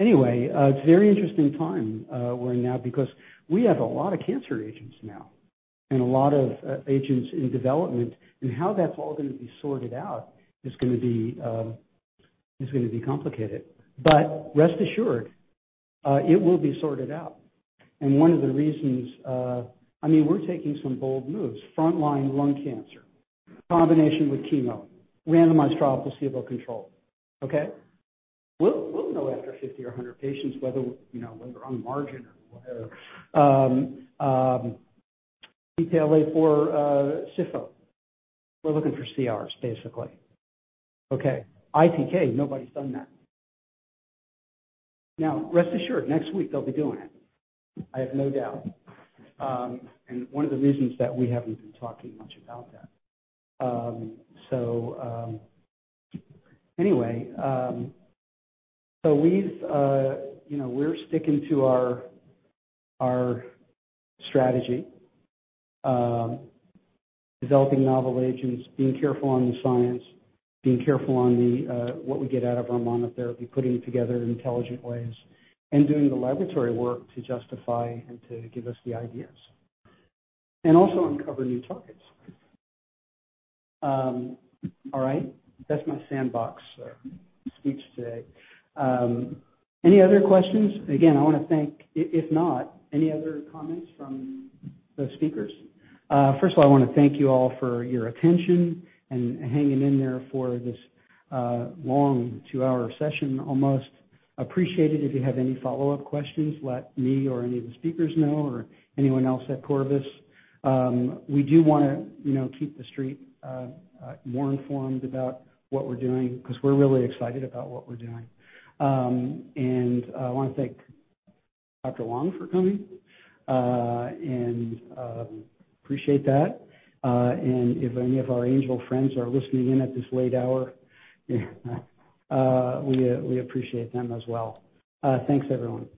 Anyway, it's a very interesting time we're in now because we have a lot of cancer agents now, and a lot of agents in development. How that's all gonna be sorted out is gonna be complicated. Rest assured, it will be sorted out. One of the reasons, I mean, we're taking some bold moves. Front line lung cancer, combination with chemo, randomized trial for placebo control, okay? We'll know after 50 or 100 patients whether, you know, whether we're on the margin or whatever. BTLA for CIFO. We're looking for CRs, basically. Okay. ITK, nobody's done that. Now, rest assured, next week they'll be doing it. I have no doubt. One of the reasons that we haven't been talking much about that. So we've, you know, we're sticking to our strategy, developing novel agents, being careful on the science, being careful on what we get out of our monotherapy, putting together intelligent ways, and doing the laboratory work to justify and to give us the ideas. Also uncover new targets. All right? That's my sandbox speech today. Any other questions? Again, I wanna thank. If not, any other comments from the speakers? First of all, I wanna thank you all for your attention and hanging in there for this long two-hour session almost. Appreciate it. If you have any follow-up questions, let me or any of the speakers know or anyone else at Corvus. We do wanna, you know, keep the street more informed about what we're doing 'cause we're really excited about what we're doing. I wanna thank Dr. Wang for coming and appreciate that. If any of our angel friends are listening in at this late hour, we appreciate them as well. Thanks everyone.